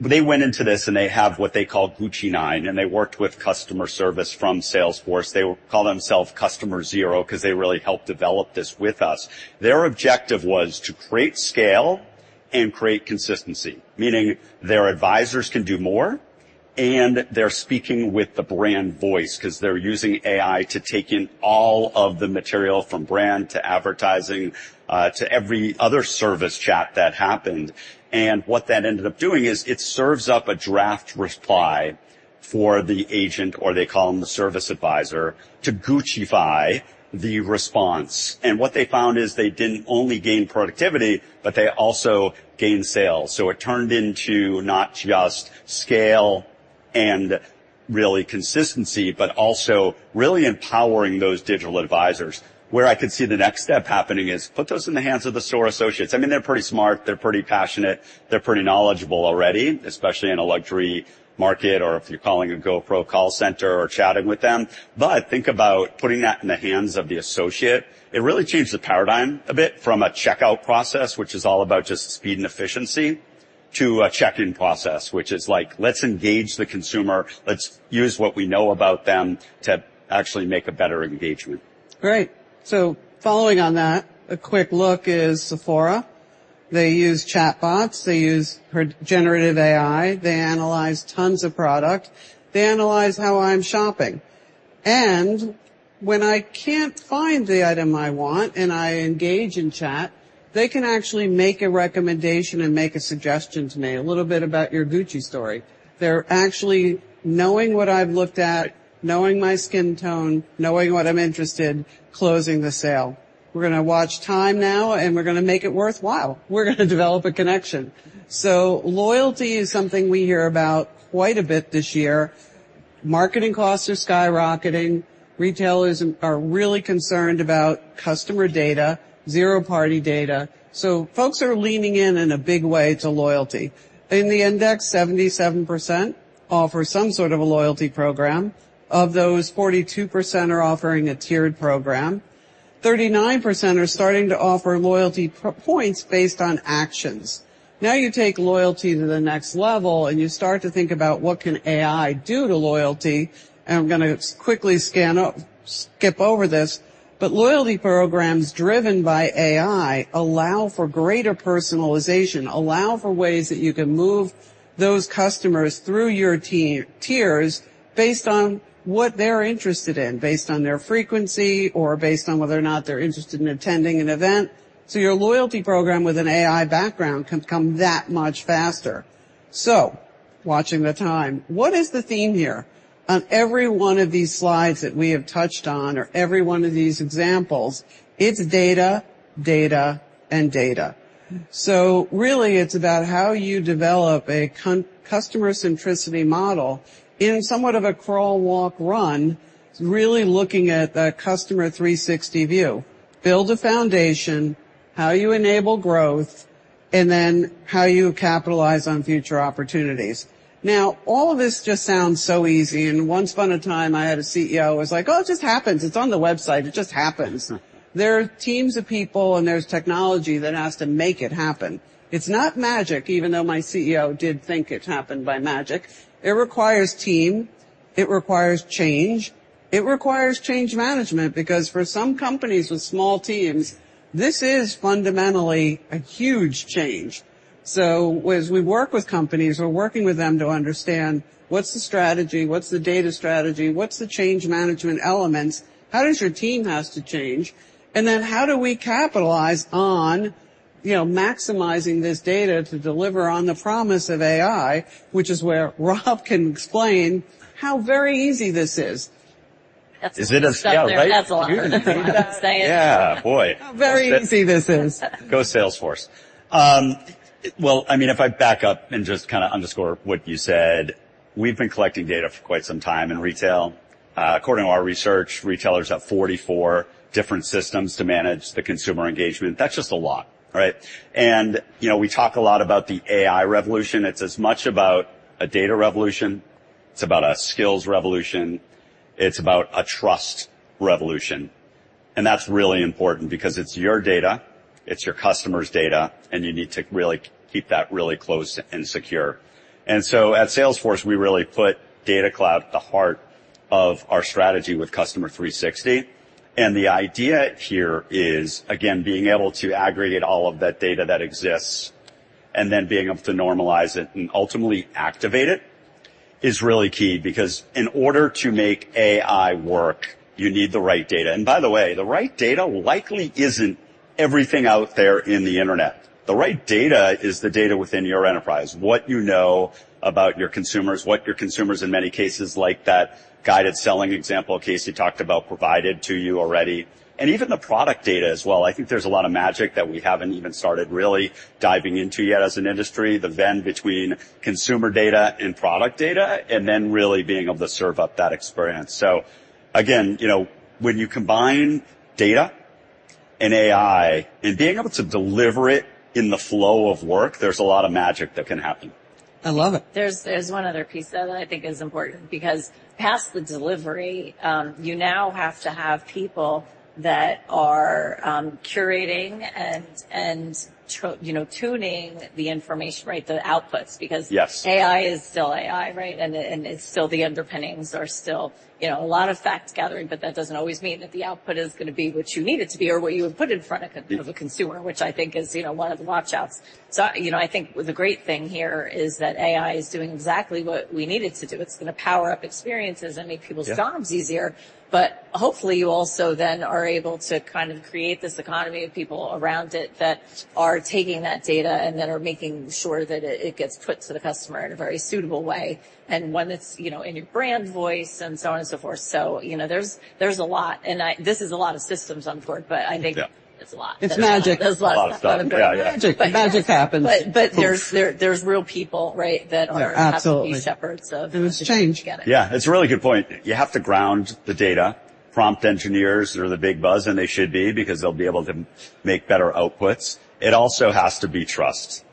they went into this, and they have what they call Gucci 9, and they worked with customer service from Salesforce. They call themselves Customer Zero 'cause they really helped develop this with us. Their objective was to create scale and create consistency, meaning their advisors can do more, and they're speaking with the brand voice, 'cause they're using AI to take in all of the material from brand to advertising, to every other service chat that happened. And what that ended up doing is it serves up a draft reply for the agent, or they call them the service advisor, to Gucci-fy the response. And what they found is they didn't only gain productivity, but they also gained sales. So it turned into not just scale and really consistency, but also really empowering those digital advisors. Where I could see the next step happening is put those in the hands of the store associates. I mean, they're pretty smart, they're pretty passionate, they're pretty knowledgeable already, especially in a luxury market or if you're calling a GoPro call center or chatting with them. But think about putting that in the hands of the associate. It really changes the paradigm a bit from a checkout process, which is all about just speed and efficiency, to a check-in process, which is like: Let's engage the consumer. Let's use what we know about them to actually make a better engagement. Great. So following on that, a quick look is Sephora. They use chatbots, they use generative AI, they analyze tons of product. They analyze how I'm shopping. And when I can't find the item I want, and I engage in chat, they can actually make a recommendation and make a suggestion to me, a little bit about your Gucci story. They're actually knowing what I've looked at, knowing my skin tone, knowing what I'm interested, closing the sale. We're gonna watch time now, and we're gonna make it worthwhile. We're gonna develop a connection. So loyalty is something we hear about quite a bit this year. Marketing costs are skyrocketing. Retailers are, are really concerned about customer data, zero-party data, so folks are leaning in in a big way to loyalty. In the index, 77% offer some sort of a loyalty program. Of those, 42% are offering a tiered program. 39% are starting to offer loyalty points based on actions. Now you take loyalty to the next level, and you start to think about what can AI do to loyalty. I'm gonna quickly skip over this, but loyalty programs driven by AI allow for greater personalization, allow for ways that you can move those customers through your tiers based on what they're interested in, based on their frequency, or based on whether or not they're interested in attending an event. Your loyalty program with an AI background can come that much faster. Watching the time, what is the theme here? On every one of these slides that we have touched on or every one of these examples, it's data, data, and data. So really, it's about how you develop a con... Customer centricity model in somewhat of a crawl, walk, run, really looking at a customer 360 view. Build a foundation, how you enable growth, and then how you capitalize on future opportunities. Now, all of this just sounds so easy, and once upon a time, I had a CEO who was like: "Oh, it just happens. It's on the website. It just happens." There are teams of people, and there's technology that has to make it happen. It's not magic, even though my CEO did think it happened by magic. It requires team, it requires change, it requires change management because for some companies with small teams, this is fundamentally a huge change. So as we work with companies, we're working with them to understand: What's the strategy? What's the data strategy? What's the change management elements? How does your team has to change? And then, how do we capitalize on, you know, maximizing this data to deliver on the promise of AI, which is where Rob can explain how very easy this is. That's- Is it a... Yeah, right? That's a lot. I'm saying. Yeah, boy. How very easy this is. Go, Salesforce. Well, I mean, if I back up and just kinda underscore what you said, we've been collecting data for quite some time in retail. According to our research, retailers have 44 different systems to manage the consumer engagement. That's just a lot, right? And, you know, we talk a lot about the AI revolution. It's as much about a data revolution, it's about a skills revolution, it's about a trust revolution. And that's really important because it's your data, it's your customer's data, and you need to really keep that really close and secure. And so at Salesforce, we really put Data Cloud at the heart of our strategy with Customer 360, and the idea here is, again, being able to aggregate all of that data that exists, and then being able to normalize it, and ultimately activate it, is really key. Because in order to make AI work, you need the right data. By the way, the right data likely isn't everything out there in the internet. The right data is the data within your enterprise. What you know about your consumers, what your consumers, in many cases, like that guided selling example Kacey talked about, provided to you already, and even the product data as well. I think there's a lot of magic that we haven't even started really diving into yet as an industry, the Venn between consumer data and product data, and then really being able to serve up that experience. Again, you know, when you combine data and AI, and being able to deliver it in the flow of work, there's a lot of magic that can happen. I love it. There's one other piece, though, that I think is important because past the delivery, you now have to have people that are curating and, you know, tuning the information, right, the outputs, because- Yes... AI is still AI, right? And it's still the underpinnings are still, you know, a lot of fact gathering, but that doesn't always mean that the output is gonna be what you need it to be or what you would put in front of a consumer, which I think is, you know, one of the watch-outs.... So, you know, I think the great thing here is that AI is doing exactly what we need it to do. It's gonna power up experiences and make people's jobs easier. Yeah. But hopefully, you also then are able to kind of create this economy of people around it that are taking that data and then are making sure that it, it gets put to the customer in a very suitable way, and one that's, you know, in your brand voice, and so on and so forth. So, you know, there's, there's a lot, and I—this is a lot of systems on board, but I think- Yeah. It's a lot. It's magic. There's a lot of stuff. A lot of stuff. Yeah, yeah. Magic. Magic happens. But there's real people, right, that are- Absolutely. Have these efforts, It's change. To get it. Yeah, it's a really good point. You have to ground the data. Prompt engineers are the big buzz, and they should be, because they'll be able to make better outputs. It also has to be trust.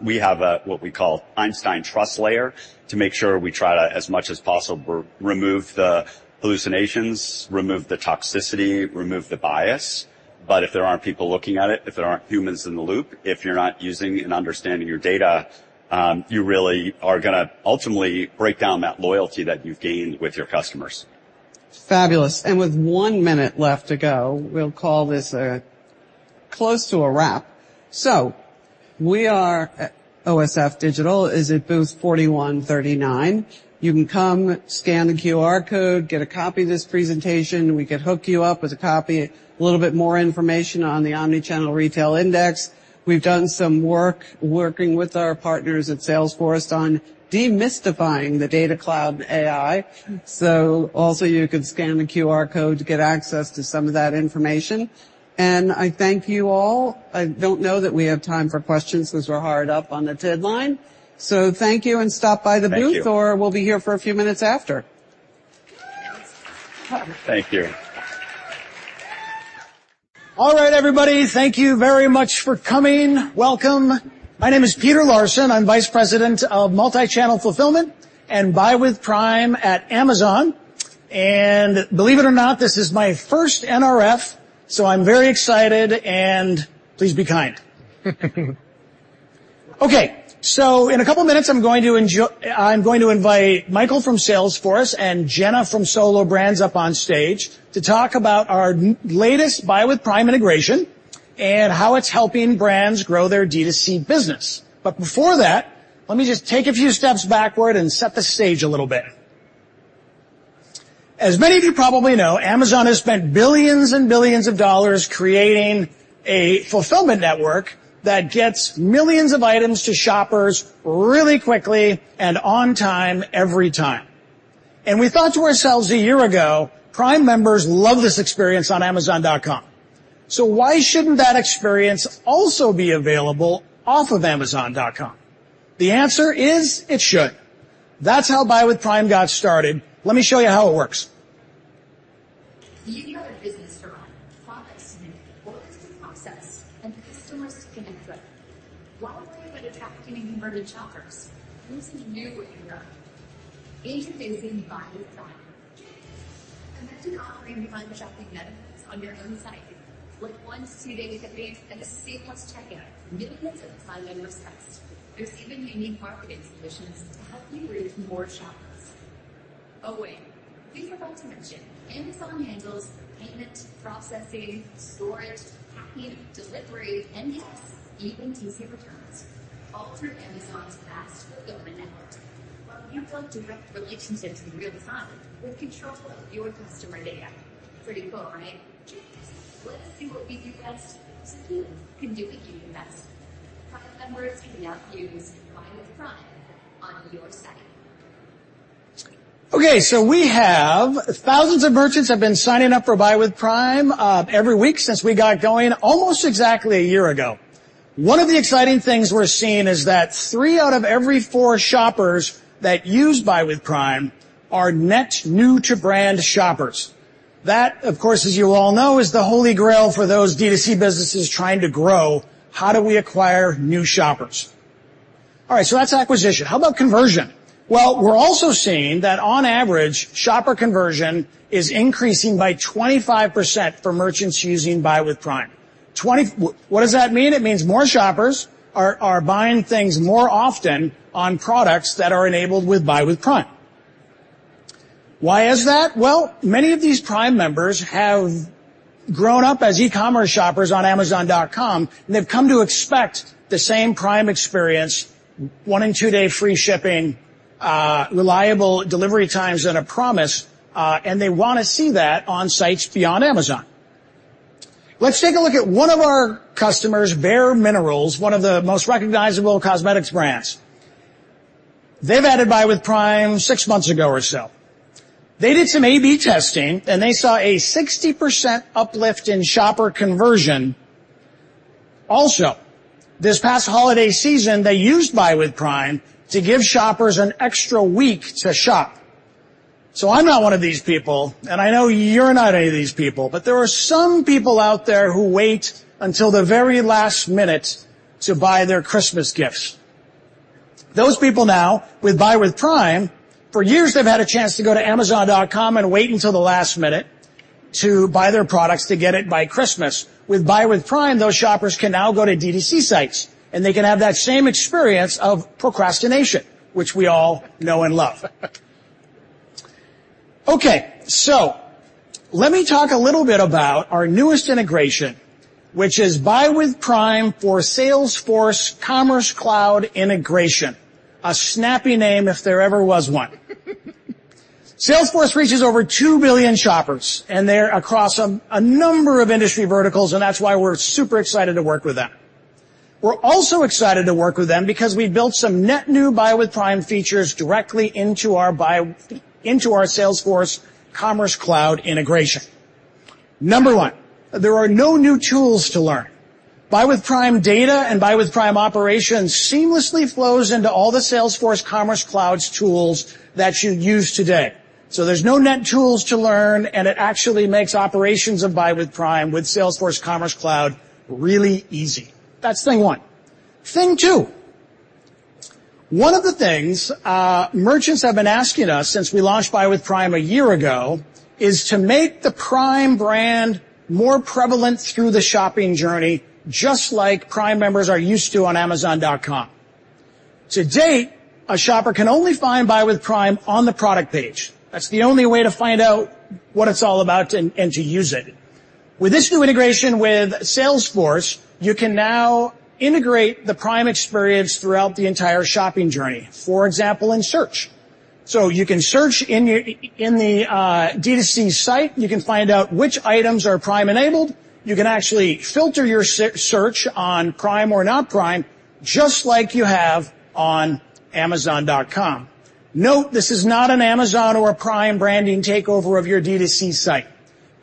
We have a, what we call Einstein Trust Layer, to make sure we try to, as much as possible, remove the hallucinations, remove the toxicity, remove the bias. But if there aren't people looking at it, if there aren't humans in the loop, if you're not using and understanding your data, you really are gonna ultimately break down that loyalty that you've gained with your customers. Fabulous! And with 1 minute left to go, we'll call this close to a wrap. So we are at OSF Digital is at Booth 4139. You can come scan the QR code, get a copy of this presentation. We could hook you up with a copy, a little bit more information on the Omnichannel Retail Index. We've done some work working with our partners at Salesforce on demystifying the Data Cloud AI. So also, you could scan the QR code to get access to some of that information, and I thank you all. I don't know that we have time for questions because we're hard up on the deadline. So thank you, and stop by the booth- Thank you. Or we'll be here for a few minutes after. Thank you. All right, everybody. Thank you very much for coming. Welcome. My name is Peter Larsen. I'm Vice President of Multi-Channel Fulfillment and Buy with Prime at Amazon. And believe it or not, this is my first NRF, so I'm very excited, and please be kind. Okay, so in a couple of minutes, I'm going to invite Michael from Salesforce and Jenna from Solo Brands up on stage to talk about our latest Buy with Prime integration and how it's helping brands grow their D2C business. But before that, let me just take a few steps backward and set the stage a little bit. As many of you probably know, Amazon has spent $ billions and $ billions creating a fulfillment network that gets millions of items to shoppers really quickly and on time, every time. We thought to ourselves a year ago, Prime members love this experience on Amazon.com, so why shouldn't that experience also be available off of Amazon.com? The answer is, it should. That's how Buy with Prime got started. Let me show you how it works. Do you have a business to run, products to make, orders to process, and customers to connect with? While worrying about attracting and converting shoppers who seem to know what you've got. Introducing Buy with Prime. Imagine offering Prime shopping benefits on your own site, like one to two day shipping and a seamless checkout millions of Prime members trust. There's even unique marketing solutions to help you reach more shoppers. Oh, wait, we forgot to mention, Amazon handles the payment, processing, storage, packing, delivery, and yes, even easy returns, all through Amazon's fast fulfillment network, while you build direct relationships in real time with control of your customer data. Pretty cool, right? Let us do what we do best, so you can do what you do best. Prime members can now use Buy with Prime on your site. Okay, so we have thousands of merchants have been signing up for Buy with Prime every week since we got going almost exactly a year ago. One of the exciting things we're seeing is that three out of every four shoppers that use Buy with Prime are net new to brand shoppers. That, of course, as you all know, is the Holy Grail for those D2C businesses trying to grow: how do we acquire new shoppers? All right, so that's acquisition. How about conversion? Well, we're also seeing that on average, shopper conversion is increasing by 25% for merchants using Buy with Prime. What does that mean? It means more shoppers are buying things more often on products that are enabled with Buy with Prime. Why is that? Well, many of these Prime members have grown up as e-commerce shoppers on Amazon.com, and they've come to expect the same Prime experience, one and two day free shipping, reliable delivery times and a promise, and they wanna see that on sites beyond Amazon. Let's take a look at one of our customers, bareMinerals, one of the most recognizable cosmetics brands. They've added Buy with Prime 6 months ago or so. They did some A/B testing, and they saw a 60% uplift in shopper conversion. Also, this past holiday season, they used Buy with Prime to give shoppers an extra week to shop. So I'm not one of these people, and I know you're not any of these people, but there are some people out there who wait until the very last minute to buy their Christmas gifts. Those people now, with Buy with Prime, for years, they've had a chance to go to Amazon.com and wait until the last minute to buy their products to get it by Christmas. With Buy with Prime, those shoppers can now go to D2C sites, and they can have that same experience of procrastination, which we all know and love. Okay, so let me talk a little bit about our newest integration, which is Buy with Prime for Salesforce Commerce Cloud integration, a snappy name if there ever was one. Salesforce reaches over 2 billion shoppers, and they're across a number of industry verticals, and that's why we're super excited to work with them. We're also excited to work with them because we built some net new Buy with Prime features directly into our Salesforce Commerce Cloud integration. Number one, there are no new tools to learn. Buy with Prime data and Buy with Prime operations seamlessly flows into all the Salesforce Commerce Cloud's tools that you use today. So there's no net tools to learn, and it actually makes operations of Buy with Prime, with Salesforce Commerce Cloud, really easy. That's thing one. Thing two, one of the things, merchants have been asking us since we launched Buy with Prime a year ago, is to make the Prime brand more prevalent through the shopping journey, just like Prime members are used to on Amazon.com. To date, a shopper can only find Buy with Prime on the product page. That's the only way to find out what it's all about and, and to use it. With this new integration with Salesforce, you can now integrate the Prime experience throughout the entire shopping journey, for example, in search. So you can search in your, in the D2C site. You can find out which items are Prime enabled. You can actually filter your search on Prime or non-Prime, just like you have on Amazon.com. Note, this is not an Amazon or a Prime branding takeover of your D2C site,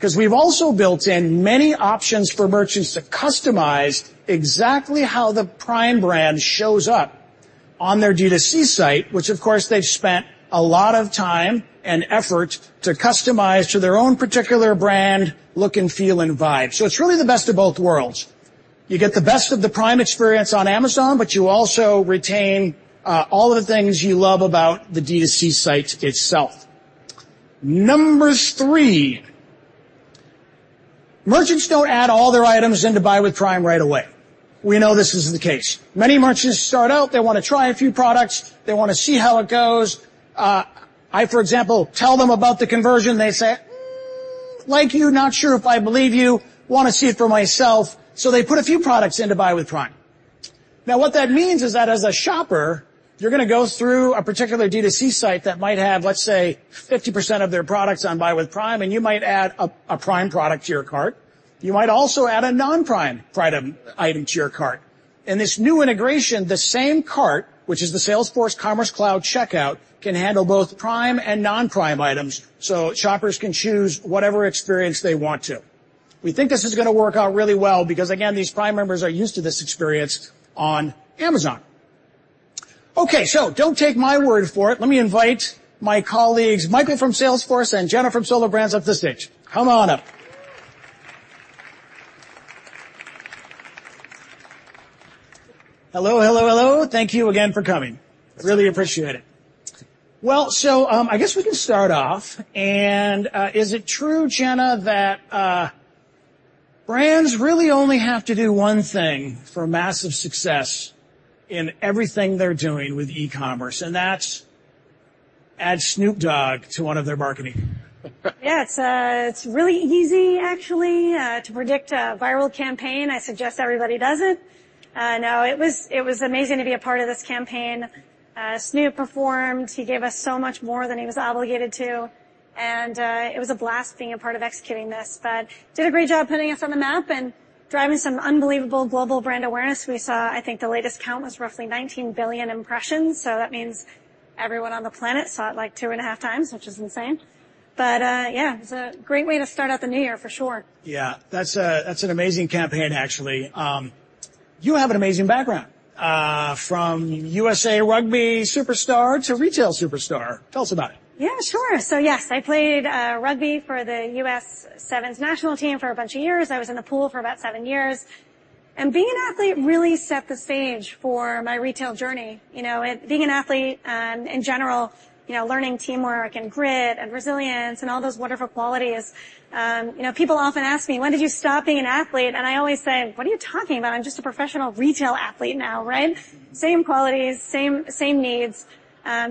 'cause we've also built in many options for merchants to customize exactly how the Prime brand shows up on their D2C site, which of course, they've spent a lot of time and effort to customize to their own particular brand look, and feel, and vibe. So it's really the best of both worlds. You get the best of the Prime experience on Amazon, but you also retain all of the things you love about the D2C site itself. Number three, merchants don't add all their items into Buy with Prime right away. We know this is the case. Many merchants start out, they wanna try a few products. They wanna see how it goes. I, for example, tell them about the conversion. They say, "Mm, like you, not sure if I believe you, wanna see it for myself." So they put a few products into Buy with Prime. Now, what that means is that as a shopper, you're gonna go through a particular D2C site that might have, let's say, 50% of their products on Buy with Prime, and you might add a Prime product to your cart. You might also add a non-Prime item to your cart. In this new integration, the same cart, which is the Salesforce Commerce Cloud checkout, can handle both Prime and non-Prime items, so shoppers can choose whatever experience they want to. We think this is gonna work out really well because, again, these Prime members are used to this experience on Amazon. Okay, so don't take my word for it. Let me invite my colleagues, Michael from Salesforce and Jenna from Solo Brands, up to the stage. Come on up. Hello, hello, hello! Thank you again for coming. Really appreciate it. Well, so, I guess we can start off. And, is it true, Jenna, that brands really only have to do one thing for massive success in everything they're doing with e-commerce, and that's add Snoop Dogg to one of their marketing? Yeah, it's, it's really easy actually, to predict a viral campaign. I suggest everybody does it. No, it was, it was amazing to be a part of this campaign. Snoop performed. He gave us so much more than he was obligated to, and, it was a blast being a part of executing this, but did a great job putting us on the map and driving some unbelievable global brand awareness. We saw... I think the latest count was roughly 19 billion impressions, so that means everyone on the planet saw it, like, 2.5 times, which is insane. But, yeah, it was a great way to start out the new year, for sure. Yeah, that's an amazing campaign, actually. You have an amazing background, from USA Rugby superstar to retail superstar. Tell us about it. Yeah, sure. So yes, I played rugby for the U.S. Sevens national team for a bunch of years. I was in the pool for about seven years, and being an athlete really set the stage for my retail journey. You know, and being an athlete in general, you know, learning teamwork, and grit, and resilience, and all those wonderful qualities. You know, people often ask me: "When did you stop being an athlete?" And I always say: "What are you talking about? I'm just a professional retail athlete now," right? Same qualities, same, same needs,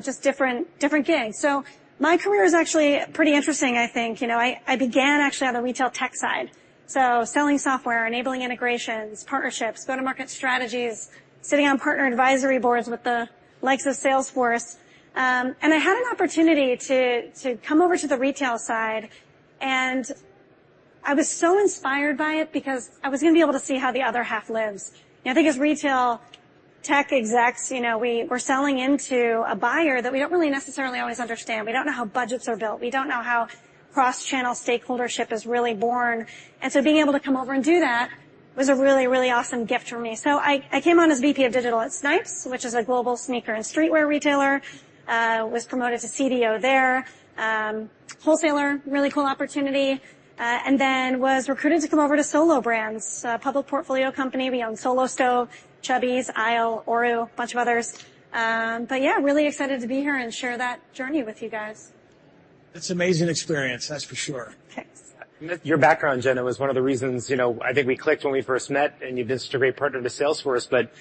just different, different gigs. So my career is actually pretty interesting, I think. You know, I began actually on the retail tech side, so selling software, enabling integrations, partnerships, go-to-market strategies, sitting on partner advisory boards with the likes of Salesforce. And I had an opportunity to come over to the retail side, and I was so inspired by it because I was gonna be able to see how the other half lives. You know, I think as retail tech execs, you know, we're selling into a buyer that we don't really necessarily always understand. We don't know how budgets are built. We don't know how cross-channel stakeholdership is really born. And so being able to come over and do that was a really, really awesome gift for me. So I came on as VP of Digital at Snipes, which is a global sneaker and streetwear retailer. Was promoted to CDO there, wholesaler, really cool opportunity, and then was recruited to come over to Solo Brands, a public portfolio company. We own Solo Stove, Chubbies, Aisle, Oru, a bunch of others. But yeah, really excited to be here and share that journey with you guys. That's amazing experience, that's for sure. Thanks. Your background, Jenna, was one of the reasons, you know, I think we clicked when we first met, and you've been such a great partner to Salesforce. But,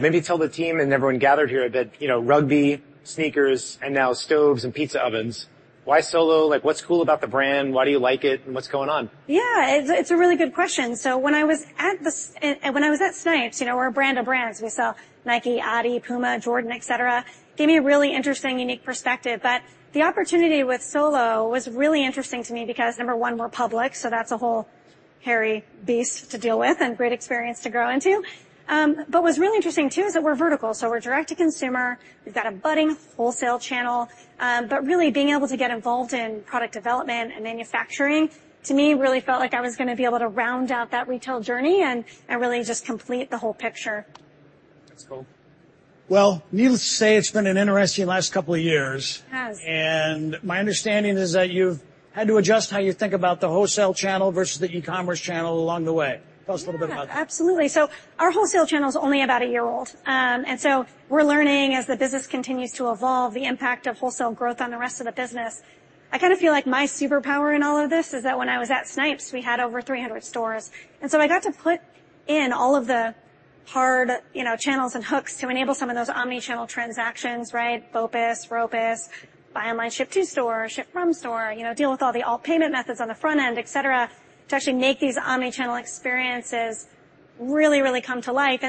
maybe tell the team and everyone gathered here that, you know, rugby, sneakers, and now stoves and pizza ovens. Why Solo? Like, what's cool about the brand? Why do you like it, and what's going on? Yeah, it's a really good question. So when I was at Snipes, you know, we're a brand of brands. We sell Nike, Adidas, Puma, Jordan, et cetera, gave me a really interesting, unique perspective. But the opportunity with Solo was really interesting to me because, number one, we're public, so that's a whole hairy beast to deal with and great experience to grow into. But what's really interesting, too, is that we're vertical. So we're direct to consumer. We've got a budding wholesale channel. But really, being able to get involved in product development and manufacturing, to me, really felt like I was gonna be able to round out that retail journey and really just complete the whole picture. That's cool. Well, needless to say, it's been an interesting last couple of years. It has. My understanding is that you've had to adjust how you think about the wholesale channel versus the e-commerce channel along the way. Tell us a little bit about that. Yeah. Absolutely. So our wholesale channel is only about a year old. And so we're learning as the business continues to evolve, the impact of wholesale growth on the rest of the business. I kinda feel like my superpower in all of this is that when I was at Snipes, we had over 300 stores, and so I got to put in all of the hard, you know, channels and hooks to enable some of those omnichannel transactions, right? BOPIS, ROPIS, buy online, ship to store, ship from store, you know, deal with all the alt payment methods on the front end, et cetera, to actually make these omnichannel experiences really, really come to life.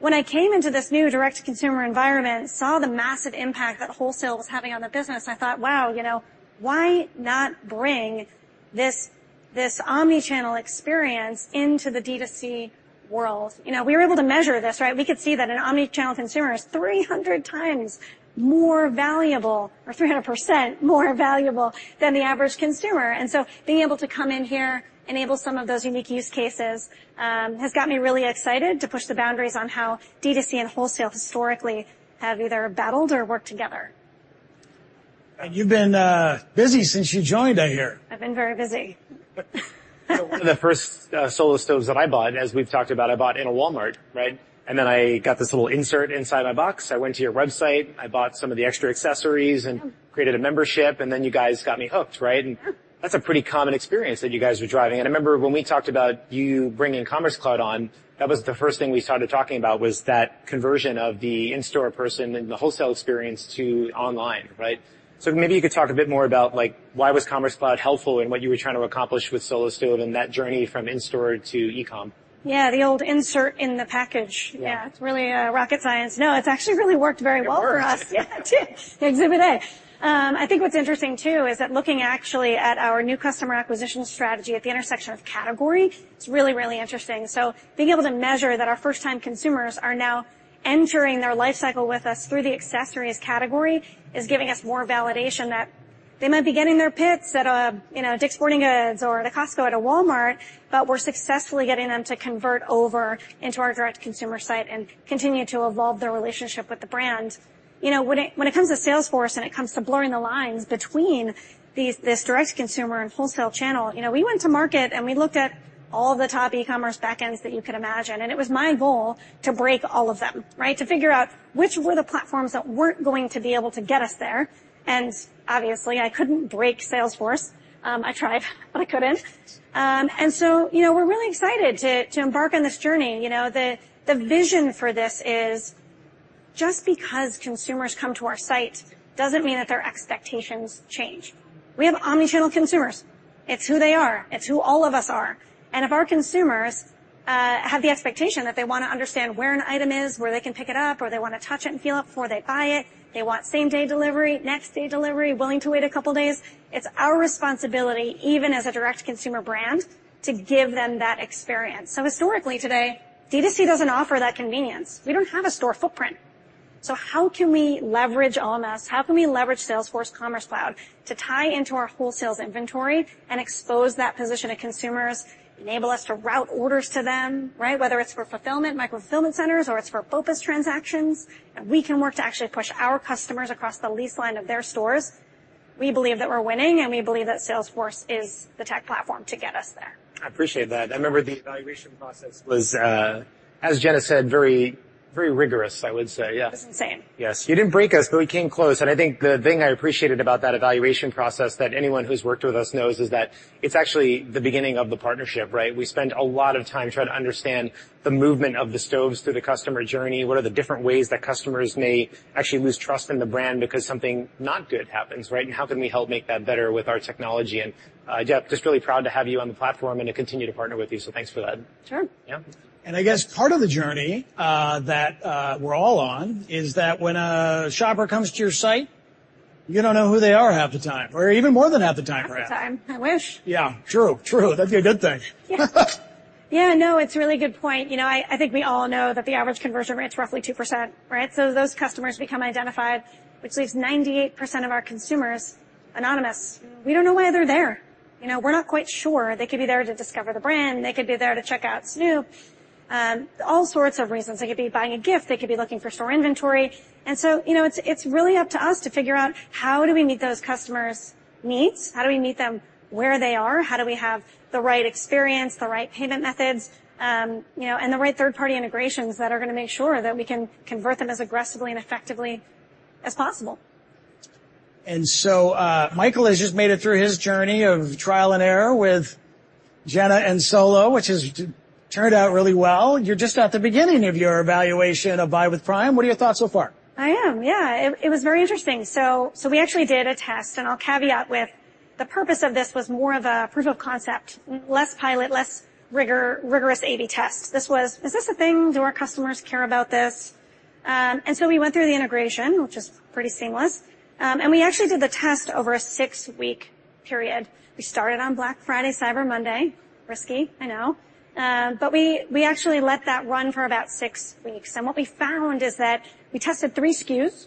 When I came into this new direct-to-consumer environment, saw the massive impact that wholesale was having on the business, I thought, "Wow, you know, why not bring this, this omnichannel experience into the D2C world?" You know, we were able to measure this, right? We could see that an omnichannel consumer is 300x more valuable, or 300% more valuable than the average consumer. Being able to come in here, enable some of those unique use cases, has got me really excited to push the boundaries on how D2C and wholesale historically have either battled or worked together. You've been busy since you joined, I hear. I've been very busy. So one of the first, Solo Stove that I bought, as we've talked about, I bought in a Walmart, right? And then I got this little insert inside my box. I went to your website, I bought some of the extra accessories, and- Oh... created a membership, and then you guys got me hooked, right? Sure. That's a pretty common experience that you guys were driving. And I remember when we talked about you bringing Commerce Cloud on, that was the first thing we started talking about, was that conversion of the in-store person and the wholesale experience to online, right? So maybe you could talk a bit more about, like, why was Commerce Cloud helpful in what you were trying to accomplish with Solo Stove and that journey from in-store to e-com? Yeah, the old insert in the package. Yeah. Yeah, it's really rocket science. No, it's actually really worked very well for us. It works. Yeah, it did. Exhibit A. I think what's interesting, too, is that looking actually at our new customer acquisition strategy at the intersection of category, it's really, really interesting. So being able to measure that our first-time consumers are now entering their life cycle with us through the accessories category is giving us more validation that they might be getting their picks at a, you know, Dick's Sporting Goods or at Costco or at Walmart, but we're successfully getting them to convert over into our direct consumer site and continue to evolve their relationship with the brand. You know, when it comes to Salesforce, and it comes to blurring the lines between these—this direct consumer and wholesale channel, you know, we went to market, and we looked at all the top e-commerce back ends that you could imagine, and it was my goal to break all of them, right? To figure out which were the platforms that weren't going to be able to get us there. And obviously, I couldn't break Salesforce. I tried, but I couldn't. And so, you know, we're really excited to embark on this journey. You know, the vision for this is just because consumers come to our site doesn't mean that their expectations change. We have omnichannel consumers. It's who they are. It's who all of us are. And if our consumers have the expectation that they wanna understand where an item is, where they can pick it up, or they wanna touch it and feel it before they buy it, they want same-day delivery, next day delivery, willing to wait a couple of days, it's our responsibility, even as a direct-to-consumer brand, to give them that experience. So historically, today, D2C doesn't offer that convenience. We don't have a store footprint. So how can we leverage OMS? How can we leverage Salesforce Commerce Cloud to tie into our wholesalers inventory and expose that position to consumers, enable us to route orders to them, right? Whether it's for fulfillment, micro-fulfillment centers, or it's for BOPIS transactions, and we can work to actually push our customers across the lease line of their stores. We believe that we're winning, and we believe that Salesforce is the tech platform to get us there. I appreciate that. I remember the evaluation process was, as Jenna said, very, very rigorous, I would say. Yeah. It was insane. Yes. You didn't break us, but we came close, and I think the thing I appreciated about that evaluation process that anyone who's worked with us knows is that it's actually the beginning of the partnership, right? We spend a lot of time trying to understand the movement of the stoves through the customer journey. What are the different ways that customers may actually lose trust in the brand because something not good happens, right? And how can we help make that better with our technology? And, yeah, just really proud to have you on the platform and to continue to partner with you. So thanks for that. Sure. Yeah. I guess part of the journey that we're all on is that when a shopper comes to your site, you don't know who they are half the time, or even more than half the time rather. Half the time. I wish! Yeah, true, true. That'd be a good thing. Yeah. Yeah, no, it's a really good point. You know, I, I think we all know that the average conversion rate is roughly 2%, right? So those customers become identified, which leaves 98% of our consumers anonymous. We don't know why they're there. You know, we're not quite sure. They could be there to discover the brand, they could be there to check out Snoop, all sorts of reasons. They could be buying a gift, they could be looking for store inventory. And so, you know, it's, it's really up to us to figure out how do we meet those customers' needs? How do we meet them where they are? How do we have the right experience, the right payment methods, you know, and the right third-party integrations that are gonna make sure that we can convert them as aggressively and effectively as possible? And so, Michael has just made it through his journey of trial and error with Jenna and Solo, which has turned out really well. You're just at the beginning of your evaluation of Buy with Prime. What are your thoughts so far? I am, yeah. It was very interesting. So we actually did a test, and I'll caveat with the purpose of this was more of a proof of concept, less pilot, less rigorous AB test. This was: Is this a thing? Do our customers care about this? And so we went through the integration, which is pretty seamless. And we actually did the test over a six-week period. We started on Black Friday, Cyber Monday. Risky, I know. But we actually let that run for about six weeks, and what we found is that we tested three SKUs,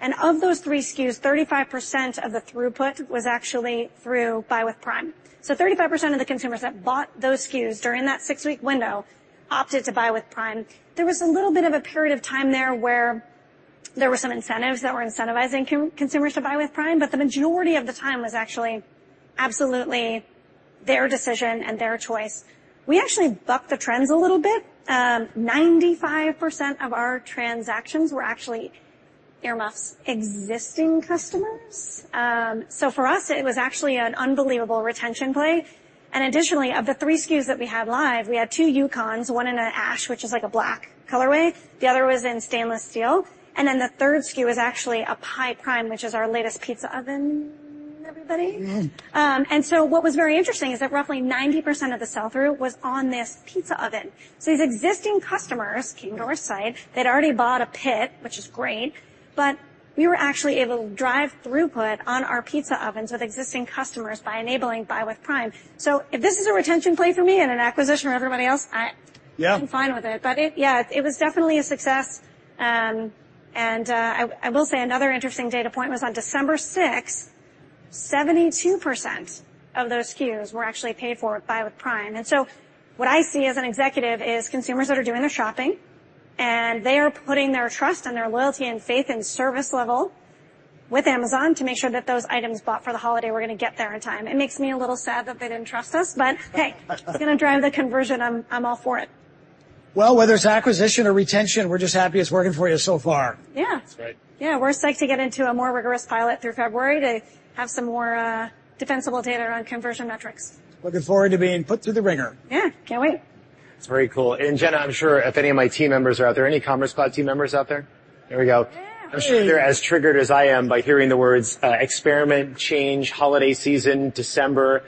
and of those three SKUs, 35% of the throughput was actually through Buy with Prime. So 35% of the consumers that bought those SKUs during that six-week window opted to Buy with Prime. There was a little bit of a period of time there where there were some incentives that were incentivizing co-consumers to Buy with Prime, but the majority of the time was actually absolutely their decision and their choice. We actually bucked the trends a little bit. 95% of our transactions were actually almost existing customers. So for us, it was actually an unbelievable retention play. Additionally, of the three SKUs that we had live, we had two Yukons, one in an ash, which is like a black colorway, the other was in stainless steel, and then the third SKU is actually a Pi Prime, which is our latest pizza oven, everybody. And so what was very interesting is that roughly 90% of the sell-through was on this pizza oven. So these existing customers came to our site. They'd already bought a pit, which is great, but we were actually able to drive throughput on our pizza ovens with existing customers by enabling Buy with Prime. So if this is a retention play for me and an acquisition for everybody else, I- Yeah... I'm fine with it. But it... Yeah, it was definitely a success. And I, I will say another interesting data point was on December sixth, 72% of those SKUs were actually paid for with Buy with Prime. And so what I see as an executive is consumers that are doing their shopping, and they are putting their trust and their loyalty and faith in service level with Amazon to make sure that those items bought for the holiday were gonna get there on time. It makes me a little sad that they didn't trust us, but, hey-- if it's gonna drive the conversion, I'm, I'm all for it. Well, whether it's acquisition or retention, we're just happy it's working for you so far. Yeah. That's right. Yeah, we're psyched to get into a more rigorous pilot through February to have some more, defensible data around conversion metrics. Looking forward to being put through the wringer. Yeah. Can't wait. It's very cool. Jenna, I'm sure if any of my team members are out there... Any Commerce Cloud team members out there? There we go. Yeah. I'm sure they're as triggered as I am by hearing the words, experiment, change, holiday season, December.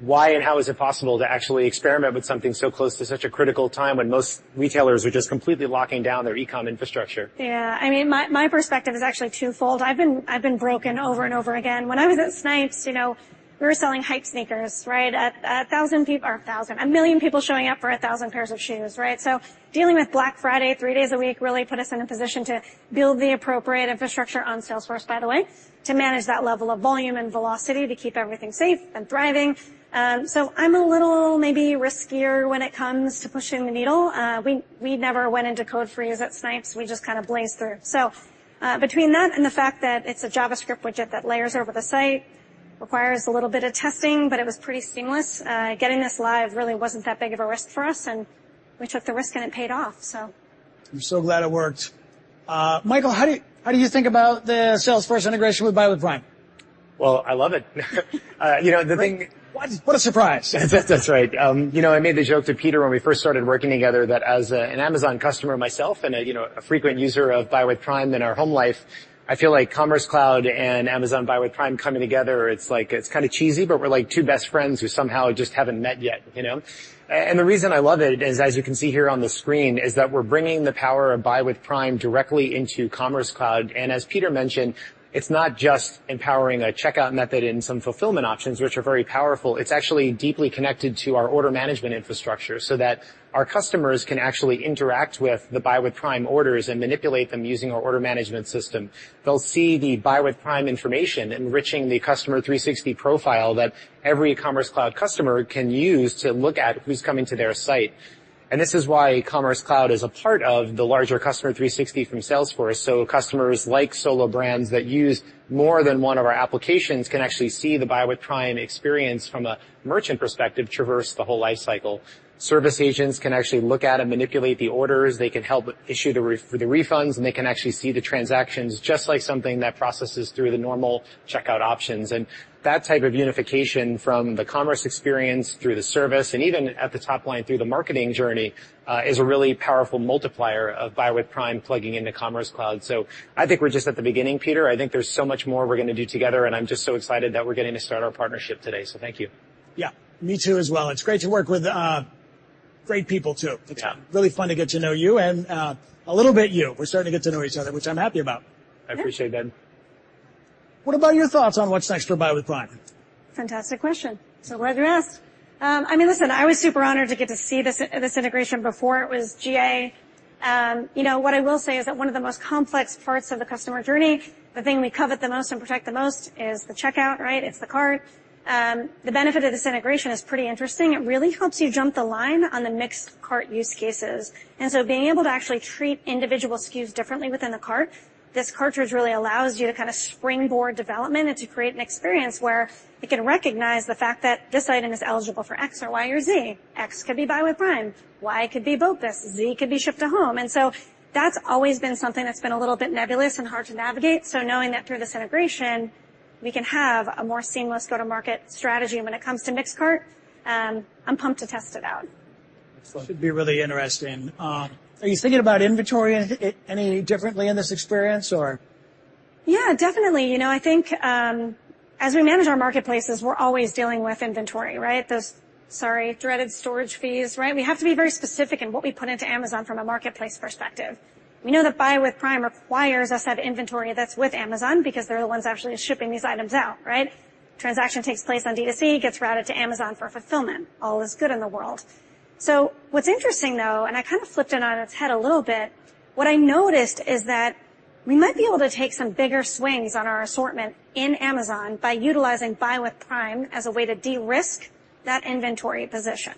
Why and how is it possible to actually experiment with something so close to such a critical time when most retailers are just completely locking down their e-com infrastructure? Yeah, I mean, my, my perspective is actually twofold. I've been, I've been broken over and over again. When I was at Snipes, you know, we were selling hype sneakers, right? 1,000 people... or 1,000, a million people showing up for 1,000 pairs of shoes, right? So dealing with Black Friday, three days a week, really put us in a position to build the appropriate infrastructure on Salesforce, by the way, to manage that level of volume and velocity, to keep everything safe and thriving. So I'm a little maybe riskier when it comes to pushing the needle. We, we never went into code freeze at Snipes. We just kind of blazed through. So, between that and the fact that it's a JavaScript widget that layers over the site, requires a little bit of testing, but it was pretty seamless. Getting this live really wasn't that big of a risk for us, and we took the risk, and it paid off so. I'm so glad it worked. Michael, how do you, how do you think about the Salesforce integration with Buy with Prime? Well, I love it. You know, the thing- What? What a surprise. That's right. You know, I made the joke to Peter when we first started working together that as an Amazon customer myself and a, you know, a frequent user of Buy with Prime in our home life, I feel like Commerce Cloud and Amazon Buy with Prime coming together, it's like... It's kind of cheesy, but we're like two best friends who somehow just haven't met yet, you know? And the reason I love it is, as you can see here on the screen, is that we're bringing the power of Buy with Prime directly into Commerce Cloud. And as Peter mentioned, it's not just empowering a checkout method and some fulfillment options, which are very powerful, it's actually deeply connected to our order management infrastructure so that our customers can actually interact with the Buy with Prime orders and manipulate them using our order management system. They'll see the Buy with Prime information, enriching the Customer 360 profile that every Commerce Cloud customer can use to look at who's coming to their site. And this is why Commerce Cloud is a part of the larger Customer 360 from Salesforce. So customers like Solo Brands that use more than one of our applications can actually see the Buy with Prime experience from a merchant perspective, traverse the whole life cycle. Service agents can actually look at and manipulate the orders. They can help issue the refunds, and they can actually see the transactions, just like something that processes through the normal checkout options. And that type of unification from the commerce experience through the service, and even at the top line through the marketing journey, is a really powerful multiplier of Buy with Prime plugging into Commerce Cloud. I think we're just at the beginning, Peter. I think there's so much more we're gonna do together, and I'm just so excited that we're getting to start our partnership today, so thank you. Yeah, me too, as well. It's great to work with great people, too. Yeah. It's really fun to get to know you and a little bit you. We're starting to get to know each other, which I'm happy about. I appreciate that. Yeah. What about your thoughts on what's next for Buy with Prime? Fantastic question. So glad you asked. I mean, listen, I was super honored to get to see this, this integration before it was GA. You know, what I will say is that one of the most complex parts of the customer journey, the thing we covet the most and protect the most, is the checkout, right? It's the cart. The benefit of this integration is pretty interesting. It really helps you jump the line on the mixed cart use cases. And so being able to actually treat individual SKUs differently within the cart, this cartridge really allows you to kind of springboard development and to create an experience where it can recognize the fact that this item is eligible for X or Y or Z. X could be Buy with Prime, Y could be Both, Z could be Shipped to Home. And so that's always been something that's been a little bit nebulous and hard to navigate. So knowing that through this integration we can have a more seamless go-to-market strategy when it comes to Mixed Cart, I'm pumped to test it out. Should be really interesting. Are you thinking about inventory any differently in this experience, or? Yeah, definitely. You know, I think, as we manage our marketplaces, we're always dealing with inventory, right? Those, sorry, dreaded storage fees, right? We have to be very specific in what we put into Amazon from a marketplace perspective. We know that Buy with Prime requires us to have inventory that's with Amazon because they're the ones actually shipping these items out, right? Transaction takes place on D2C, gets routed to Amazon for fulfillment. All is good in the world. So what's interesting, though, and I kind of flipped it on its head a little bit, what I noticed is that we might be able to take some bigger swings on our assortment in Amazon by utilizing Buy with Prime as a way to de-risk that inventory position.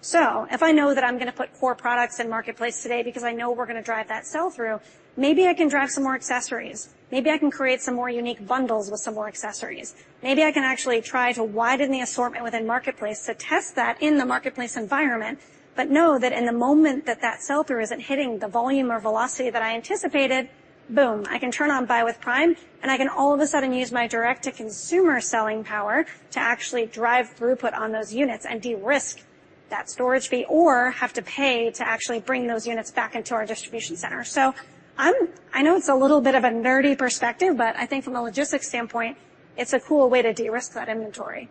So if I know that I'm gonna put core products in Marketplace today because I know we're gonna drive that sell-through, maybe I can drive some more accessories. Maybe I can create some more unique bundles with some more accessories. Maybe I can actually try to widen the assortment within Marketplace to test that in the Marketplace environment, but know that in the moment that that sell-through isn't hitting the volume or velocity that I anticipated, boom, I can turn on Buy with Prime, and I can all of a sudden use my direct-to-consumer selling power to actually drive throughput on those units and de-risk that storage fee, or have to pay to actually bring those units back into our distribution center. So I'm. I know it's a little bit of a nerdy perspective, but I think from a logistics standpoint, it's a cool way to de-risk that inventory.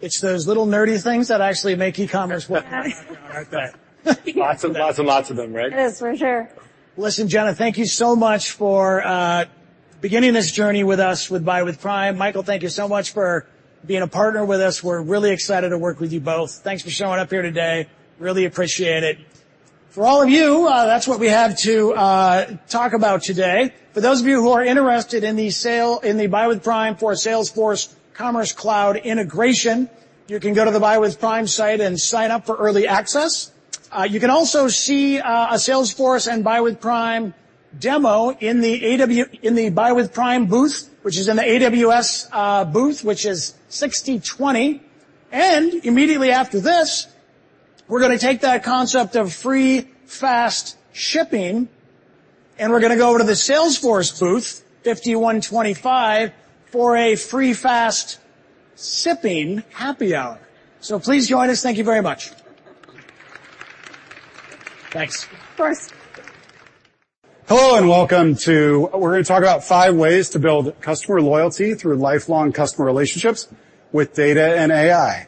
It's those little nerdy things that actually make e-commerce work, right there. Lots and lots and lots of them, right? It is, for sure. Listen, Jenna, thank you so much for beginning this journey with us, with Buy with Prime. Michael, thank you so much for being a partner with us. We're really excited to work with you both. Thanks for showing up here today. Really appreciate it. For all of you, that's what we have to talk about today. For those of you who are interested in the Buy with Prime for Salesforce Commerce Cloud integration, you can go to the Buy with Prime site and sign up for early access. You can also see a Salesforce and Buy with Prime demo in the AWS in the Buy with Prime booth, which is in the AWS booth, which is 60 20. Immediately after this, we're gonna take that concept of free, fast shipping, and we're gonna go to the Salesforce booth, 5125, for a free, fast shipping happy hour. So please join us. Thank you very much. Thanks. Of course. Hello, and welcome to... We're gonna talk about five ways to build customer loyalty through lifelong customer relationships with data and AI.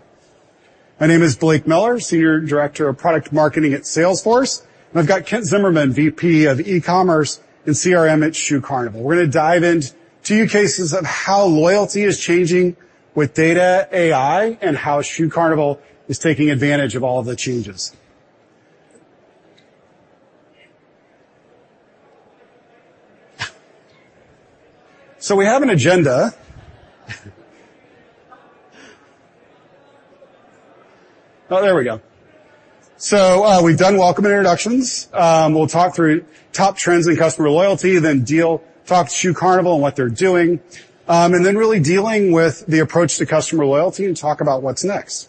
My name is Blake Miller, Senior Director of Product Marketing at Salesforce, and I've got Kent Zimmerman, VP of E-commerce and CRM at Shoe Carnival. We're gonna dive into two cases of how loyalty is changing with data AI, and how Shoe Carnival is taking advantage of all the changes. So we have an agenda. Oh, there we go. So, we've done welcome and introductions. We'll talk through top trends in customer loyalty, then deal, talk to Shoe Carnival and what they're doing. And then really dealing with the approach to customer loyalty and talk about what's next.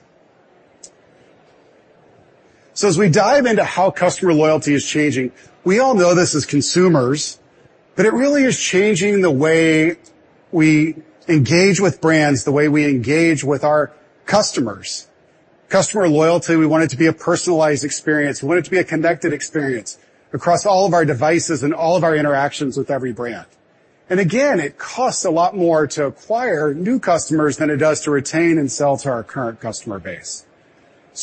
As we dive into how customer loyalty is changing, we all know this as consumers, but it really is changing the way we engage with brands, the way we engage with our customers. Customer loyalty, we want it to be a personalized experience. We want it to be a connected experience across all of our devices and all of our interactions with every brand. Again, it costs a lot more to acquire new customers than it does to retain and sell to our current customer base.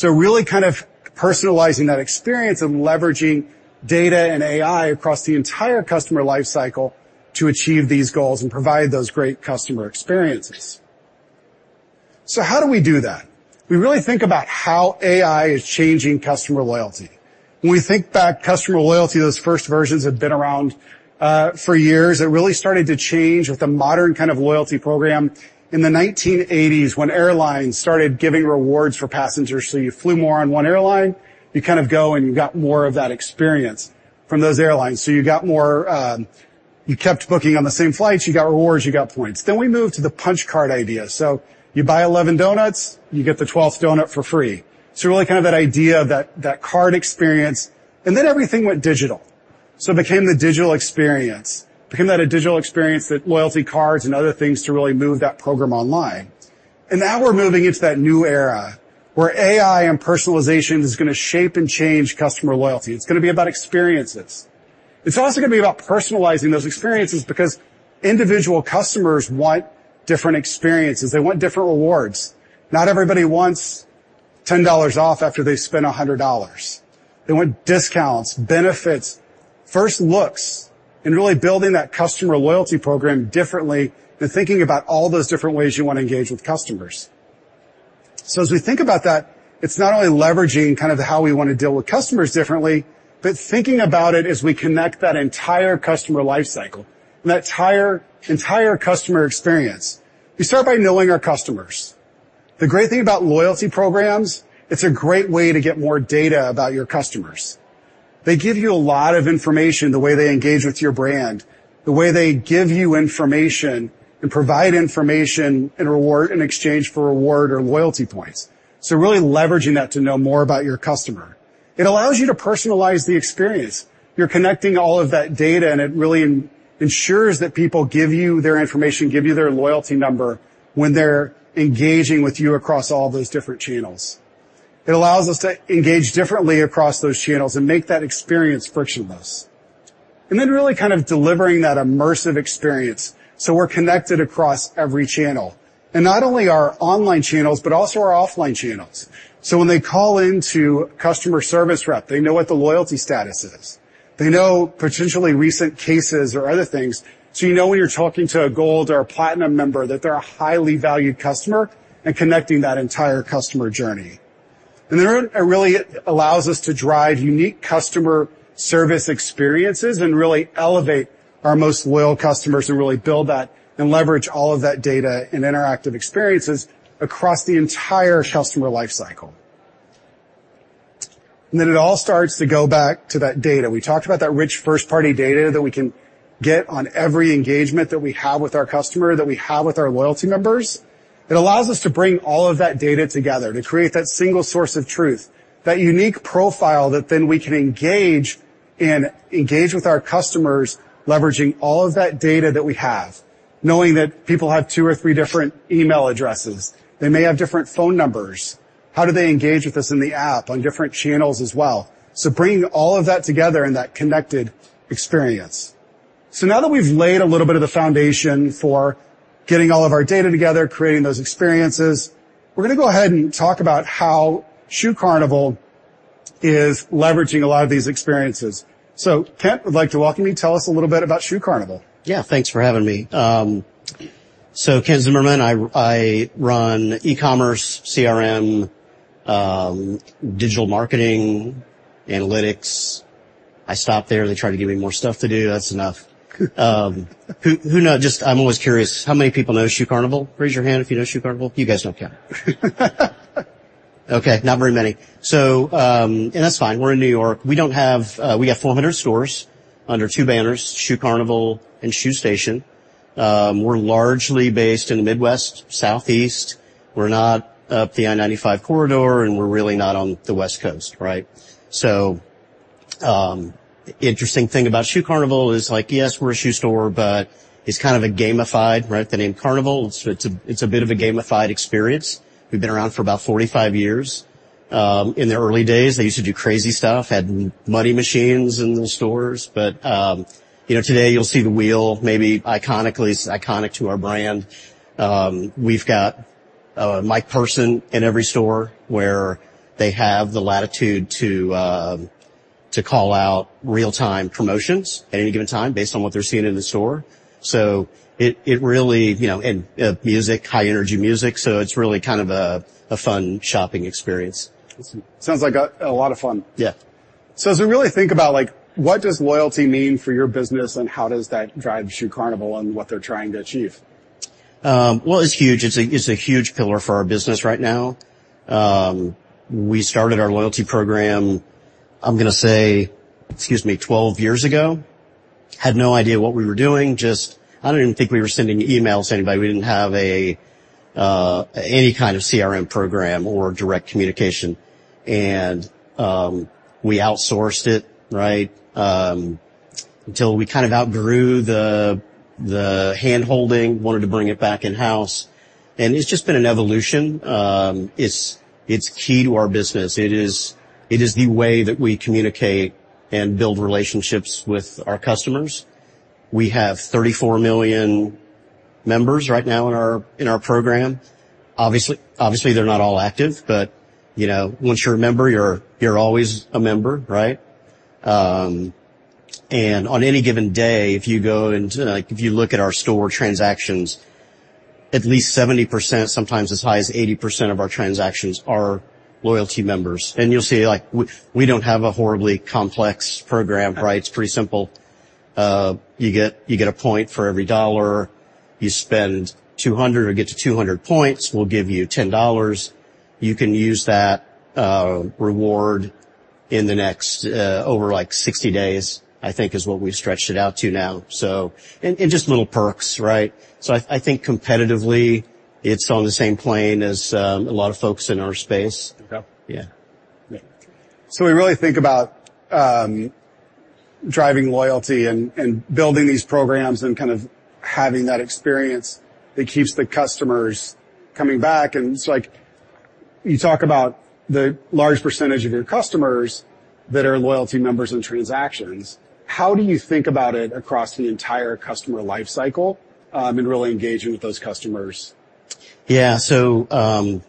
Really kind of personalizing that experience and leveraging data and AI across the entire customer life cycle to achieve these goals and provide those great customer experiences. How do we do that? We really think about how AI is changing customer loyalty. When we think back, customer loyalty, those first versions have been around for years. It really started to change with the modern kind of loyalty program in the 1980s, when airlines started giving rewards for passengers. So you flew more on one airline, you kind of go, and you got more of that experience from those airlines. So you got more, you kept booking on the same flights, you got rewards, you got points. Then we moved to the punch card idea. So you buy 11 donuts, you get the 12th donut for free. So really kind of that idea, that, that card experience, and then everything went digital. So it became the digital experience. Became that, a digital experience, that loyalty cards and other things to really move that program online. And now we're moving into that new era, where AI and personalization is gonna shape and change customer loyalty. It's gonna be about experiences. It's also gonna be about personalizing those experiences because individual customers want different experiences. They want different rewards. Not everybody wants $10 off after they spend $100. They want discounts, benefits, first looks, and really building that customer loyalty program differently than thinking about all those different ways you want to engage with customers. So as we think about that, it's not only leveraging kind of how we wanna deal with customers differently, but thinking about it as we connect that entire customer life cycle and that entire, entire customer experience. We start by knowing our customers. The great thing about loyalty programs, it's a great way to get more data about your customers. They give you a lot of information, the way they engage with your brand, the way they give you information and provide information and reward, in exchange for reward or loyalty points. So really leveraging that to know more about your customer. It allows you to personalize the experience. You're connecting all of that data, and it really ensures that people give you their information, give you their loyalty number when they're engaging with you across all those different channels. It allows us to engage differently across those channels and make that experience frictionless. And then really kind of delivering that immersive experience, so we're connected across every channel, and not only our online channels, but also our offline channels. So when they call into customer service rep, they know what the loyalty status is. They know potentially recent cases or other things. So you know when you're talking to a gold or a platinum member, that they're a highly valued customer and connecting that entire customer journey. And then it really allows us to drive unique customer service experiences and really elevate our most loyal customers and really build that and leverage all of that data and interactive experiences across the entire customer life cycle. And then it all starts to go back to that data. We talked about that rich first-party data that we can get on every engagement that we have with our customer, that we have with our loyalty members. It allows us to bring all of that data together to create that single source of truth, that unique profile that then we can engage and engage with our customers, leveraging all of that data that we have, knowing that people have two or three different email addresses. They may have different phone numbers. How do they engage with us in the app on different channels as well? Bringing all of that together in that connected experience. Now that we've laid a little bit of the foundation for getting all of our data together, creating those experiences, we're gonna go ahead and talk about how Shoe Carnival is leveraging a lot of these experiences. Kent, I'd like to welcome you. Tell us a little bit about Shoe Carnival. Yeah, thanks for having me. So Kent Zimmerman, I run e-commerce, CRM, digital marketing, analytics. I stop there. They try to give me more stuff to do. That's enough. Who knows—Just, I'm always curious, how many people know Shoe Carnival? Raise your hand if you know Shoe Carnival. You guys don't count. Okay, not very many. So, and that's fine. We're in New York. We don't have... We have 400 stores under two banners: Shoe Carnival and Shoe Station. We're largely based in the Midwest, Southeast. We're not up the I-95 corridor, and we're really not on the West Coast, right? So, interesting thing about Shoe Carnival is like, yes, we're a shoe store, but it's kind of a gamified, right? The name Carnival, it's a bit of a gamified experience. We've been around for about 45 years. In the early days, they used to do crazy stuff, had money machines in the stores. But, you know, today you'll see the wheel, maybe iconically, it's iconic to our brand. We've got a mic person in every store where they have the latitude to call out real-time promotions at any given time, based on what they're seeing in the store. So it really, you know, and music, high energy music, so it's really kind of a fun shopping experience. Sounds like a lot of fun. Yeah. As we really think about, like, what does loyalty mean for your business, and how does that drive Shoe Carnival and what they're trying to achieve? Well, it's huge. It's a huge pillar for our business right now. We started our loyalty program, I'm gonna say, excuse me, 12 years ago. Had no idea what we were doing. Just, I don't even think we were sending emails to anybody. We didn't have a any kind of CRM program or direct communication, and we outsourced it, right? Until we kind of outgrew the handholding, wanted to bring it back in-house, and it's just been an evolution. It's key to our business. It is the way that we communicate and build relationships with our customers. We have 34 million members right now in our program. Obviously, they're not all active, but you know, once you're a member, you're always a member, right? On any given day, if you go into, like, if you look at our store transactions, at least 70%, sometimes as high as 80% of our transactions are loyalty members. You'll see, like, we don't have a horribly complex program, right? Yeah. It's pretty simple. You get, you get a point for every dollar. You spend 200 or get to 200 points, we'll give you $10. You can use that reward in the next, over, like, 60 days, I think is what we've stretched it out to now. So... And just little perks, right? So I think competitively, it's on the same plane as a lot of folks in our space. Okay. Yeah. Yeah. So we really think about, driving loyalty and, and building these programs and kind of having that experience that keeps the customers coming back. And it's like, you talk about the large percentage of your customers that are loyalty members and transactions. How do you think about it across the entire customer life cycle, and really engaging with those customers? Yeah. So,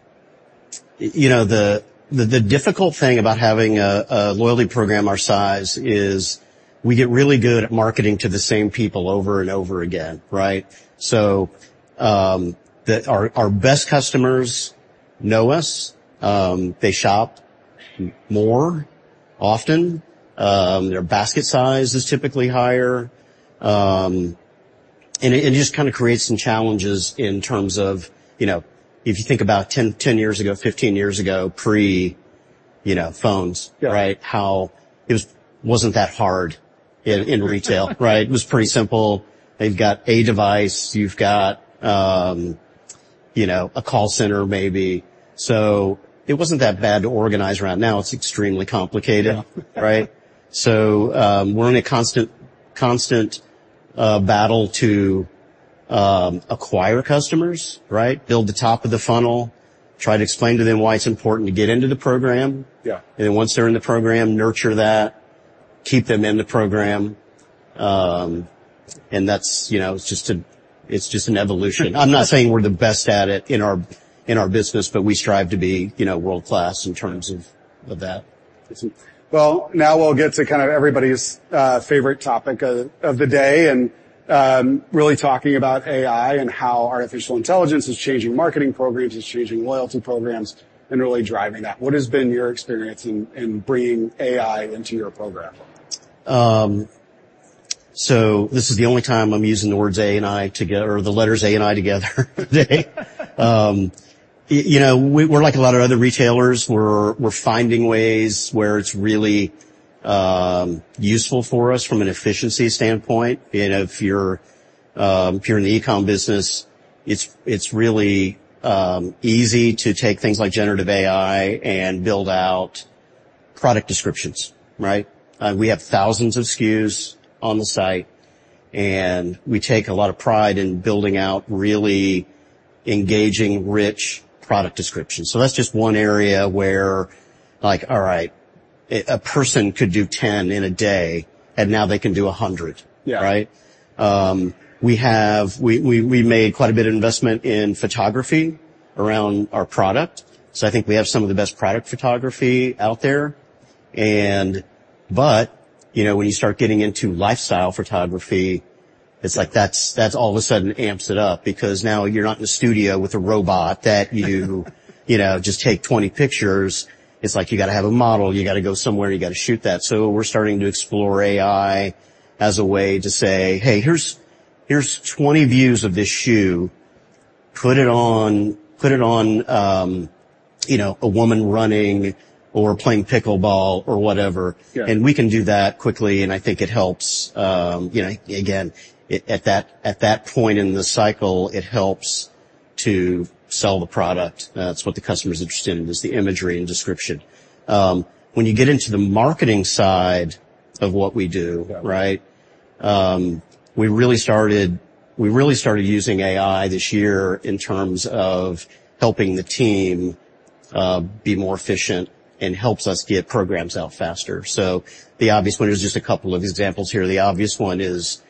you know, the difficult thing about having a loyalty program our size is we get really good at marketing to the same people over and over again, right? So, the... Our best customers know us. They shop more often. Their basket size is typically higher. And it just kind of creates some challenges in terms of, you know, if you think about 10, 10 years ago, 15 years ago, pre, you know, phones- Yeah... right? How it was wasn't that hard in retail, right? It was pretty simple. They've got a device. You've got, you know, a call center maybe. So it wasn't that bad to organize around. Now, it's extremely complicated. Yeah. Right? So, we're in a constant battle to acquire customers, right? Build the top of the funnel, try to explain to them why it's important to get into the program. Yeah. Once they're in the program, nurture that, keep them in the program. That's, you know, it's just an evolution. Sure. I'm not saying we're the best at it in our business, but we strive to be, you know, world-class in terms of that. Well, now we'll get to kind of everybody's favorite topic of the day, and really talking about AI and how artificial intelligence is changing marketing programs, it's changing loyalty programs, and really driving that. What has been your experience in bringing AI into your program? So this is the only time I'm using the words A and I together, or the letters A and I together today. You know, we're like a lot of other retailers. We're finding ways where it's really useful for us from an efficiency standpoint. You know, if you're in the e-com business, it's really easy to take things like generative AI and build out product descriptions, right? We have thousands of SKUs on the site, and we take a lot of pride in building out really engaging, rich product descriptions. So that's just one area where, like, all right, a person could do 10 in a day, and now they can do 100. Yeah. Right? We have. We made quite a bit of investment in photography around our product, so I think we have some of the best product photography out there. But, you know, when you start getting into lifestyle photography, it's like that's all of a sudden amps it up because now you're not in a studio with a robot that you know just take 20 pictures. It's like you gotta have a model, you gotta go somewhere, you gotta shoot that. So we're starting to explore AI as a way to say: "Hey, here's 20 views of this shoe. Put it on, put it on, you know, a woman running or playing pickleball or whatever. Yeah. We can do that quickly, and I think it helps, you know, again, at that point in the cycle, it helps to sell the product. That's what the customer is interested in, is the imagery and description. When you get into the marketing side of what we do- Yeah... right, we really started using AI this year in terms of helping the team be more efficient and helps us get programs out faster. So the obvious one, there's just a couple of examples here. The obvious one is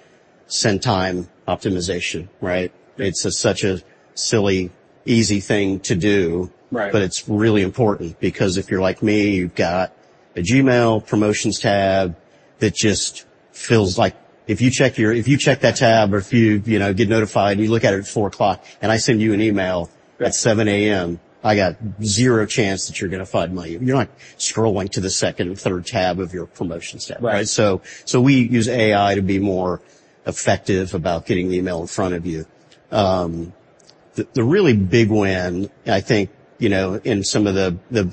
Send Time Optimization, right? It's such a silly, easy thing to do- Right... but it's really important because if you're like me, you've got a Gmail promotions tab that just feels like if you check that tab or if you, you know, get notified, and you look at it at four o'clock, and I send you an email- Right... at 7:00 A.M., I got zero chance that you're gonna find my... You're not scrolling to the second or third tab of your promotions tab. Right. So we use AI to be more effective about getting the email in front of you. The really big win, I think, you know, in some of the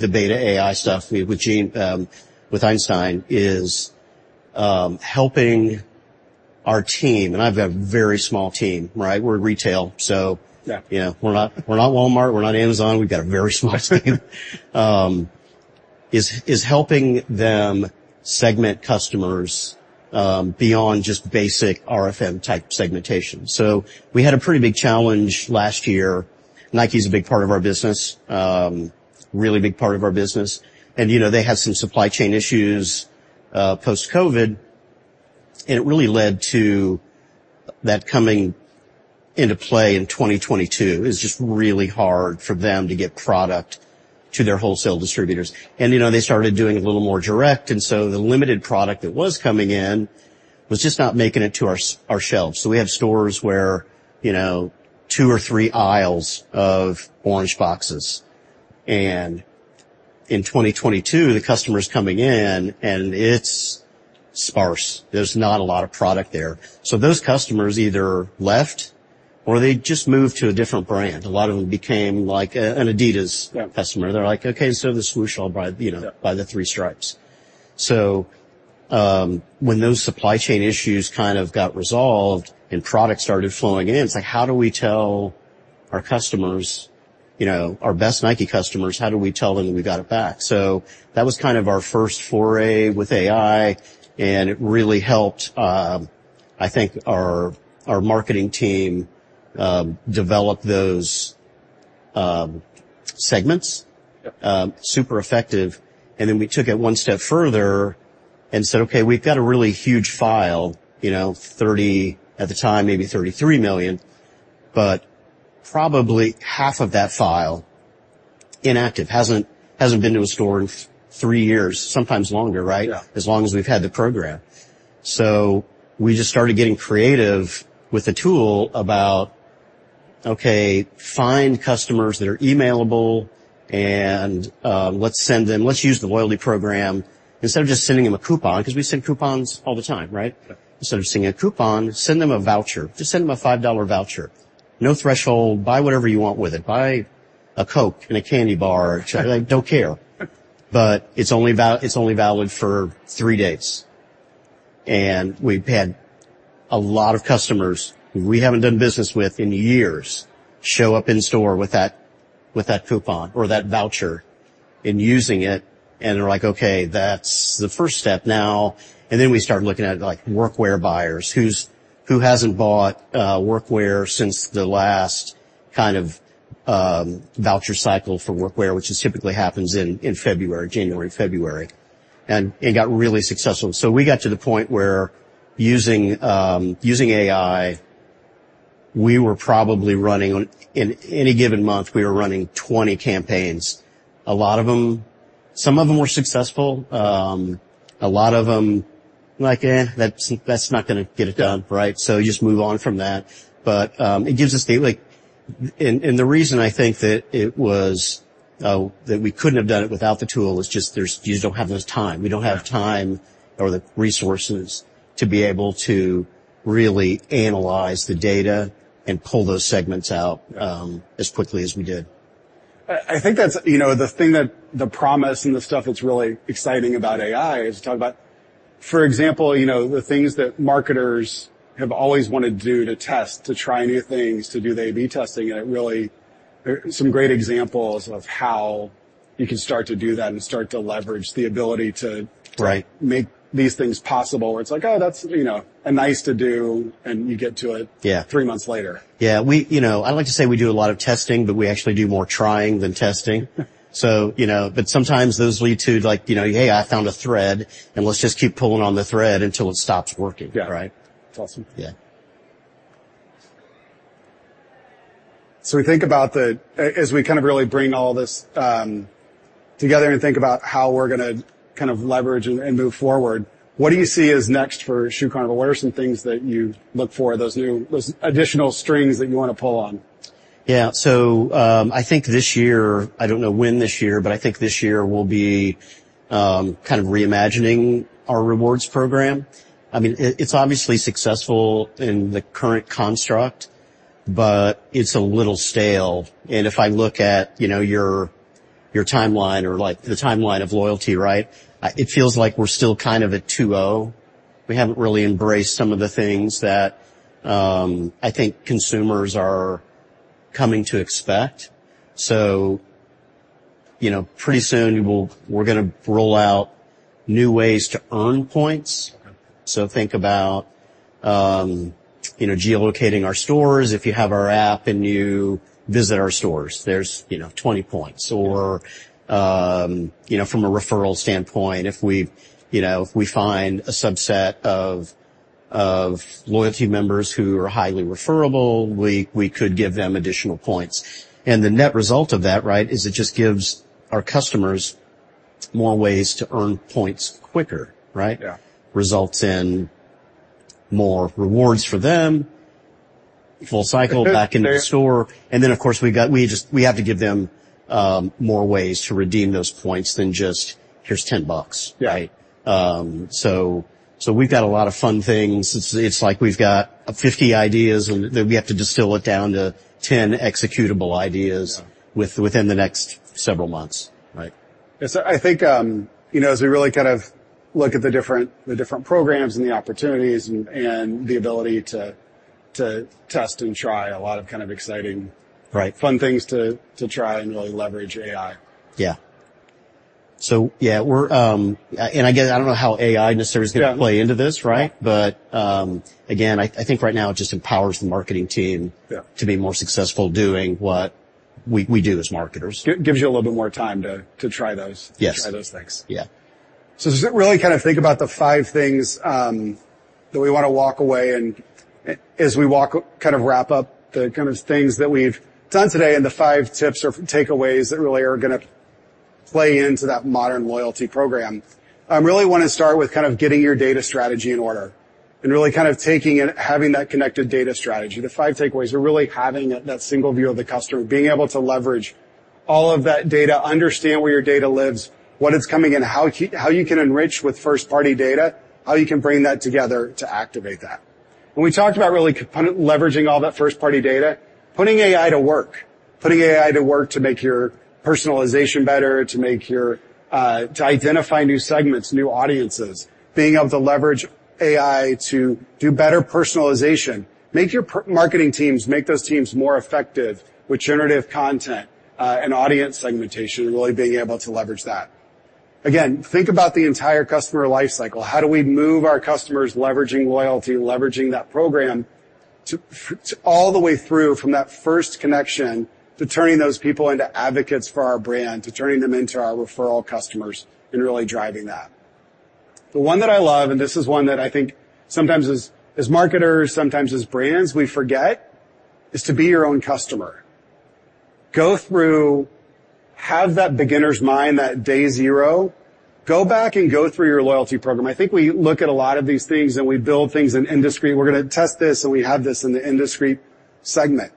beta AI stuff with Gen, with Einstein, is helping our team, and I have a very small team, right? We're retail, so- Yeah... you know, we're not, we're not Walmart, we're not Amazon. We've got a very small team. Is helping them segment customers beyond just basic RFM type segmentation. So we had a pretty big challenge last year. Nike is a big part of our business, really big part of our business, and, you know, they had some supply chain issues post-COVID, and it really led to that coming into play in 2022. It's just really hard for them to get product to their wholesale distributors. And, you know, they started doing a little more direct, and so the limited product that was coming in was just not making it to our shelves. So we have stores where, you know, two or three aisles of orange boxes, and in 2022, the customer's coming in, and it's sparse. There's not a lot of product there. So those customers either left or they just moved to a different brand. A lot of them became, like, an Adidas- Yeah... customer. They're like: "Okay, so the swoosh, I'll buy, you know- Yeah... buy the three stripes." So, when those supply chain issues kind of got resolved and product started flowing in, it's like, how do we tell our customers, you know, our best Nike customers, how do we tell them that we got it back? So that was kind of our first foray with AI, and it really helped, I think our, our marketing team, develop those segments. Yep. Super effective. Then we took it one step further and said, "Okay, we've got a really huge file," you know, 30 at the time, maybe 33 million, but probably half of that file inactive, hasn't been to a store in three years, sometimes longer, right? Yeah. As long as we've had the program. We just started getting creative with the tool about, okay, find customers that are emailable, and let's send them... Let's use the loyalty program, instead of just sending them a coupon, 'cause we send coupons all the time, right? Yeah. Instead of sending a coupon, send them a voucher. Just send them a $5 voucher. No threshold. Buy whatever you want with it. Buy a Coke and a candy bar. I don't care. But it's only valid for three days.... and we've had a lot of customers who we haven't done business with in years, show up in store with that, with that coupon or that voucher, and we're like: "Okay, that's the first step now." And then we start looking at, like, workwear buyers. Who hasn't bought workwear since the last kind of voucher cycle for workwear, which is typically happens in February, January, February. And it got really successful. So we got to the point where using AI, we were probably running on-- in any given month, we were running 20 campaigns. A lot of them... Some of them were successful. A lot of them, like, that's not gonna get it done, right? So you just move on from that. But it gives us the, like... And the reason I think that it was that we couldn't have done it without the tool is just there's you don't have the time. We don't have time or the resources to be able to really analyze the data and pull those segments out as quickly as we did. I think that's, you know, the thing that the promise and the stuff that's really exciting about AI is talk about, for example, you know, the things that marketers have always wanted to do to test, to try new things, to do the A/B Testing, and it really... There are some great examples of how you can start to do that and start to leverage the ability to- Right... make these things possible, where it's like, oh, that's, you know, a nice to do, and you get to it- Yeah Three months later. Yeah, we, you know, I like to say we do a lot of testing, but we actually do more trying than testing. So, you know, but sometimes those lead to, like, you know, "Hey, I found a thread, and let's just keep pulling on the thread until it stops working. Yeah. Right? It's awesome. Yeah. So we think about as we kind of really bring all this together and think about how we're gonna kind of leverage and move forward, what do you see is next for Shoe Carnival? What are some things that you look for, those new, those additional strings that you want to pull on? Yeah. So, I think this year, I don't know when this year, but I think this year will be kind of reimagining our rewards program. I mean, it's obviously successful in the current construct, but it's a little stale. And if I look at, you know, your timeline or, like, the timeline of loyalty, right? It feels like we're still kind of at 2.0. We haven't really embraced some of the things that I think consumers are coming to expect. So, you know, pretty soon, we're gonna roll out new ways to earn points. Okay. Think about, you know, geolocating our stores. If you have our app and you visit our stores, there's, you know, 20 points. Yeah. Or, you know, from a referral standpoint, if we find a subset of loyalty members who are highly referable, we could give them additional points. And the net result of that, right, is it just gives our customers more ways to earn points quicker, right? Yeah. Results in more rewards for them, full cycle back into the store. There- Then, of course, we got... We just have to give them more ways to redeem those points than just, "Here's $10. Yeah. Right? So we've got a lot of fun things. It's like we've got 50 ideas, and then we have to distill it down to 10 executable ideas- Yeah... within the next several months. Right. Yes, I think, you know, as we really kind of look at the different programs and the opportunities and the ability to test and try a lot of kind of exciting- Right... fun things to try and really leverage AI. Yeah. So yeah, we're, and again, I don't know how AI necessarily is gonna- Yeah... play into this, right? Yeah. But, again, I think right now it just empowers the marketing team- Yeah... to be more successful doing what we do as marketers. Gives you a little bit more time to try those- Yes... to try those things. Yeah. So just really kind of think about the five things that we want to walk away and, as we walk, kind of wrap up the kind of things that we've done today and the five tips or takeaways that really are gonna play into that modern loyalty program. I really want to start with kind of getting your data strategy in order, and really kind of taking it, having that connected data strategy. The five takeaways are really having that, that single view of the customer, being able to leverage all of that data, understand where your data lives, what it's coming in, how you can enrich with first-party data, how you can bring that together to activate that. When we talked about really kind of leveraging all that first-party data, putting AI to work, putting AI to work to make your personalization better, to make your. To identify new segments, new audiences, being able to leverage AI to do better personalization. Make your marketing teams, make those teams more effective with generative content, and audience segmentation, and really being able to leverage that. Again, think about the entire customer life cycle. How do we move our customers leveraging loyalty, leveraging that program, to all the way through from that first connection to turning those people into advocates for our brand, to turning them into our referral customers and really driving that? The one that I love, and this is one that I think sometimes as marketers, sometimes as brands, we forget, is to be your own customer. Go through, have that beginner's mind, that day zero, go back and go through your loyalty program. I think we look at a lot of these things, and we build things in industry. We're gonna test this, and we have this in the industry segment.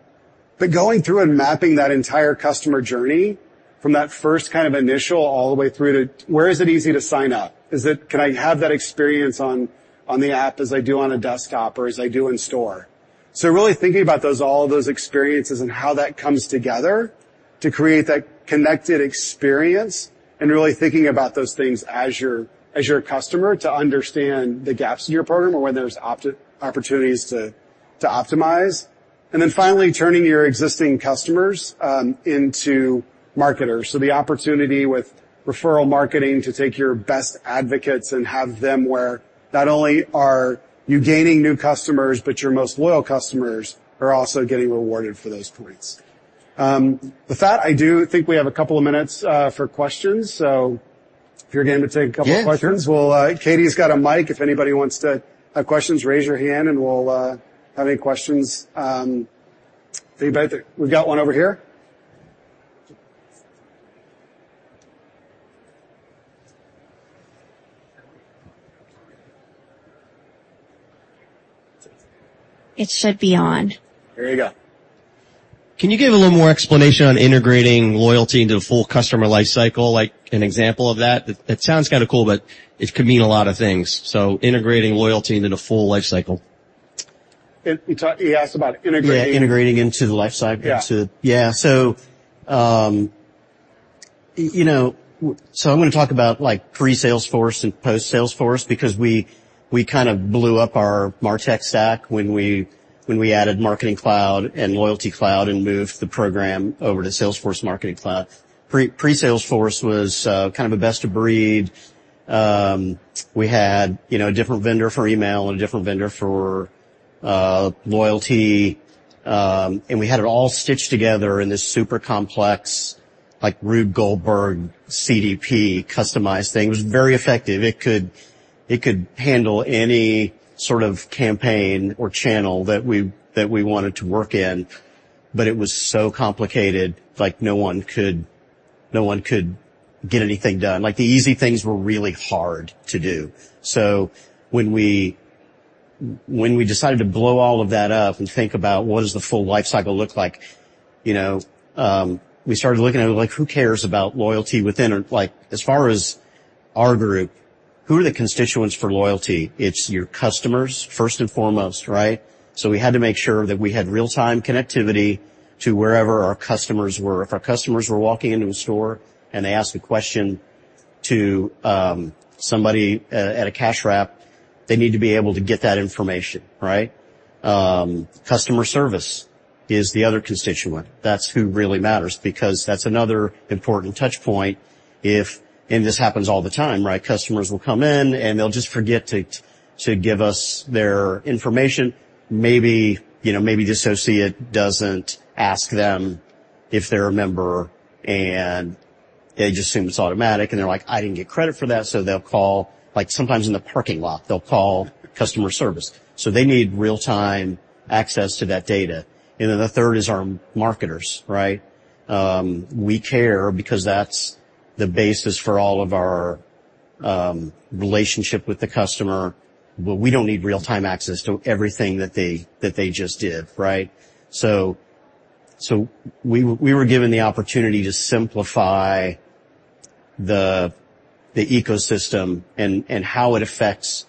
But going through and mapping that entire customer journey from that first kind of initial all the way through to where is it easy to sign up? Is it- can I have that experience on, on the app as I do on a desktop or as I do in store? So really thinking about those, all of those experiences and how that comes together.... to create that connected experience and really thinking about those things as your, as your customer, to understand the gaps in your program or where there's opportunities to, to optimize. And then finally, turning your existing customers into marketers. The opportunity with referral marketing to take your best advocates and have them where not only are you gaining new customers, but your most loyal customers are also getting rewarded for those points. With that, I do think we have a couple of minutes for questions. So if you're game to take a couple questions- Yeah. Well, Kathy's got a mic. If anybody wants to, questions, raise your hand and we'll, have any questions, anybody... We've got one over here. It should be on. There you go. Can you give a little more explanation on integrating loyalty into the full customer life cycle, like, an example of that? It sounds kinda cool, but it could mean a lot of things, so integrating loyalty into the full life cycle. You talked - you asked about integrating - Yeah, integrating into the life cycle. Yeah. Yeah, so, you know, so I'm gonna talk about, like, pre-Salesforce and post-Salesforce, because we, we kind of blew up our MarTech stack when we, when we added Marketing Cloud and Loyalty Cloud and moved the program over to Salesforce Marketing Cloud. Pre-Salesforce was kind of a best of breed. We had, you know, a different vendor for email and a different vendor for loyalty. And we had it all stitched together in this super complex, like, Rube Goldberg CDP customized thing. It was very effective. It could, it could handle any sort of campaign or channel that we, that we wanted to work in, but it was so complicated, like, no one could, no one could get anything done. Like, the easy things were really hard to do. So when we, when we decided to blow all of that up and think about what does the full life cycle look like, you know, we started looking at it, like, who cares about loyalty within or, like, as far as our group, who are the constituents for loyalty? It's your customers, first and foremost, right? So we had to make sure that we had real-time connectivity to wherever our customers were. If our customers were walking into a store, and they asked a question to somebody at a cash wrap, they need to be able to get that information, right? Customer service is the other constituent. That's who really matters because that's another important touch point if and this happens all the time, right? Customers will come in, and they'll just forget to give us their information. Maybe, you know, maybe the associate doesn't ask them if they're a member, and they just assume it's automatic, and they're like: "I didn't get credit for that," so they'll call, like, sometimes in the parking lot, they'll call customer service. So they need real-time access to that data. And then the third is our marketers, right? We care because that's the basis for all of our relationship with the customer, but we don't need real-time access to everything that they just did, right? So we were given the opportunity to simplify the ecosystem and how it affects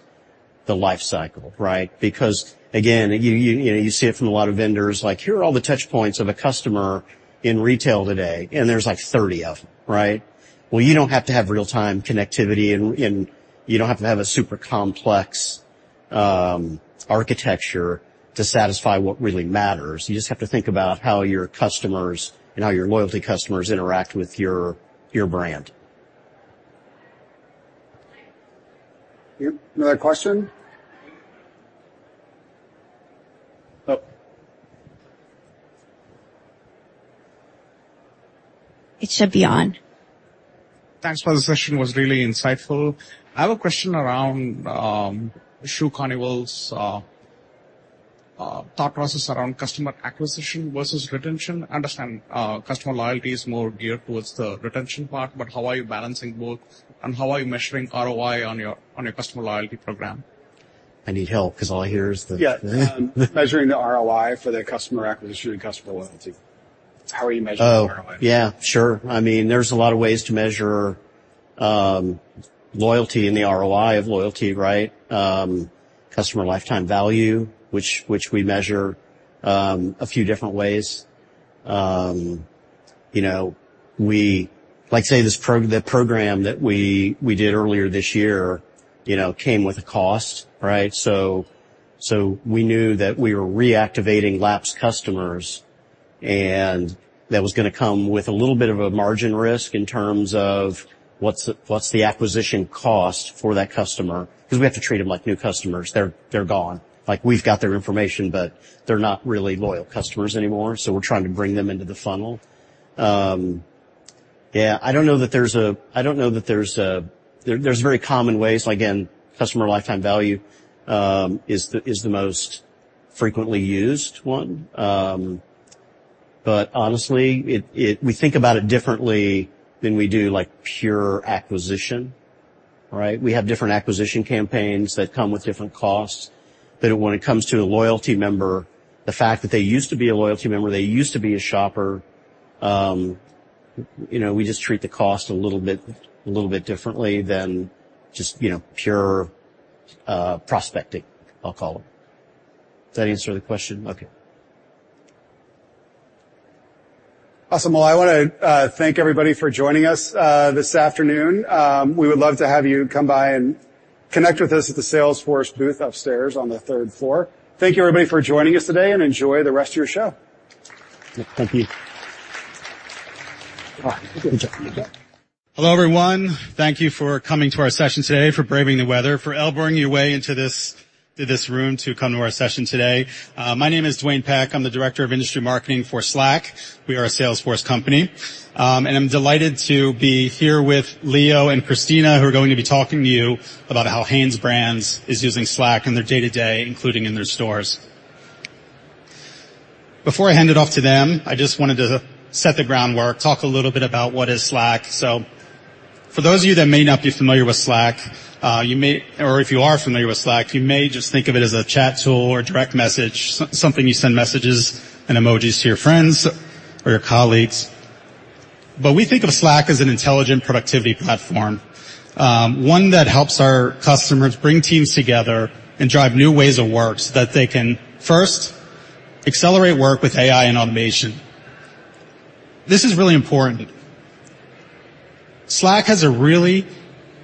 the life cycle, right? Because, again, you know, you see it from a lot of vendors, like, "Here are all the touch points of a customer in retail today," and there's, like, 30 of them, right? Well, you don't have to have real-time connectivity and you don't have to have a super complex architecture to satisfy what really matters. You just have to think about how your customers and how your loyalty customers interact with your brand. You, another question? Oh. It should be on. Thanks for the session, it was really insightful. I have a question around Shoe Carnival's thought process around customer acquisition versus retention. I understand customer loyalty is more geared towards the retention part, but how are you balancing both, and how are you measuring ROI on your customer loyalty program? I need help 'cause all I hear is the- Yeah, measuring the ROI for the customer acquisition and customer loyalty. How are you measuring the ROI? Oh, yeah, sure. I mean, there's a lot of ways to measure loyalty and the ROI of loyalty, right? Customer lifetime value, which we measure a few different ways. You know, we like, say, the program that we did earlier this year, you know, came with a cost, right? So we knew that we were reactivating lapsed customers, and that was gonna come with a little bit of a margin risk in terms of what's the acquisition cost for that customer, 'cause we have to treat them like new customers. They're gone. Like, we've got their information, but they're not really loyal customers anymore, so we're trying to bring them into the funnel. Yeah, I don't know that there's a, I don't know that there's a... There's very common ways, like, again, customer lifetime value is the most frequently used one. But honestly, it we think about it differently than we do, like, pure acquisition, right? We have different acquisition campaigns that come with different costs. But when it comes to a loyalty member, the fact that they used to be a loyalty member, they used to be a shopper, you know, we just treat the cost a little bit, a little bit differently than just, you know, pure prospecting, I'll call it. Does that answer the question? Okay. Awesome. Well, I wanna thank everybody for joining us this afternoon. We would love to have you come by and connect with us at the Salesforce booth upstairs on the third floor. Thank you, everybody, for joining us today, and enjoy the rest of your show. Thank you. Hello, everyone. Thank you for coming to our session today, for braving the weather, for elbowing your way into this, to this room to come to our session today. My name is Duane Peck. I'm the director of industry marketing for Slack. We are a Salesforce company. And I'm delighted to be here with Leo and Christina, who are going to be talking to you about how HanesBrands is using Slack in their day-to-day, including in their stores. Before I hand it off to them, I just wanted to set the groundwork, talk a little bit about what is Slack. So for those of you that may not be familiar with Slack, you may... Or if you are familiar with Slack, you may just think of it as a chat tool or a direct message, something you send messages and emojis to your friends or your colleagues. But we think of Slack as an intelligent productivity platform, one that helps our customers bring teams together and drive new ways of work so that they can, first, accelerate work with AI and automation. This is really important. Slack has a really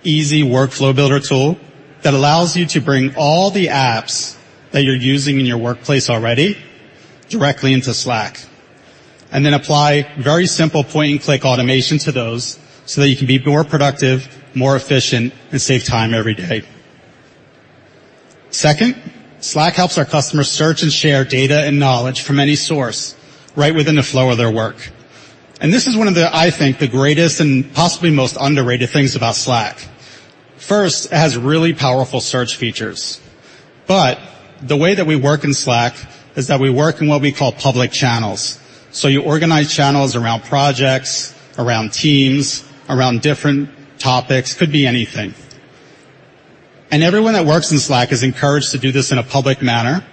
easy Workflow Builder tool that allows you to bring all the apps that you're using in your workplace already directly into Slack, and then apply very simple point-and-click automation to those, so that you can be more productive, more efficient, and save time every day. Second, Slack helps our customers search and share data and knowledge from any source, right within the flow of their work. This is one of the, I think, the greatest and possibly most underrated things about Slack. First, it has really powerful search features, but the way that we work in Slack is that we work in what we call public channels. So you organize channels around projects, around teams, around different topics. Could be anything. And everyone that works in Slack is encouraged to do this in a public manner,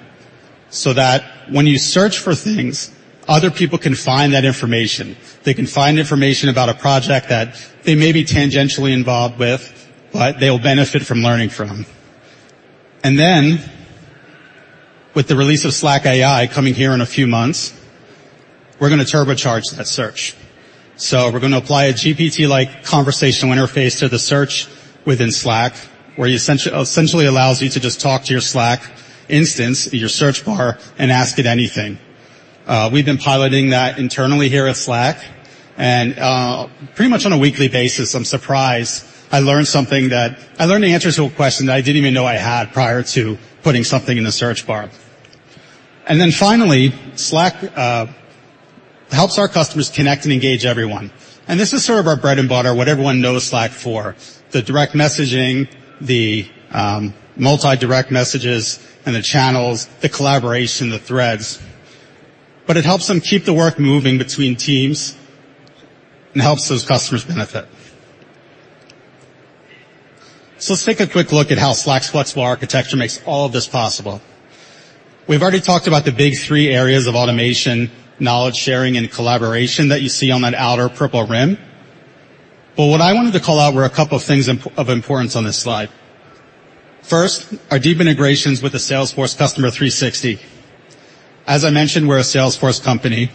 so that when you search for things, other people can find that information. They can find information about a project that they may be tangentially involved with, but they'll benefit from learning from. And then, with the release of Slack AI coming here in a few months, we're gonna turbocharge that search. We're gonna apply a GPT-like conversational interface to the search within Slack, where you essentially allows you to just talk to your Slack instance, your search bar, and ask it anything. We've been piloting that internally here at Slack, and pretty much on a weekly basis, I'm surprised I learned something that I learned the answer to a question that I didn't even know I had prior to putting something in the search bar. And then finally, Slack helps our customers connect and engage everyone. And this is sort of our bread and butter, what everyone knows Slack for, the direct messaging, the multi-direct messages and the channels, the collaboration, the threads, but it helps them keep the work moving between teams and helps those customers benefit. So let's take a quick look at how Slack's flexible architecture makes all of this possible. We've already talked about the big three areas of automation, knowledge sharing, and collaboration that you see on that outer purple rim. But what I wanted to call out were a couple of things of importance on this slide. First, our deep integrations with the Salesforce Customer 360. As I mentioned, we're a Salesforce company,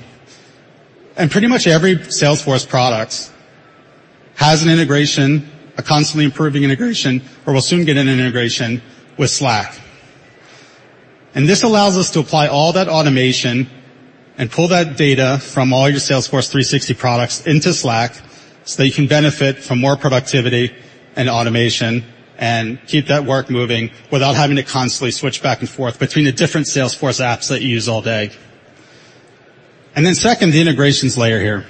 and pretty much every Salesforce products has an integration, a constantly improving integration, or will soon get an integration with Slack. And this allows us to apply all that automation and pull that data from all your Salesforce Customer 360 products into Slack, so that you can benefit from more productivity and automation and keep that work moving without having to constantly switch back and forth between the different Salesforce apps that you use all day. And then second, the integrations layer here,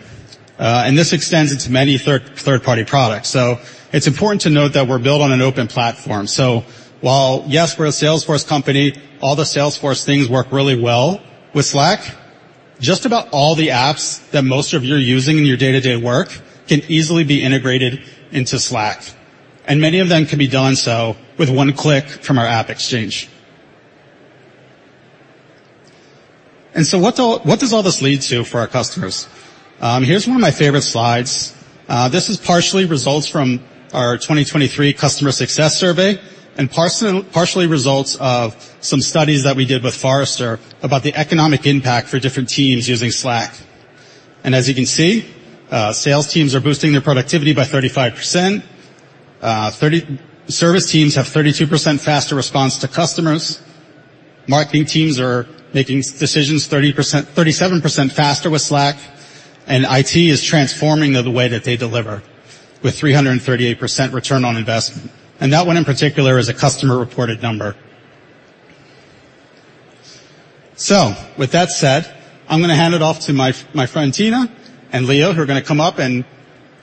and this extends into many third-party products. So it's important to note that we're built on an open platform. So while, yes, we're a Salesforce company, all the Salesforce things work really well with Slack. Just about all the apps that most of you are using in your day-to-day work can easily be integrated into Slack, and many of them can be done so with one click from our AppExchange. And so what does all this lead to for our customers? Here's one of my favorite slides. This is partially results from our 2023 Customer Success Survey and partially results of some studies that we did with Forrester about the economic impact for different teams using Slack. And as you can see, sales teams are boosting their productivity by 35%. Service teams have 32% faster response to customers. Marketing teams are making decisions 30%. 37% faster with Slack, and IT is transforming the way that they deliver with 338% return on investment, and that one, in particular, is a customer-reported number. So with that said, I'm gonna hand it off to my friend, Tina and Leo, who are gonna come up and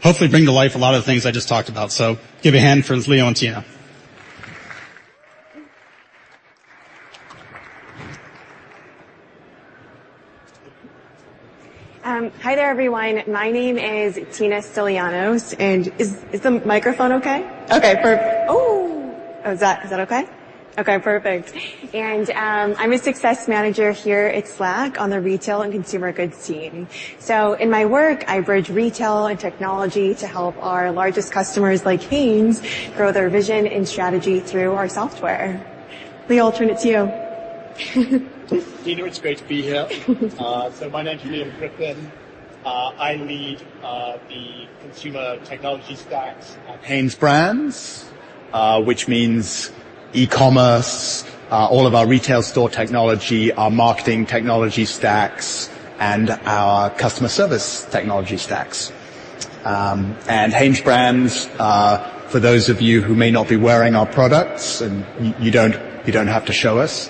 hopefully bring to life a lot of the things I just talked about. So give a hand for Leo and Tina. Hi there, everyone. My name is Tina Stilianos, and is the microphone okay? Okay. Ooh! Oh, is that okay? Okay, perfect. And, I'm a success manager here at Slack on the retail and consumer goods team. So in my work, I bridge retail and technology to help our largest customers, like Hanes, grow their vision and strategy through our software. Leo, I'll turn it to you. Leo, it's great to be here. So my name's Leo Griffin. I lead the consumer technology stacks at HanesBrands, which means e-commerce, all of our retail store technology, our marketing technology stacks, and our customer service technology stacks. And HanesBrands, for those of you who may not be wearing our products, and you don't have to show us,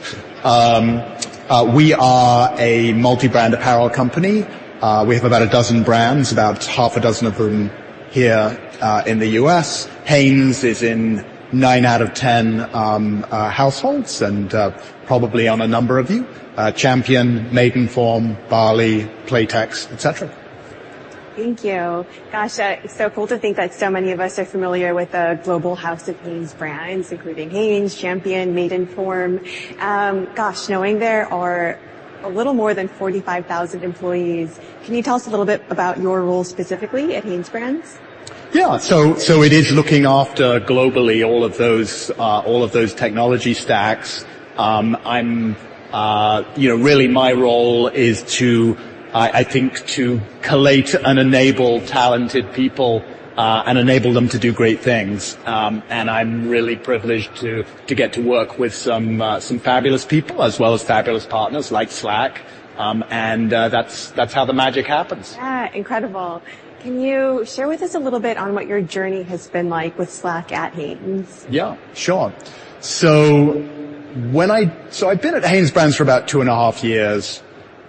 we are a multi-brand apparel company. We have about a dozen brands, about half a dozen of them here in the US. Hanes is in nine out of ten households, and probably on a number of you. Champion, Maidenform, Bali, Playtex, et cetera. Thank you. Gosh, it's so cool to think that so many of us are familiar with the global house of HanesBrands, including Hanes, Champion, Maidenform. Gosh, knowing there are a little more than 45,000 employees, can you tell us a little bit about your role specifically at HanesBrands? Yeah. So, so it is looking after, globally, all of those, all of those technology stacks. You know, really, my role is to, I, I think, to collate and enable talented people, and enable them to do great things. And I'm really privileged to, to get to work with some, some fabulous people, as well as fabulous partners like Slack. And, that's, that's how the magic happens. Yeah, incredible. Can you share with us a little bit on what your journey has been like with Slack at Hanes? Yeah, sure. So I've been at HanesBrands for about two and a half years.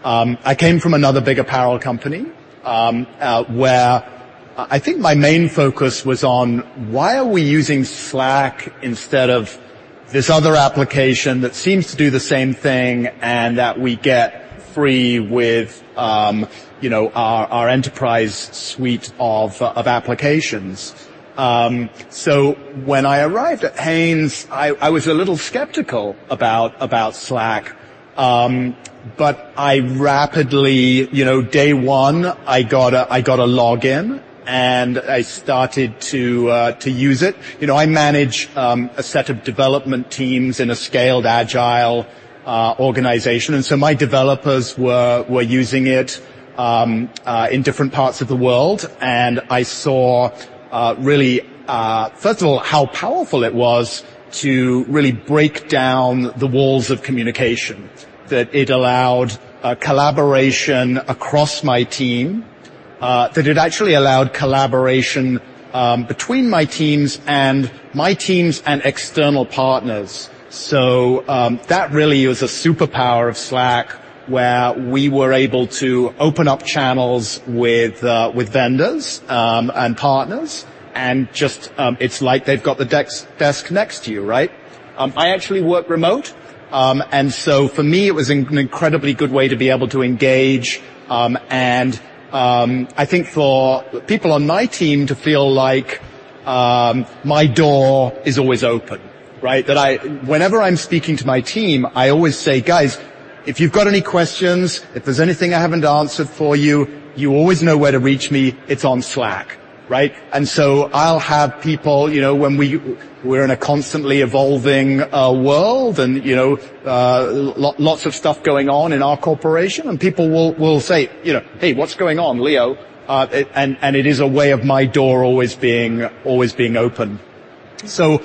I came from another big apparel company, where I think my main focus was on: why are we using Slack instead of this other application that seems to do the same thing and that we get free with, you know, our enterprise suite of applications? So when I arrived at Hanes, I was a little skeptical about Slack. But I rapidly, you know, day one, I got a login, and I started to use it. You know, I manage a set of development teams in a Scaled Agile organization, and so my developers were using it in different parts of the world. I saw, really, first of all, how powerful it was to really break down the walls of communication, that it allowed collaboration across my team, that it actually allowed collaboration between my teams and my teams and external partners. So, that really was a superpower of Slack, where we were able to open up channels with, with vendors and partners, and just, it's like they've got the desk next to you, right? I actually work remote. And so for me, it was an incredibly good way to be able to engage, and I think for people on my team to feel like my door is always open, right? Whenever I'm speaking to my team, I always say: "Guys, if you've got any questions, if there's anything I haven't answered for you, you always know where to reach me, it's on Slack." Right? And so I'll have people, you know... When we're in a constantly evolving world, and, you know, lots of stuff going on in our corporation, and people will say, you know, "Hey, what's going on, Leo?" And it is a way of my door always being open. So,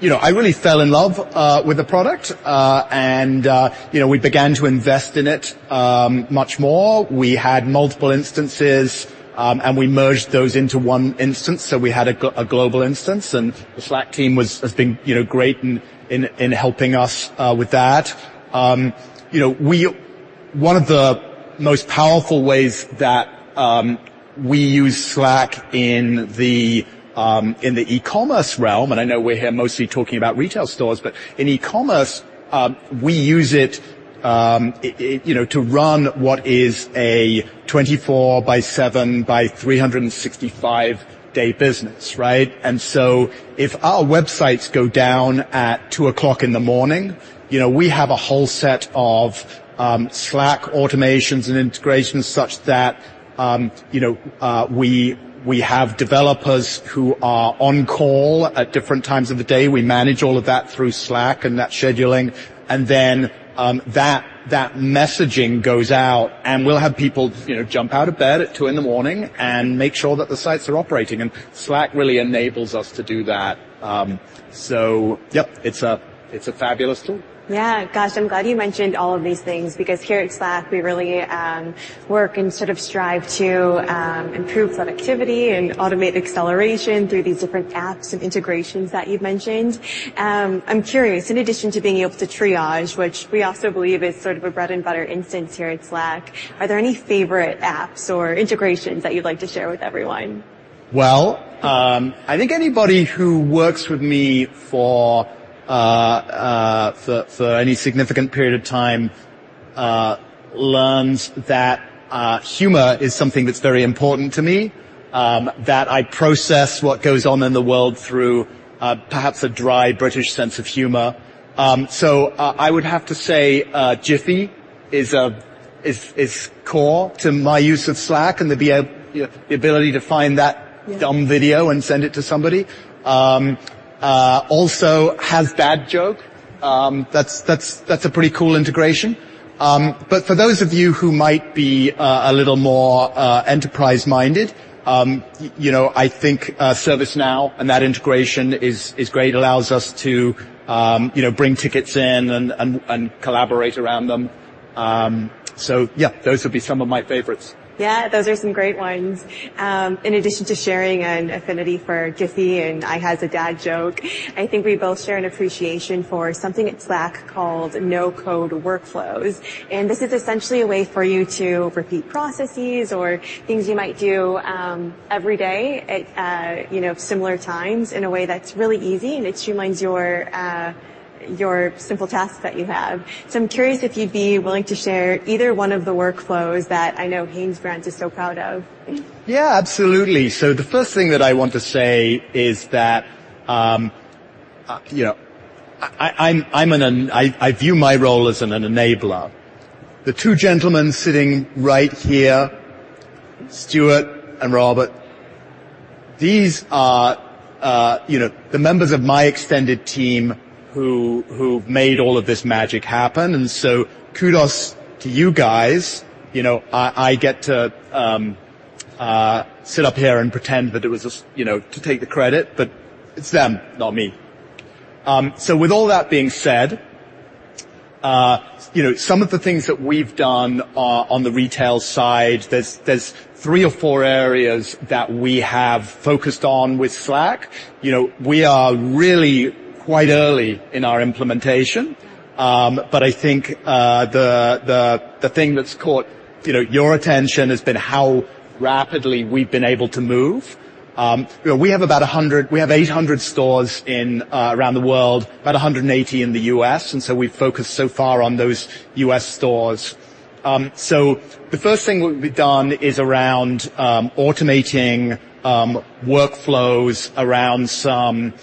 you know, I really fell in love with the product. And, you know, we began to invest in it much more. We had multiple instances, and we merged those into one instance, so we had a global instance, and the Slack team was, has been, you know, great in helping us with that. You know, we... One of the most powerful ways that we use Slack in the e-commerce realm, and I know we're here mostly talking about retail stores, but in e-commerce, we use it, it, you know, to run what is a 24/7/365-day business, right? And so if our websites go down at 2:00 A.M., you know, we have a whole set of Slack automations and integrations such that, you know, we, we have developers who are on call at different times of the day. We manage all of that through Slack and that scheduling, and then, that, that messaging goes out, and we'll have people, you know, jump out of bed at 2:00 A.M. and make sure that the sites are operating, and Slack really enables us to do that. So yep, it's a, it's a fabulous tool. Yeah. Gosh, I'm glad you mentioned all of these things, because here at Slack, we really work and sort of strive to improve productivity and automate acceleration through these different apps and integrations that you've mentioned. I'm curious, in addition to being able to triage, which we also believe is sort of a bread and butter instance here at Slack, are there any favorite apps or integrations that you'd like to share with everyone? Well, I think anybody who works with me for any significant period of time learns that humor is something that's very important to me, that I process what goes on in the world through perhaps a dry British sense of humor. So I would have to say Giphy is core to my use of Slack, and the ability to find that- Yeah dumb video and send it to somebody. Also has Dad Joke. That's a pretty cool integration. But for those of you who might be a little more enterprise-minded, you know, I think ServiceNow and that integration is great. It allows us to, you know, bring tickets in and collaborate around them. So yeah, those would be some of my favorites. Yeah, those are some great ones. In addition to sharing an affinity for Giphy, and I has a Dad Joke, I think we both share an appreciation for something at Slack called No-Code Workflows, and this is essentially a way for you to repeat processes or things you might do every day at, you know, similar times in a way that's really easy, and it streamlines your your simple tasks that you have. So I'm curious if you'd be willing to share either one of the workflows that I know HanesBrands is so proud of. Yeah, absolutely. So the first thing that I want to say is that, you know, I, I'm an enabler. I view my role as an enabler. The two gentlemen sitting right here, Stuart and Robert, these are, you know, the members of my extended team who've made all of this magic happen, and so kudos to you guys. You know, I get to sit up here and pretend that it was just, you know, to take the credit, but it's them, not me. So with all that being said, you know, some of the things that we've done on the retail side, there's three or four areas that we have focused on with Slack. You know, we are really quite early in our implementation, but I think, the thing that's caught, you know, your attention has been how rapidly we've been able to move. You know, we have 800 stores around the world, about 180 in the U.S., and so we've focused so far on those U.S. stores. So the first thing we've done is around automating workflows around some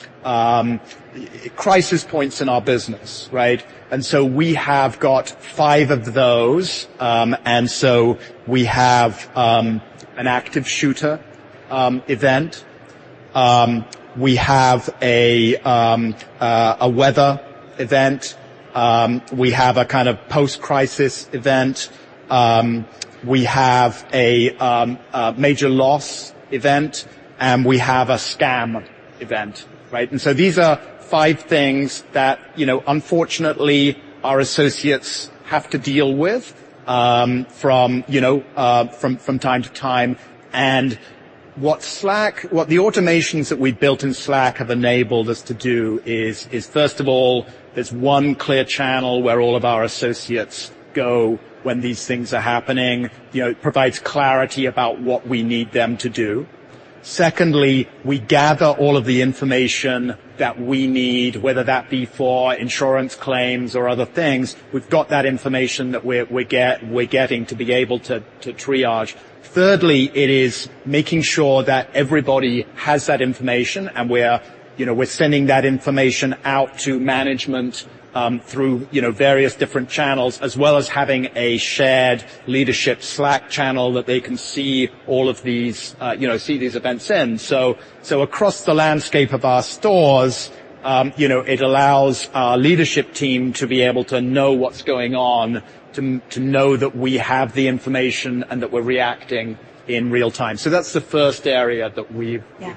crisis points in our business, right? And so we have got five of those. And so we have an active shooter event, we have a weather event, we have a kind of post-crisis event, we have a major loss event, and we have a scam event, right? So these are five things that, you know, unfortunately, our associates have to deal with from, you know, from time to time. What the automations that we've built in Slack have enabled us to do is first of all, there's one clear channel where all of our associates go when these things are happening. You know, it provides clarity about what we need them to do. Secondly, we gather all of the information that we need, whether that be for insurance claims or other things, we've got that information that we're getting to be able to triage. Thirdly, it is making sure that everybody has that information, and we're, you know, we're sending that information out to management, through, you know, various different channels, as well as having a shared leadership Slack channel that they can see all of these, you know, see these events in. So across the landscape of our stores, it allows our leadership team to be able to know what's going on, to know that we have the information, and that we're reacting in real time. So that's the first area that we've- Yeah.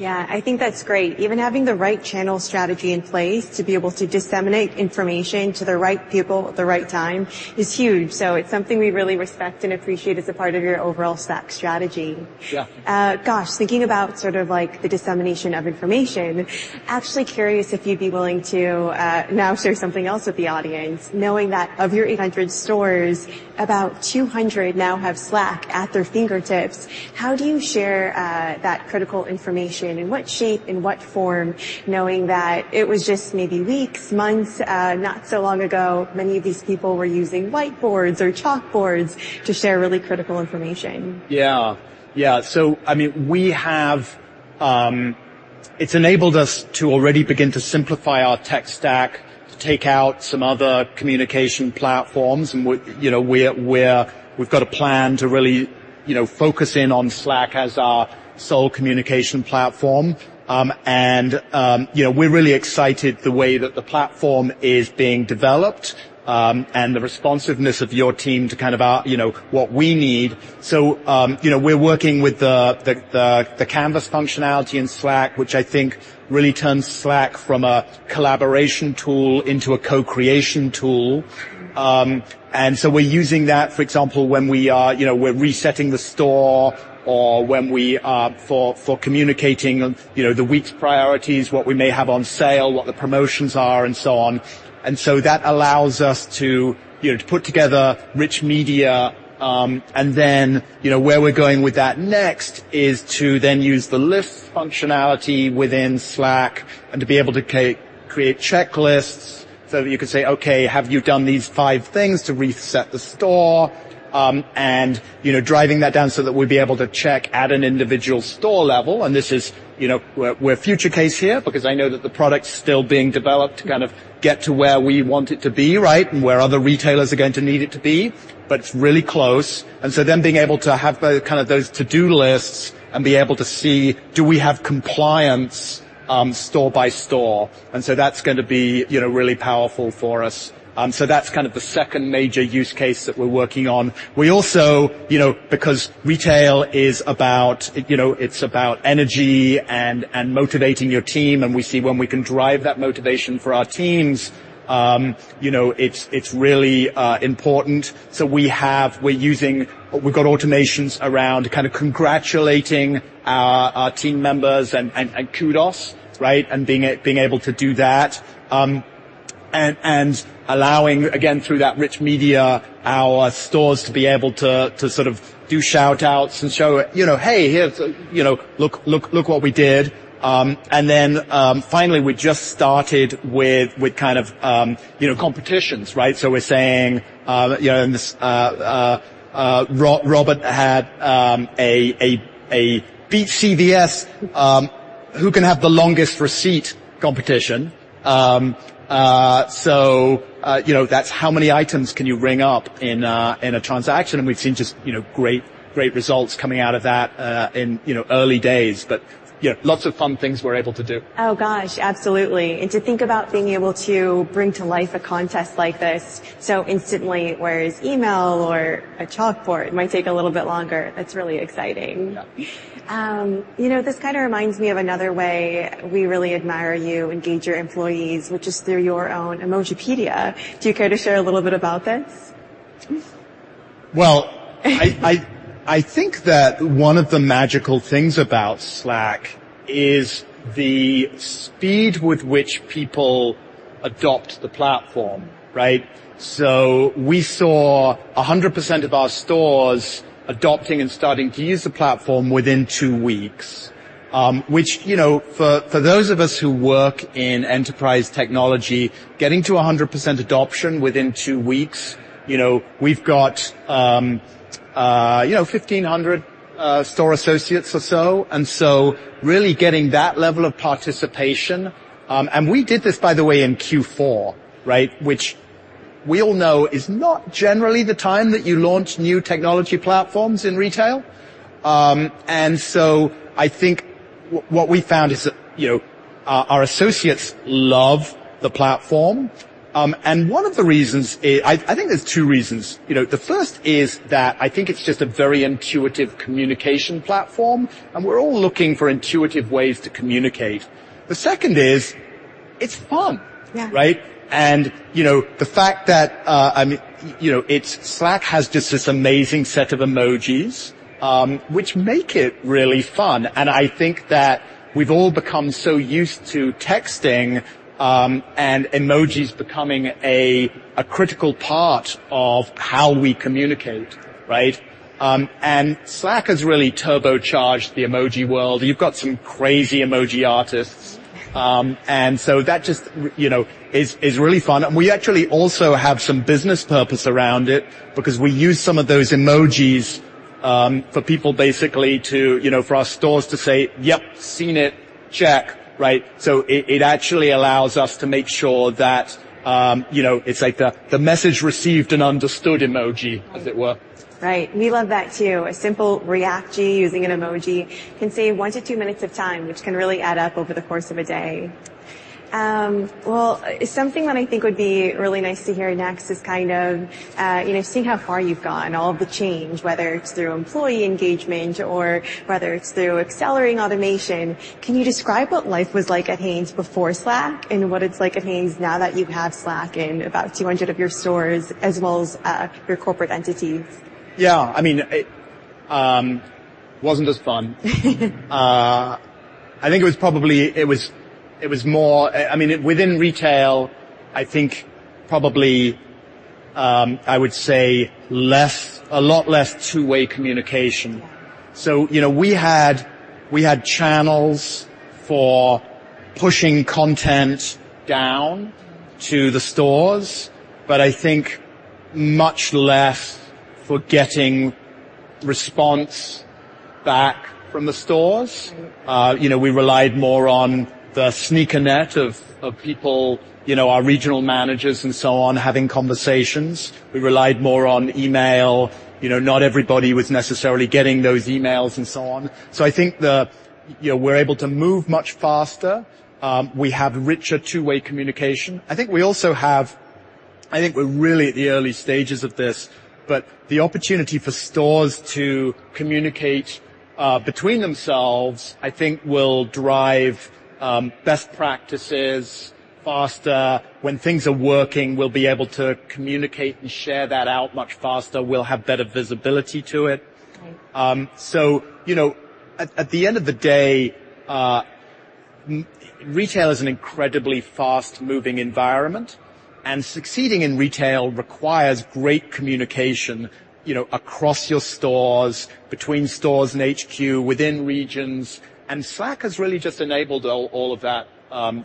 -we've automated. Yeah, I think that's great. Even having the right channel strategy in place to be able to disseminate information to the right people at the right time is huge. So it's something we really respect and appreciate as a part of your overall Slack strategy. Sure. Gosh, thinking about sort of like the dissemination of information, actually curious if you'd be willing to now share something else with the audience. Knowing that of your 800 stores, about 200 now have Slack at their fingertips, how do you share that critical information? In what shape, in what form, knowing that it was just maybe weeks, months, not so long ago, many of these people were using whiteboards or chalkboards to share really critical information? Yeah. Yeah. So I mean, we have... It's enabled us to already begin to simplify our tech stack, to take out some other communication platforms, and, you know, we're, we've got a plan to really, you know, focus in on Slack as our sole communication platform. And, you know, we're really excited the way that the platform is being developed, and the responsiveness of your team to kind of our, you know, what we need. So, you know, we're working with the Canvas functionality in Slack, which I think really turns Slack from a collaboration tool into a co-creation tool. And so we're using that, for example, when we are, you know, we're resetting the store or when we are for communicating, you know, the week's priorities, what we may have on sale, what the promotions are, and so on. And so that allows us to, you know, to put together rich media, and then, you know, where we're going with that next is to then use the List functionality within Slack and to be able to create checklists. So you can say, "Okay, have you done these five things to reset the store?" and, you know, driving that down so that we'd be able to check at an individual store level, and this is, you know, we're future case here because I know that the product's still being developed to kind of get to where we want it to be, right? And where other retailers are going to need it to be, but it's really close. Being able to have those, kind of those to-do lists and be able to see, do we have compliance, store by store? That's gonna be, you know, really powerful for us. So that's kind of the second major use case that we're working on. We also you know, because retail is about, you know, it's about energy and motivating your team, and we see when we can drive that motivation for our teams, you know, it's really important. So we have automations around kind of congratulating our team members, and kudos, right? And being able to do that. We allowing, again, through that rich media, our stores to be able to sort of do shout-outs and show, you know, "Hey, here," you know, "Look, look, look what we did." And then, finally, we just started with kind of, you know, competitions, right? So we're saying, you know, and this Rob had a beat CVS who can have the longest receipt competition. So, you know, that's how many items can you ring up in a transaction, and we've seen just, you know, great, great results coming out of that in early days, but, you know, lots of fun things we're able to do. Oh, gosh, absolutely. And to think about being able to bring to life a contest like this so instantly, whereas email or a chalkboard, it might take a little bit longer. That's really exciting. Yeah. You know, this kind of reminds me of another way we really admire you engage your employees, which is through your own Emojipedia. Do you care to share a little bit about this? I think that one of the magical things about Slack is the speed with which people adopt the platform, right? So we saw 100% of our stores adopting and starting to use the platform within two weeks, which, you know, for those of us who work in enterprise technology, getting to a 100% adoption within two weeks, you know, we've got, you know, 1,500 store associates or so, and so really getting that level of participation. And we did this, by the way, in Q4, right? Which we all know is not generally the time that you launch new technology platforms in retail. And so I think what we found is that, you know, our associates love the platform. And one of the reasons is. I think there's two reasons. You know, the first is that I think it's just a very intuitive communication platform, and we're all looking for intuitive ways to communicate. The second is, it's fun. Yeah. Right? And, you know, the fact that, I mean, you know, it's Slack has just this amazing set of emojis, which make it really fun, and I think that we've all become so used to texting, and emojis becoming a critical part of how we communicate, right? And Slack has really turbocharged the emoji world. You've got some crazy emoji artists. And so that just, you know, is really fun. And we actually also have some business purpose around it because we use some of those emojis, for people basically to, you know, for our stores to say, "Yep, seen it. Check." Right? So it actually allows us to make sure that, you know, it's like the message received and understood emoji, as it were. Right. We love that, too. A simple reaction using an emoji can save one to two minutes of time, which can really add up over the course of a day. Well, something that I think would be really nice to hear next is kind of, you know, seeing how far you've gotten, all of the change, whether it's through employee engagement or whether it's through accelerating automation. Can you describe what life was like at Hanes before Slack and what it's like at Hanes now that you have Slack in about 200 of your stores, as well as your corporate entities? Yeah. I mean, it wasn't as fun. I think it was probably. It was more. I mean, within retail, I think probably, I would say less, a lot less two-way communication. Yeah. You know, we had, we had channels for pushing content down to the stores, but I think much less for getting response back from the stores. You know, we relied more on the sneakernet of people, you know, our regional managers and so on, having conversations. We relied more on email. You know, not everybody was necessarily getting those emails, and so on. So I think the... You know, we're able to move much faster. We have richer two-way communication. I think we also have. I think we're really at the early stages of this, but the opportunity for stores to communicate between themselves, I think, will drive best practices faster. When things are working, we'll be able to communicate and share that out much faster. We'll have better visibility to it. Right. So, you know, at the end of the day, retail is an incredibly fast-moving environment, and succeeding in retail requires great communication, you know, across your stores, between stores and HQ, within regions, and Slack has really just enabled all of that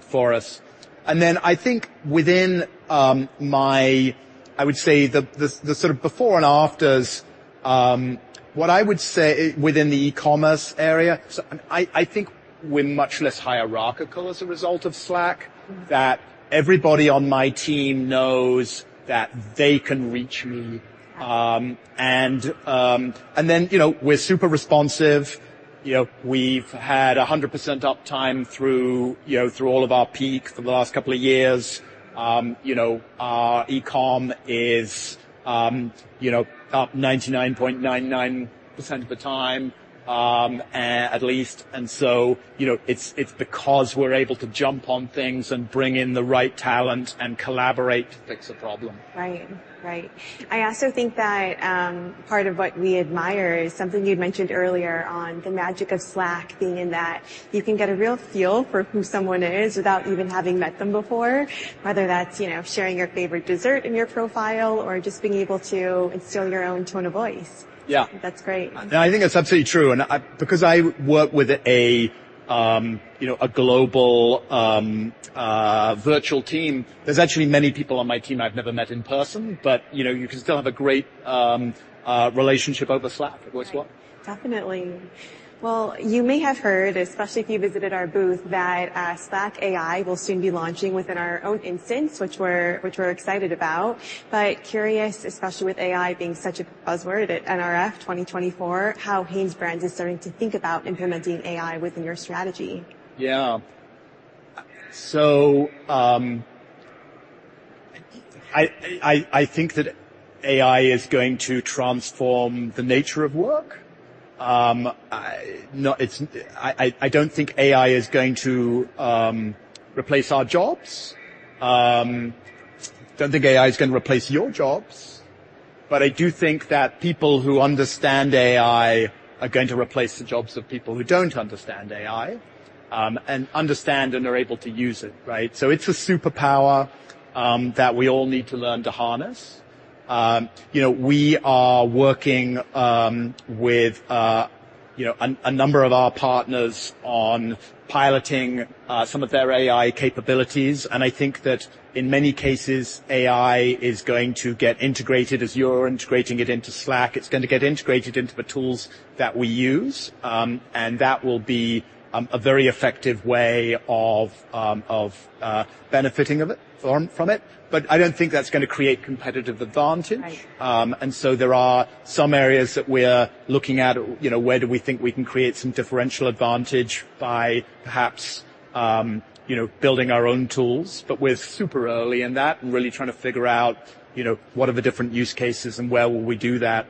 for us. And then I think within my, I would say, the sort of before and afters, what I would say within the e-commerce area, so I think we're much less hierarchical as a result of Slack. That everybody on my team knows that they can reach me. And then, you know, we're super responsive. You know, we've had 100% uptime through, you know, through all of our peak for the last couple of years. You know, our e-com is, you know, up 99.99% of the time, at least. And so, you know, it's, it's because we're able to jump on things and bring in the right talent and collaborate to fix a problem. Right. Right. I also think that part of what we admire is something you'd mentioned earlier on the magic of Slack, being that you can get a real feel for who someone is without even having met them before, whether that's, you know, sharing your favorite dessert in your profile or just being able to instill your own tone of voice. Yeah. That's great. I think that's absolutely true, and because I work with a, you know, a global, virtual team, there's actually many people on my team I've never met in person, but, you know, you can still have a great, relationship over Slack, which is well. Definitely. Well, you may have heard, especially if you visited our booth, that Slack AI will soon be launching within our own instance, which we're excited about. But curious, especially with AI being such a buzzword at NRF 2024, how HanesBrands is starting to think about implementing AI within your strategy. Yeah. So, I think that AI is going to transform the nature of work. No, I don't think AI is going to replace our jobs. Don't think AI is gonna replace your jobs. But I do think that people who understand AI are going to replace the jobs of people who don't understand AI, and understand and are able to use it, right? So it's a superpower that we all need to learn to harness. You know, we are working with you know, a number of our partners on piloting some of their AI capabilities, and I think that in many cases, AI is going to get integrated as you're integrating it into Slack. It's gonna get integrated into the tools that we use, and that will be a very effective way of benefiting from it. But I don't think that's gonna create competitive advantage. Right. And so there are some areas that we're looking at, you know, where do we think we can create some differential advantage by perhaps, you know, building our own tools, but we're super early in that and really trying to figure out, you know, what are the different use cases and where will we do that?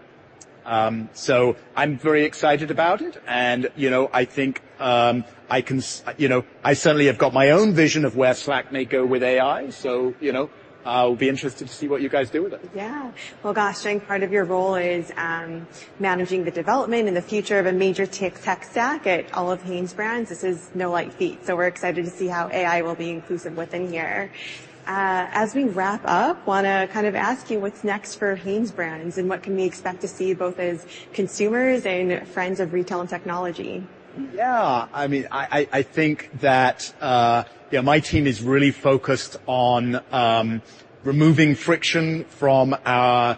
So I'm very excited about it, and, you know, I think, you know, I certainly have got my own vision of where Slack may go with AI, so, you know, I'll be interested to see what you guys do with it. Yeah. Well, gosh, dang, part of your role is managing the development and the future of a major tech stack at all of HanesBrands. This is no light feat, so we're excited to see how AI will be inclusive within here. As we wrap up, wanna kind of ask you what's next for HanesBrands, and what can we expect to see both as consumers and friends of retail and technology? Yeah, I mean, I think that, yeah, my team is really focused on removing friction from our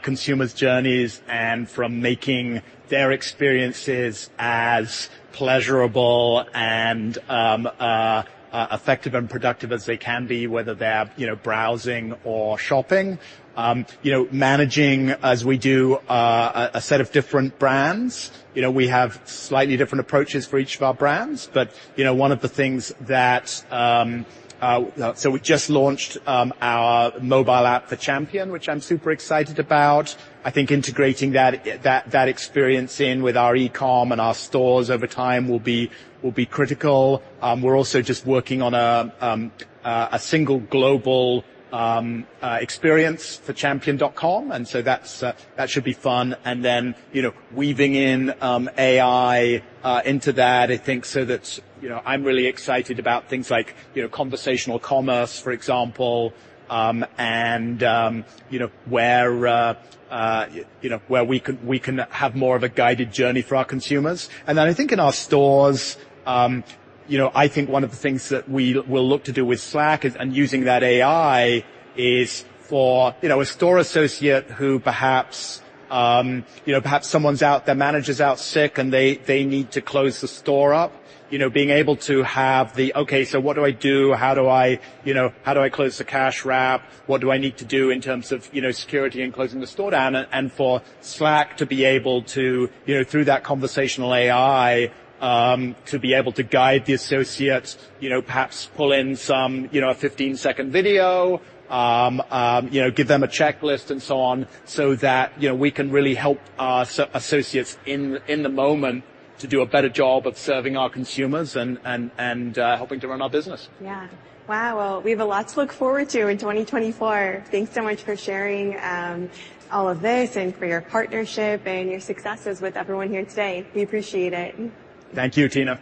consumers' journeys and from making their experiences as pleasurable and effective and productive as they can be, whether they're, you know, browsing or shopping. You know, managing, as we do, a set of different brands, you know, we have slightly different approaches for each of our brands, but, you know, one of the things that... So we just launched our mobile app for Champion, which I'm super excited about. I think integrating that experience in with our e-com and our stores over time will be critical. We're also just working on a single global experience for champion.com, and so that's that should be fun. And then, you know, weaving in, AI, into that, I think, so that, you know, I'm really excited about things like, you know, conversational commerce, for example, and, you know, where, you know, where we can, we can have more of a guided journey for our consumers. And then I think in our stores, you know, I think one of the things that we will look to do with Slack is, and using that AI, is for, you know, a store associate who perhaps, you know, perhaps someone's out, their manager's out sick, and they, they need to close the store up. You know, being able to have the: Okay, so what do I do? How do I, you know, how do I close the cash wrap? What do I need to do in terms of, you know, security and closing the store down? And for Slack to be able to, you know, through that conversational AI, to be able to guide the associates, you know, perhaps pull in some, you know, a 15-second video, you know, give them a checklist and so on, so that, you know, we can really help our associates in the moment to do a better job of serving our consumers and helping to run our business. Yeah. Wow! Well, we have a lot to look forward to in 2024. Thanks so much for sharing all of this and for your partnership and your successes with everyone here today. We appreciate it. Thank you, Tina.